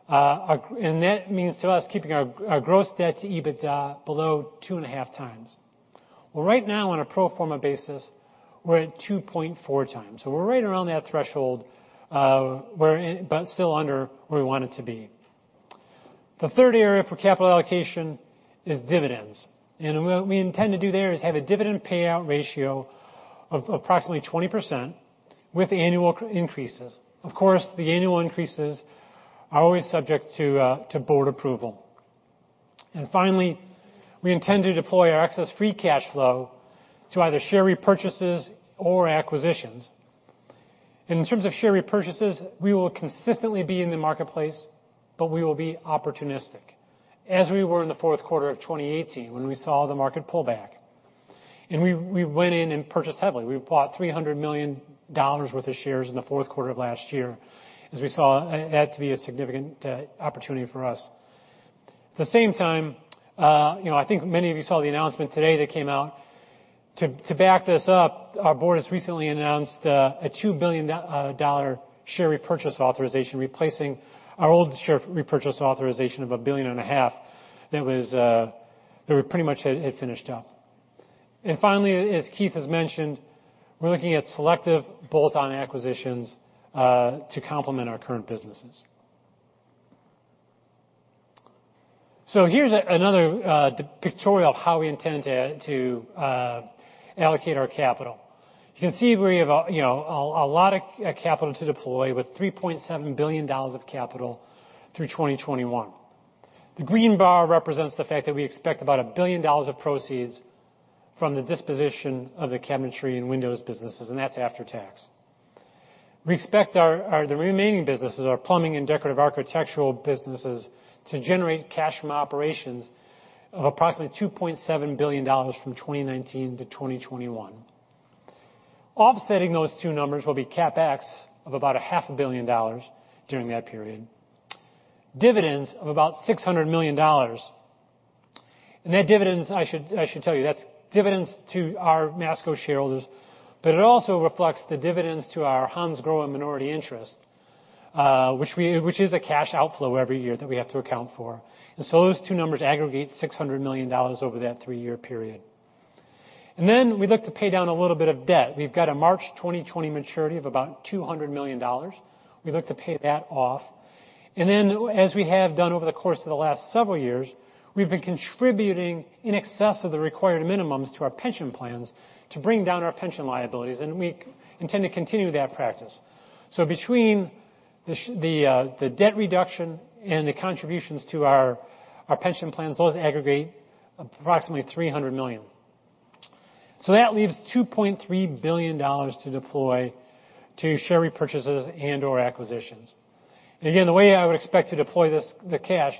That means to us keeping our gross debt to EBITDA below 2.5 times. Well, right now on a pro forma basis, we're at 2.4 times. We're right around that threshold, but still under where we want it to be. The third area for capital allocation is dividends. What we intend to do there is have a dividend payout ratio of approximately 20% with annual increases. Of course, the annual increases are always subject to board approval. Finally, we intend to deploy our excess free cash flow to either share repurchases or acquisitions. In terms of share repurchases, we will consistently be in the marketplace, but we will be opportunistic. As we were in the fourth quarter of 2018 when we saw the market pull back, and we went in and purchased heavily. We bought $300 million worth of shares in the fourth quarter of last year as we saw that to be a significant opportunity for us. At the same time, I think many of you saw the announcement today that came out. To back this up, our board has recently announced a $2 billion share repurchase authorization, replacing our old share repurchase authorization of a billion and a half that we pretty much had finished up. Finally, as Keith has mentioned, we're looking at selective bolt-on acquisitions to complement our current businesses. Here's another pictorial of how we intend to allocate our capital. You can see we have a lot of capital to deploy with $3.7 billion of capital through 2021. The green bar represents the fact that we expect about $1 billion of proceeds from the disposition of the cabinetry and windows businesses, and that's after tax. We expect the remaining businesses, our plumbing and decorative architectural businesses, to generate cash from operations of approximately $2.7 billion from 2019 to 2021. Offsetting those two numbers will be CapEx of about a half a billion dollars during that period. Dividends of about $600 million. That dividend, I should tell you, that's dividends to our Masco shareholders, but it also reflects the dividends to our Hansgrohe minority interest, which is a cash outflow every year that we have to account for. Those two numbers aggregate $600 million over that three-year period. We look to pay down a little bit of debt. We've got a March 2020 maturity of about $200 million. We look to pay that off. As we have done over the course of the last several years, we've been contributing in excess of the required minimums to our pension plans to bring down our pension liabilities, and we intend to continue that practice. Between the debt reduction and the contributions to our pension plans, those aggregate approximately $300 million. That leaves $2.3 billion to deploy to share repurchases and/or acquisitions. Again, the way I would expect to deploy the cash,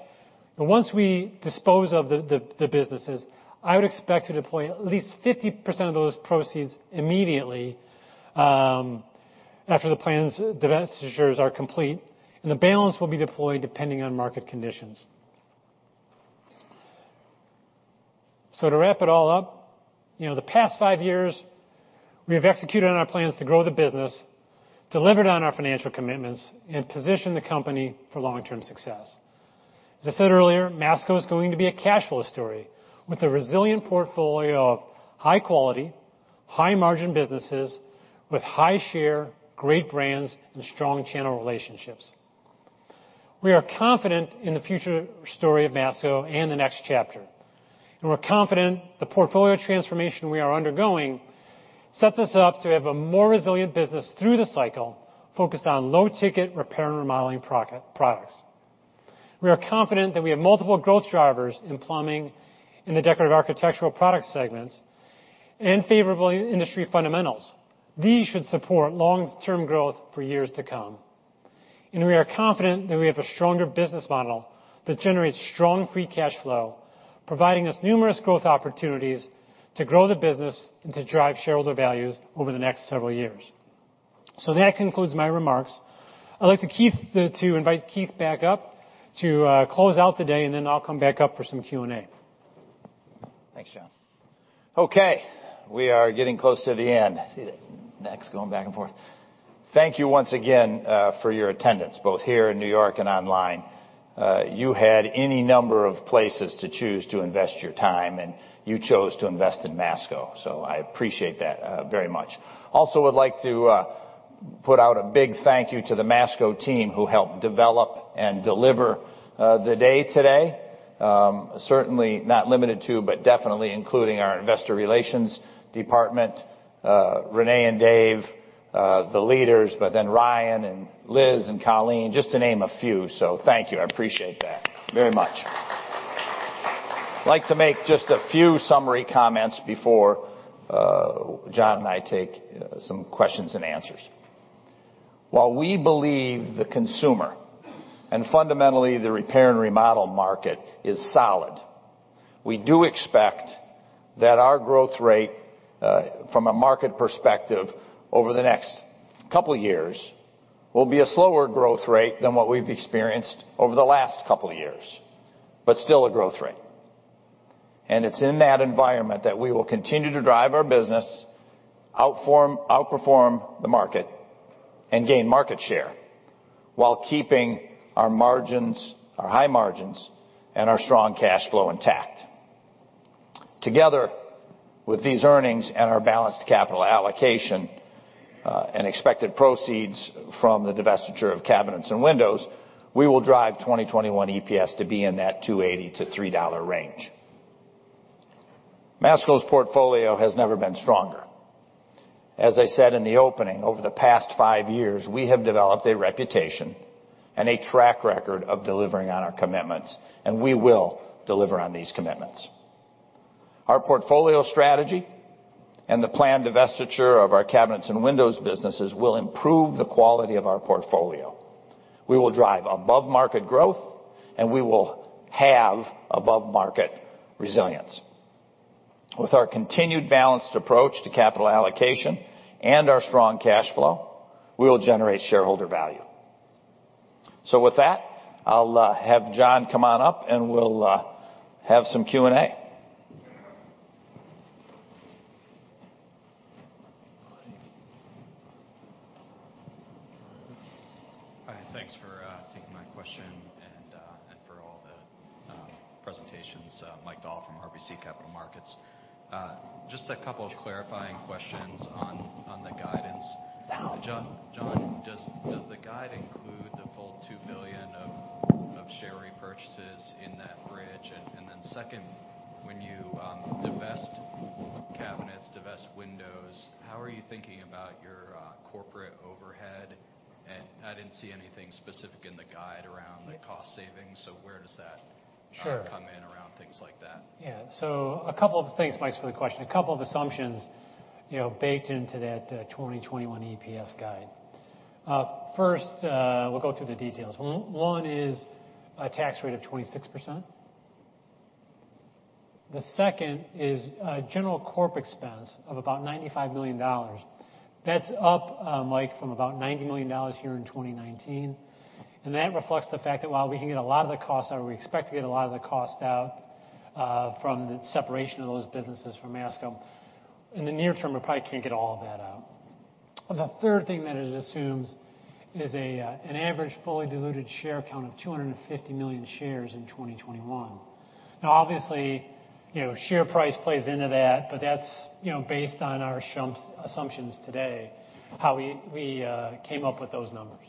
once we dispose of the businesses, I would expect to deploy at least 50% of those proceeds immediately after the plans divestitures are complete, and the balance will be deployed depending on market conditions. To wrap it all up, the past five years, we have executed on our plans to grow the business, delivered on our financial commitments, and positioned the company for long-term success. As I said earlier, Masco is going to be a cash flow story with a resilient portfolio of high-quality, high-margin businesses with high share, great brands, and strong channel relationships. We are confident in the future story of Masco and the next chapter. We're confident the portfolio transformation we are undergoing sets us up to have a more resilient business through the cycle focused on low-ticket repair and remodeling products. We are confident that we have multiple growth drivers in plumbing and the Decorative Architectural Products segments and favorable industry fundamentals. These should support long-term growth for years to come. We are confident that we have a stronger business model that generates strong free cash flow, providing us numerous growth opportunities to grow the business and to drive shareholder value over the next several years. That concludes my remarks. I'd like to invite Keith back up to close out the day. Then I'll come back up for some Q&A.
Thanks, John. Okay. We are getting close to the end. I see the next going back and forth. Thank you once again for your attendance, both here in New York and online. You had any number of places to choose to invest your time, and you chose to invest in Masco. I appreciate that very much. Also would like to put out a big thank you to the Masco team who helped develop and deliver the day today. Certainly not limited to, but definitely including our investor relations department, Renee and Dave, the leaders, but then Ryan and Liz and Colleen, just to name a few. Thank you. I appreciate that very much. I'd like to make just a few summary comments before John and I take some questions and answers. While we believe the consumer, and fundamentally the repair and remodel market, is solid, we do expect that our growth rate from a market perspective over the next couple years will be a slower growth rate than what we've experienced over the last couple of years, but still a growth rate. In that environment, we will continue to drive our business, outperform the market, and gain market share while keeping our high margins and our strong cash flow intact. Together with these earnings and our balanced capital allocation, and expected proceeds from the divestiture of Cabinets and Windows, we will drive 2021 EPS to be in that $2.80-$3 range. Masco's portfolio has never been stronger. As I said in the opening, over the past five years, we have developed a reputation and a track record of delivering on our commitments. We will deliver on these commitments. Our portfolio strategy and the planned divestiture of our Cabinets and Windows businesses will improve the quality of our portfolio. We will drive above-market growth. We will have above-market resilience. With our continued balanced approach to capital allocation and our strong cash flow, we will generate shareholder value. With that, I'll have John come on up and we'll have some Q&A.
Hi, thanks for taking my question and for all the presentations. Mike Dahl from RBC Capital Markets. Just a couple of clarifying questions on the guidance. John, does the guide include the full $2 billion of share repurchases in that bridge? Second, when you divest Cabinets, divest Windows, how are you thinking about your corporate overhead? I didn't see anything specific in the guide around the cost savings.
Sure
Come in around things like that?
Thanks, Mike, for the question. A couple of assumptions baked into that 2021 EPS guide. First, we'll go through the details. One is a tax rate of 26%. The second is a general corp expense of about $95 million. That's up, Mike, from about $90 million here in 2019. That reflects the fact that while we can get a lot of the cost out, or we expect to get a lot of the cost out from the separation of those businesses from Masco, in the near term, we probably can't get all of that out. The third thing that it assumes is an average fully diluted share count of 250 million shares in 2021. Obviously, share price plays into that, but that's based on our assumptions today, how we came up with those numbers.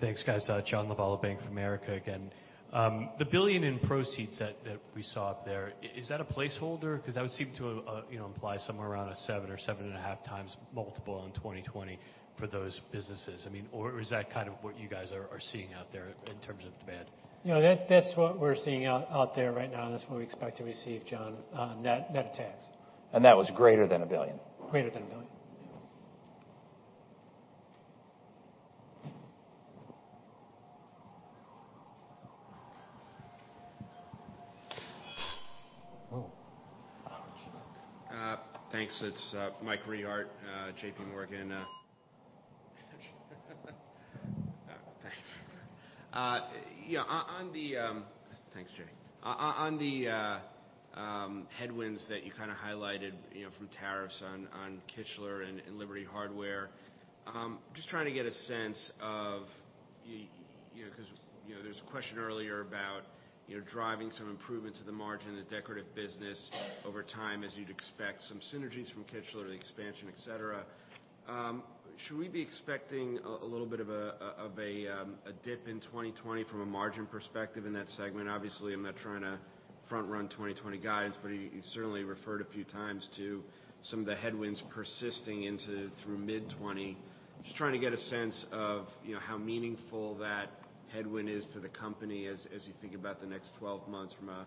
Thanks, guys. John Lovallo, Bank of America again. The $1 billion in proceeds that we saw up there, is that a placeholder? That would seem to imply somewhere around a seven or 7.5 times multiple in 2020 for those businesses. Is that kind of what you guys are seeing out there in terms of demand?
That's what we're seeing out there right now, and that's what we expect to receive, John, net of tax.
That was greater than $1 billion.
Greater than $1 billion. Yeah.
Oh.
Thanks. It's Mike Rehaut, JPMorgan. Thanks. Thanks, Jai. On the headwinds that you kind of highlighted from tariffs on Kichler and Liberty Hardware, I'm just trying to get a sense of Because there was a question earlier about driving some improvement to the margin in the decorative business over time, as you'd expect some synergies from Kichler, the expansion, et cetera. Should we be expecting a little bit of a dip in 2020 from a margin perspective in that segment? Obviously, I'm not trying to front-run 2020 guides, but you certainly referred a few times to some of the headwinds persisting through mid 2020. Just trying to get a sense of how meaningful that headwind is to the company as you think about the next 12 months from a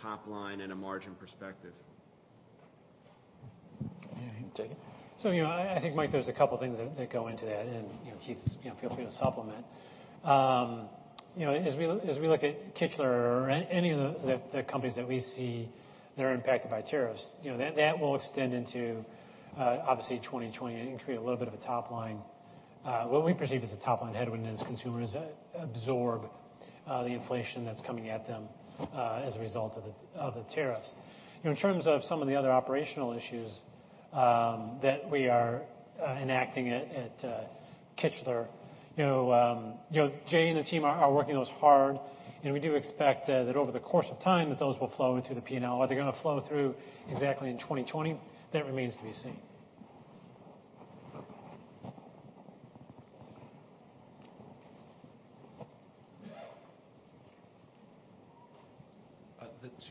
top line and a margin perspective.
Yeah. You can take it. I think, Mike, there's a couple things that go into that, and Keith, feel free to supplement. As we look at Kichler or any of the companies that we see that are impacted by tariffs, that will extend into, obviously, 2020 and create a little bit of a top line. What we perceive as a top-line headwind as consumers absorb the inflation that's coming at them as a result of the tariffs. In terms of some of the other operational issues that we are enacting at Kichler, Jai and the team are working those hard, and we do expect that over the course of time, that those will flow into the P&L. Are they going to flow through exactly in 2020? That remains to be seen.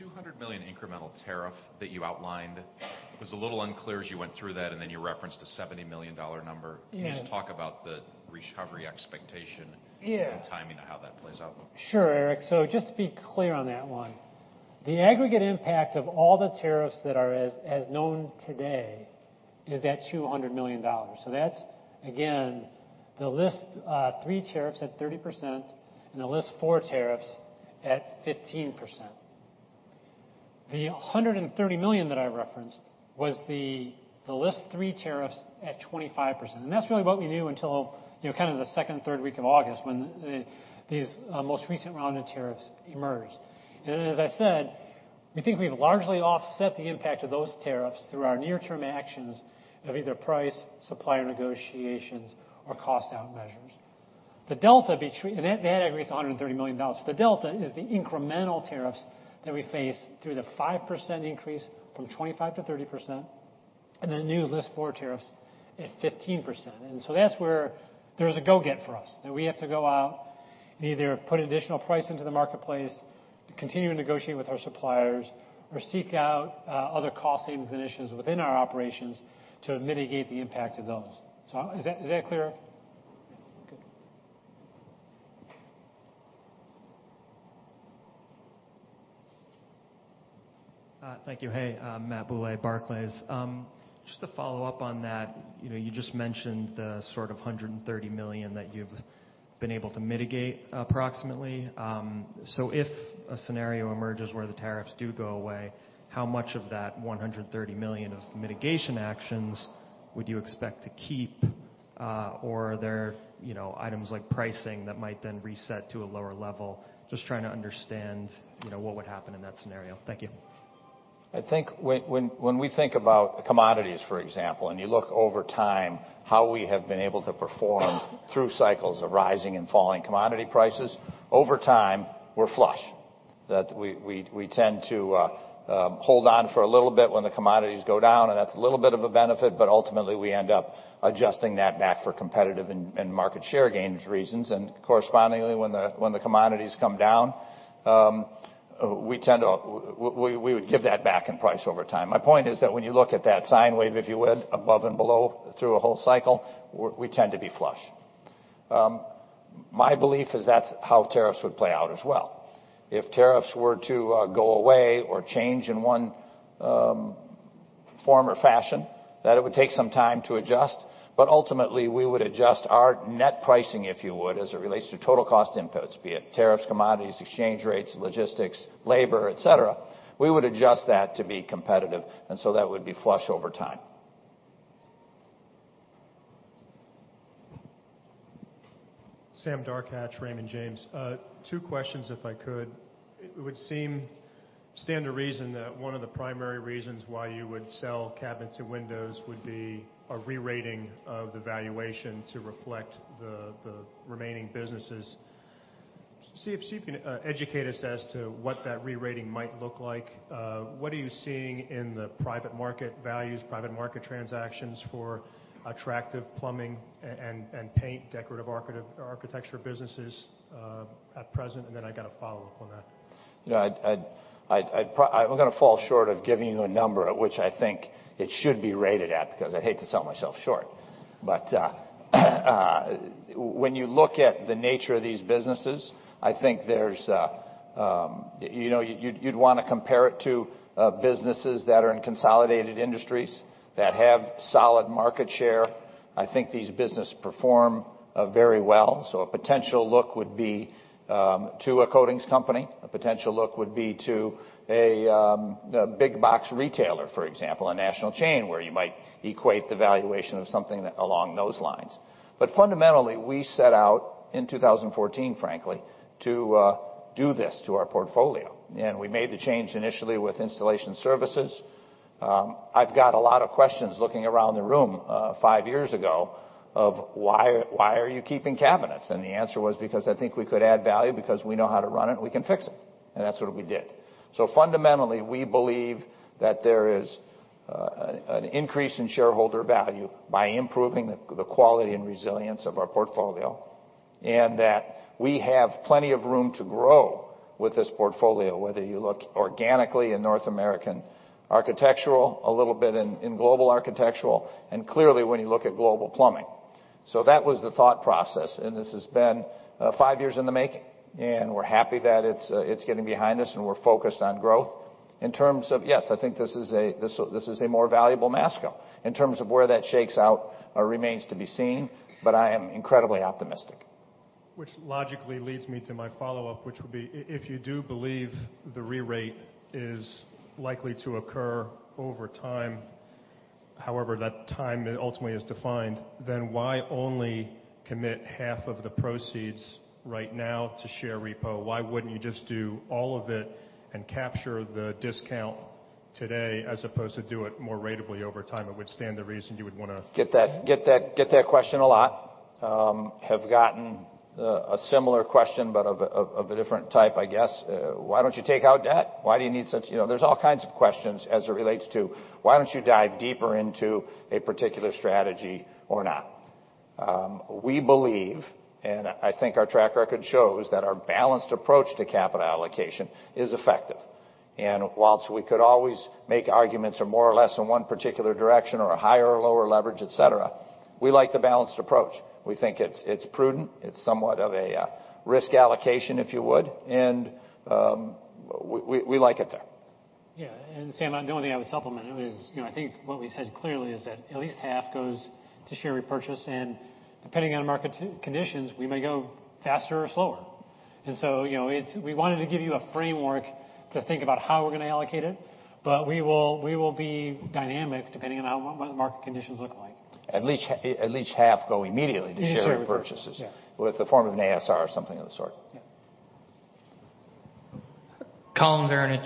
The $200 million incremental tariff that you outlined was a little unclear as you went through that, and then you referenced a $70 million number.
Yeah.
Can you just talk about the recovery expectation?
Yeah
timing of how that plays out?
Sure, Eric. Just to be clear on that one, the aggregate impact of all the tariffs that are as known today is that $200 million. That's, again, the List 3 tariffs at 30% and the List 4 tariffs at 15%. The $130 million that I referenced was the List 3 tariffs at 25%. That's really what we knew until kind of the second, third week of August when these most recent round of tariffs emerged. As I said, we think we've largely offset the impact of those tariffs through our near-term actions of either price, supplier negotiations, or cost-out measures. That aggregates to $130 million. The delta is the incremental tariffs that we face through the 5% increase from 25% to 30%, and the new List 4 tariffs at 15%. That's where there's a go get for us, that we have to go out and either put additional price into the marketplace, continue to negotiate with our suppliers, or seek out other cost savings initiatives within our operations to mitigate the impact of those. Is that clear?
Yeah.
Good.
Thank you. Hey, Matt Bouley, Barclays. Just to follow up on that, you just mentioned the sort of $130 million that you've been able to mitigate approximately. If a scenario emerges where the tariffs do go away, how much of that $130 million of mitigation actions would you expect to keep? Are there items like pricing that might then reset to a lower level? Just trying to understand what would happen in that scenario. Thank you.
I think when we think about commodities, for example, and you look over time, how we have been able to perform through cycles of rising and falling commodity prices, over time, we're flush. That we tend to hold on for a little bit when the commodities go down, and that's a little bit of a benefit, but ultimately, we end up adjusting that back for competitive and market share gains reasons. Correspondingly, when the commodities come down, we would give that back in price over time. My point is that when you look at that sine wave, if you would, above and below through a whole cycle, we tend to be flush. My belief is that's how tariffs would play out as well. If tariffs were to go away or change in one form or fashion, that it would take some time to adjust. Ultimately, we would adjust our net pricing, if you would, as it relates to total cost inputs, be it tariffs, commodities, exchange rates, logistics, labor, et cetera. We would adjust that to be competitive. That would be flush over time.
Sam Darkatsh, Raymond James. Two questions, if I could. It would stand to reason that one of the primary reasons why you would sell cabinets and windows would be a re-rating of the valuation to reflect the remaining businesses. See if you can educate us as to what that re-rating might look like. What are you seeing in the private market values, private market transactions for attractive plumbing and paint, decorative architecture businesses at present? I got a follow-up on that.
I'm going to fall short of giving you a number at which I think it should be rated at because I hate to sell myself short. When you look at the nature of these businesses, I think you'd want to compare it to businesses that are in consolidated industries that have solid market share. I think these businesses perform very well. A potential look would be to a coatings company. A potential look would be to a big box retailer, for example, a national chain where you might equate the valuation of something along those lines. Fundamentally, we set out in 2014, frankly, to do this to our portfolio. We made the change initially with installation services. I've got a lot of questions looking around the room 5 years ago of, "Why are you keeping cabinets?" The answer was because I think we could add value because we know how to run it, and we can fix it. That's what we did. Fundamentally, we believe that there is an increase in shareholder value by improving the quality and resilience of our portfolio, and that we have plenty of room to grow with this portfolio, whether you look organically in North American architectural, a little bit in global architectural, and clearly when you look at global plumbing. That was the thought process, and this has been 5 years in the making, and we're happy that it's getting behind us and we're focused on growth. In terms of, yes, I think this is a more valuable Masco. In terms of where that shakes out remains to be seen, but I am incredibly optimistic.
Which logically leads me to my follow-up, which would be, if you do believe the re-rate is likely to occur over time, however that time ultimately is defined, then why only commit half of the proceeds right now to share repo? Why wouldn't you just do all of it and capture the discount today as opposed to do it more ratably over time? It would stand to reason you would want to-
Get that question a lot. Have gotten a similar question, but of a different type, I guess. Why don't you take out debt? There is all kinds of questions as it relates to, why don't you dive deeper into a particular strategy or not?
We believe, and I think our track record shows, that our balanced approach to capital allocation is effective. Whilst we could always make arguments are more or less in one particular direction or a higher or lower leverage, et cetera, we like the balanced approach. We think it's prudent. It's somewhat of a risk allocation, if you would. We like it there.
Yeah. Sam, the only thing I would supplement is, I think what we said clearly is that at least half goes to share repurchase, depending on market conditions, we may go faster or slower. We wanted to give you a framework to think about how we're going to allocate it, but we will be dynamic depending on what the market conditions look like.
At least half go immediately to share repurchases.
To share repurchase, yeah.
With the form of an ASR or something of the sort.
Yeah.
Philip Ng at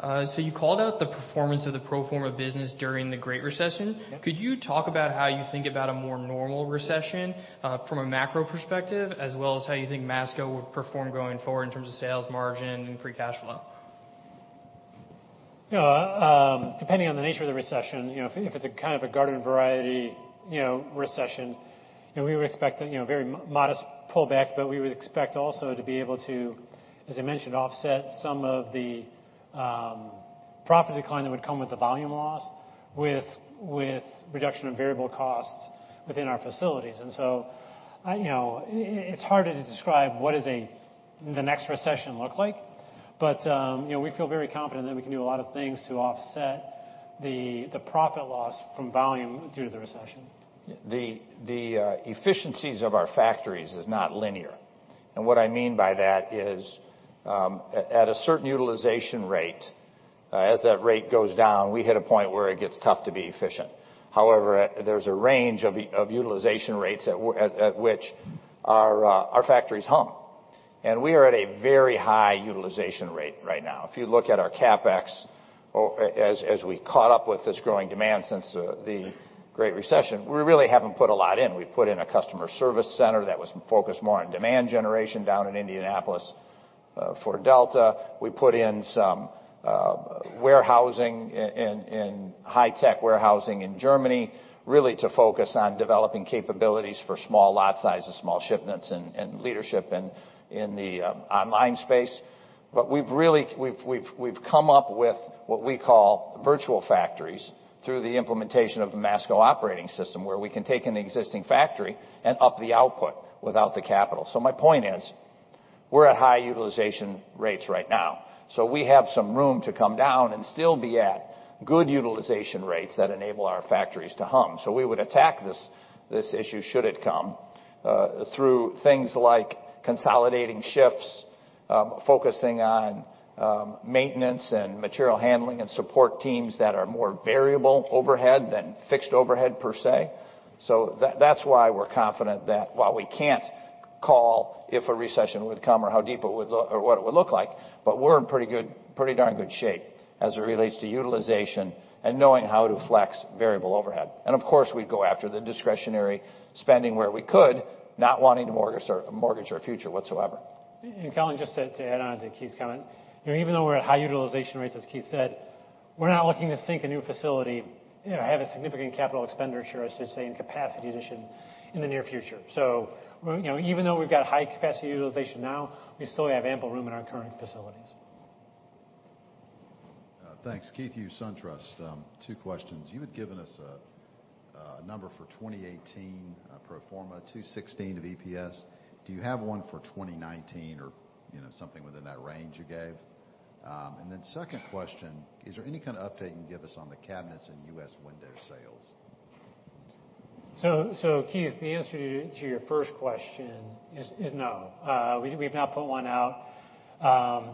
Jefferies. You called out the performance of the pro forma business during the Great Recession.
Yeah.
Could you talk about how you think about a more normal recession, from a macro perspective, as well as how you think Masco would perform going forward in terms of sales, margin, and free cash flow?
Depending on the nature of the recession, if it's a kind of a garden variety recession, we would expect a very modest pullback, but we would expect also to be able to, as I mentioned, offset some of the profit decline that would come with the volume loss with reduction in variable costs within our facilities. It's harder to describe what the next recession look like. We feel very confident that we can do a lot of things to offset the profit loss from volume due to the recession.
The efficiencies of our factories is not linear. What I mean by that is, at a certain utilization rate, as that rate goes down, we hit a point where it gets tough to be efficient. However, there's a range of utilization rates at which our factories hum. We are at a very high utilization rate right now. If you look at our CapEx, as we caught up with this growing demand since the Great Recession, we really haven't put a lot in. We put in a customer service center that was focused more on demand generation down in Indianapolis, for Delta. We put in some warehousing, high-tech warehousing in Germany, really to focus on developing capabilities for small lot sizes, small shipments, and leadership in the online space. We've really come up with what we call virtual factories through the implementation of the Masco Operating System, where we can take an existing factory and up the output without the capital. My point is, we're at high utilization rates right now. We have some room to come down and still be at good utilization rates that enable our factories to hum. We would attack this issue should it come, through things like consolidating shifts, focusing on maintenance and material handling and support teams that are more variable overhead than fixed overhead, per se. That's why we're confident that while we can't call if a recession would come or how deep or what it would look like, but we're in pretty darn good shape as it relates to utilization and knowing how to flex variable overhead. Of course, we'd go after the discretionary spending where we could, not wanting to mortgage our future whatsoever.
[Colin], just to add on to Keith's comment. Even though we're at high utilization rates, as Keith said, we're not looking to sink a new facility, have a significant CapEx, I should say, in capacity addition in the near future. Even though we've got high capacity utilization now, we still have ample room in our current facilities.
Thanks. Keith Hughes, SunTrust. Two questions. You had given us a number for 2018 pro forma, 216 of EPS. Do you have one for 2019 or something within that range you gave? Second question, is there any kind of update you can give us on the cabinets and U.S. window sales?
Keith, the answer to your first question is no. We've not put one out,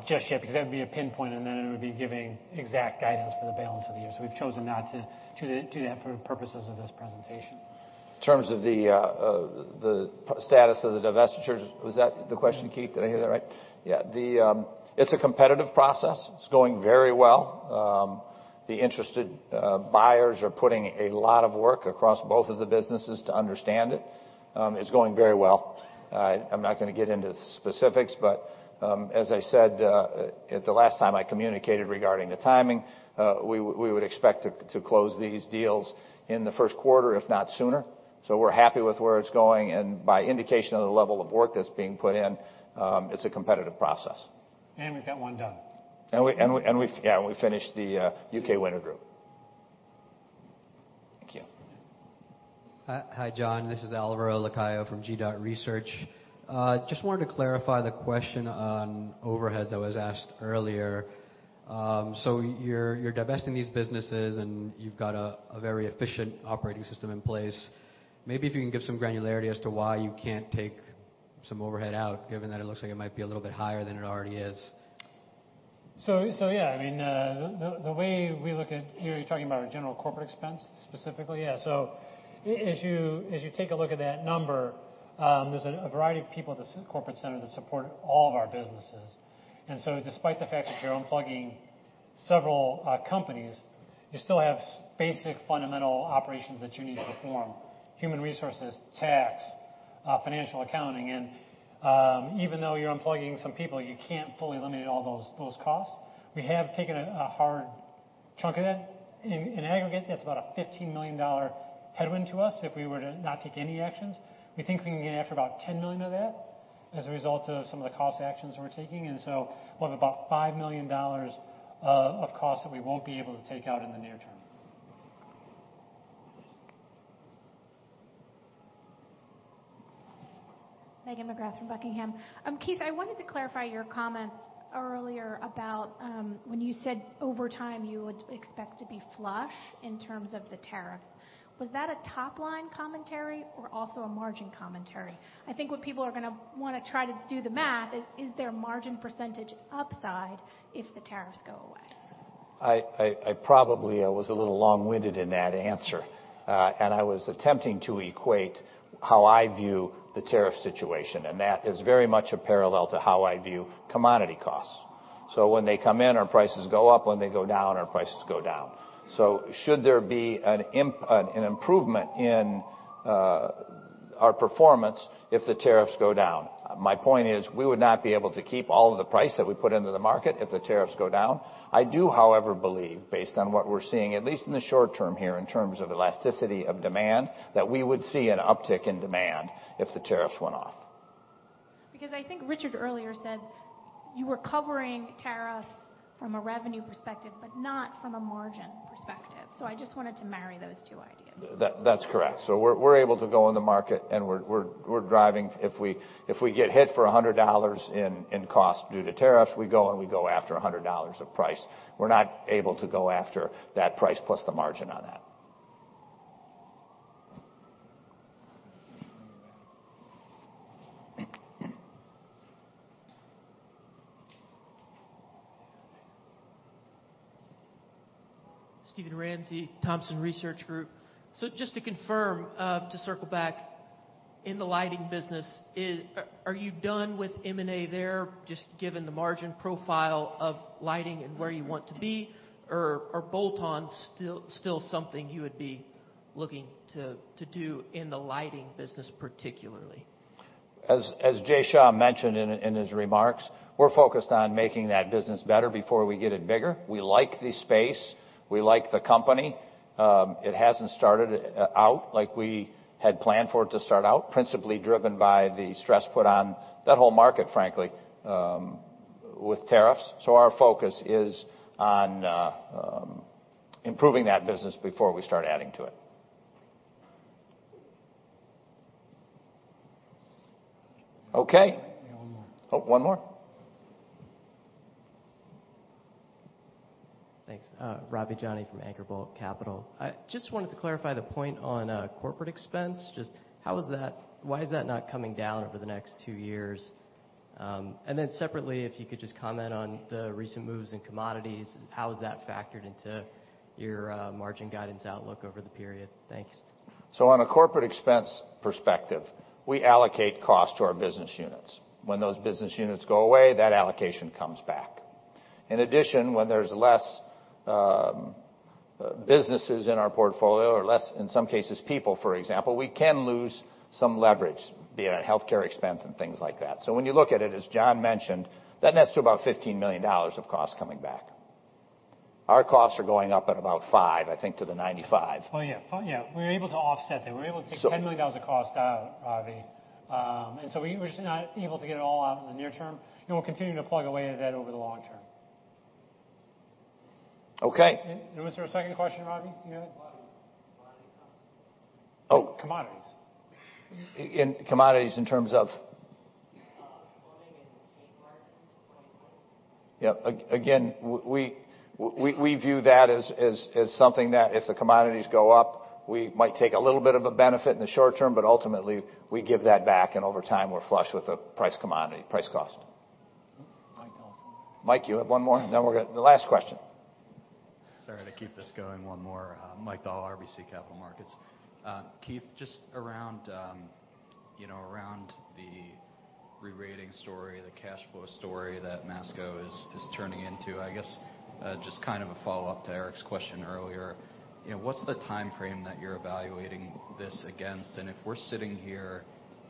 just yet, because that would be a pinpoint, and then it would be giving exact guidance for the balance of the year. We've chosen not to do that for the purposes of this presentation.
In terms of the status of the divestitures, was that the question, Keith? Did I hear that right? Yeah. It's a competitive process. It's going very well. The interested buyers are putting a lot of work across both of the businesses to understand it. It's going very well. I'm not going to get into specifics, but, as I said, the last time I communicated regarding the timing, we would expect to close these deals in the first quarter, if not sooner. We're happy with where it's going, and by indication of the level of work that's being put in, it's a competitive process.
We've got one done.
Yeah. We finished the U.K. Window Group.
Thank you.
Hi, John. This is Alvaro Lacayo from G.research. Just wanted to clarify the question on overhead that was asked earlier. You're divesting these businesses, and you've got a very efficient Masco Operating System in place. Maybe if you can give some granularity as to why you can't take some overhead out, given that it looks like it might be a little bit higher than it already is.
I mean, the way we look at You're talking about our general corporate expense, specifically? Yeah. As you take a look at that number, there's a variety of people at the corporate center that support all of our businesses. Despite the fact that you're unplugging several companies, you still have basic fundamental operations that you need to perform, human resources, tax, financial accounting. Even though you're unplugging some people, you can't fully eliminate all those costs. We have taken a hard chunk of that. In aggregate, that's about a $15 million headwind to us, if we were to not take any actions. We think we can get after about $10 million of that as a result of some of the cost actions we're taking. We'll have about $5 million of costs that we won't be able to take out in the near term.
Megan McGrath from Buckingham. Keith, I wanted to clarify your comments earlier about when you said over time you would expect to be flush in terms of the tariffs. Was that a top-line commentary or also a margin commentary? I think what people are going to want to try to do the math is there margin percentage upside if the tariffs go away?
I probably was a little long-winded in that answer. I was attempting to equate how I view the tariff situation, and that is very much a parallel to how I view commodity costs. When they come in, our prices go up. When they go down, our prices go down. Should there be an improvement in our performance if the tariffs go down? My point is, we would not be able to keep all of the price that we put into the market if the tariffs go down. I do, however, believe, based on what we're seeing, at least in the short term here, in terms of elasticity of demand, that we would see an uptick in demand if the tariffs went off.
I think Richard earlier said you were covering tariffs from a revenue perspective, but not from a margin perspective. I just wanted to marry those two ideas.
That's correct. We're able to go in the market, and we're driving. If we get hit for $100 in cost due to tariffs, we go, and we go after $100 of price. We're not able to go after that price plus the margin on that.
Steven Ramsey, Thompson Research Group. Just to confirm, to circle back. In the lighting business, are you done with M&A there, just given the margin profile of lighting and where you want to be? Or are bolt-ons still something you would be looking to do in the lighting business particularly?
As Jai Shah mentioned in his remarks, we're focused on making that business better before we get it bigger. We like the space. We like the company. It hasn't started out like we had planned for it to start out, principally driven by the stress put on that whole market, frankly, with tariffs. Our focus is on improving that business before we start adding to it. Okay.
One more.
Oh, one more.
Thanks. Ravi Jani from Anchor Bolt Capital. I just wanted to clarify the point on corporate expense. Why is that not coming down over the next two years? Separately, if you could just comment on the recent moves in commodities, how is that factored into your margin guidance outlook over the period? Thanks.
On a corporate expense perspective, we allocate costs to our business units. When those business units go away, that allocation comes back. In addition, when there's less businesses in our portfolio or less, in some cases, people, for example, we can lose some leverage, be it on healthcare expense and things like that. When you look at it, as John mentioned, that nets to about $15 million of cost coming back. Our costs are going up at about five, I think, to the 95.
Oh, yeah. We were able to offset that. We were able to take $10 million of cost out, Ravi. We're just not able to get it all out in the near term, and we'll continue to plug away at that over the long term.
Okay.
Was there a second question, Ravi? You had.
Commodities.
Oh, commodities.
In commodities in terms of?
Plumbing and paint markets for 2025.
Yeah. Again, we view that as something that if the commodities go up, we might take a little bit of a benefit in the short term, ultimately we give that back, over time, we're flush with the price commodity, price cost.
Mike Dahl.
Mike, you have one more? We'll go to the last question.
Sorry to keep this going one more. Mike Dahl, RBC Capital Markets. Keith, just around the rerating story, the cash flow story that Masco is turning into. I guess, just kind of a follow-up to Eric's question earlier. What's the timeframe that you're evaluating this against? If we're sitting here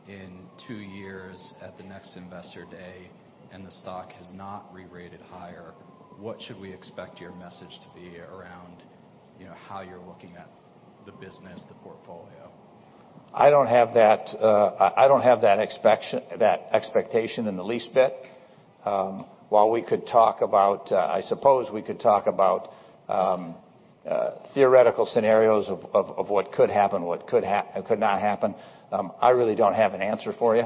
in two years at the next investor day and the stock has not rerated higher, what should we expect your message to be around how you're looking at the business, the portfolio?
I don't have that expectation in the least bit. While we could talk about, I suppose we could talk about theoretical scenarios of what could happen, what could not happen. I really don't have an answer for you.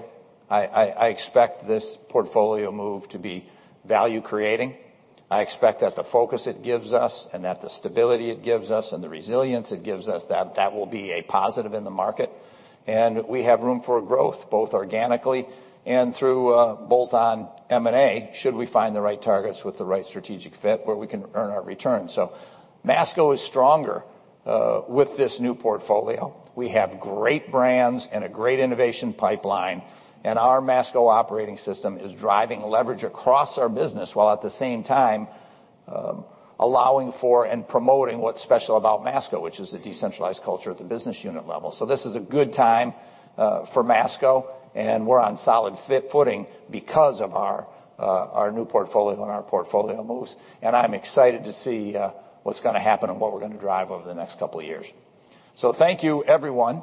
I expect this portfolio move to be value-creating. I expect that the focus it gives us and that the stability it gives us and the resilience it gives us, that will be a positive in the market. We have room for growth, both organically and through bolt-on M&A, should we find the right targets with the right strategic fit where we can earn our return. Masco is stronger, with this new portfolio. We have great brands and a great innovation pipeline. Our Masco Operating System is driving leverage across our business while at the same time, allowing for and promoting what's special about Masco, which is the decentralized culture at the business unit level. This is a good time for Masco. We're on solid fit footing because of our new portfolio and our portfolio moves. I'm excited to see what's gonna happen and what we're gonna drive over the next couple of years. Thank you, everyone.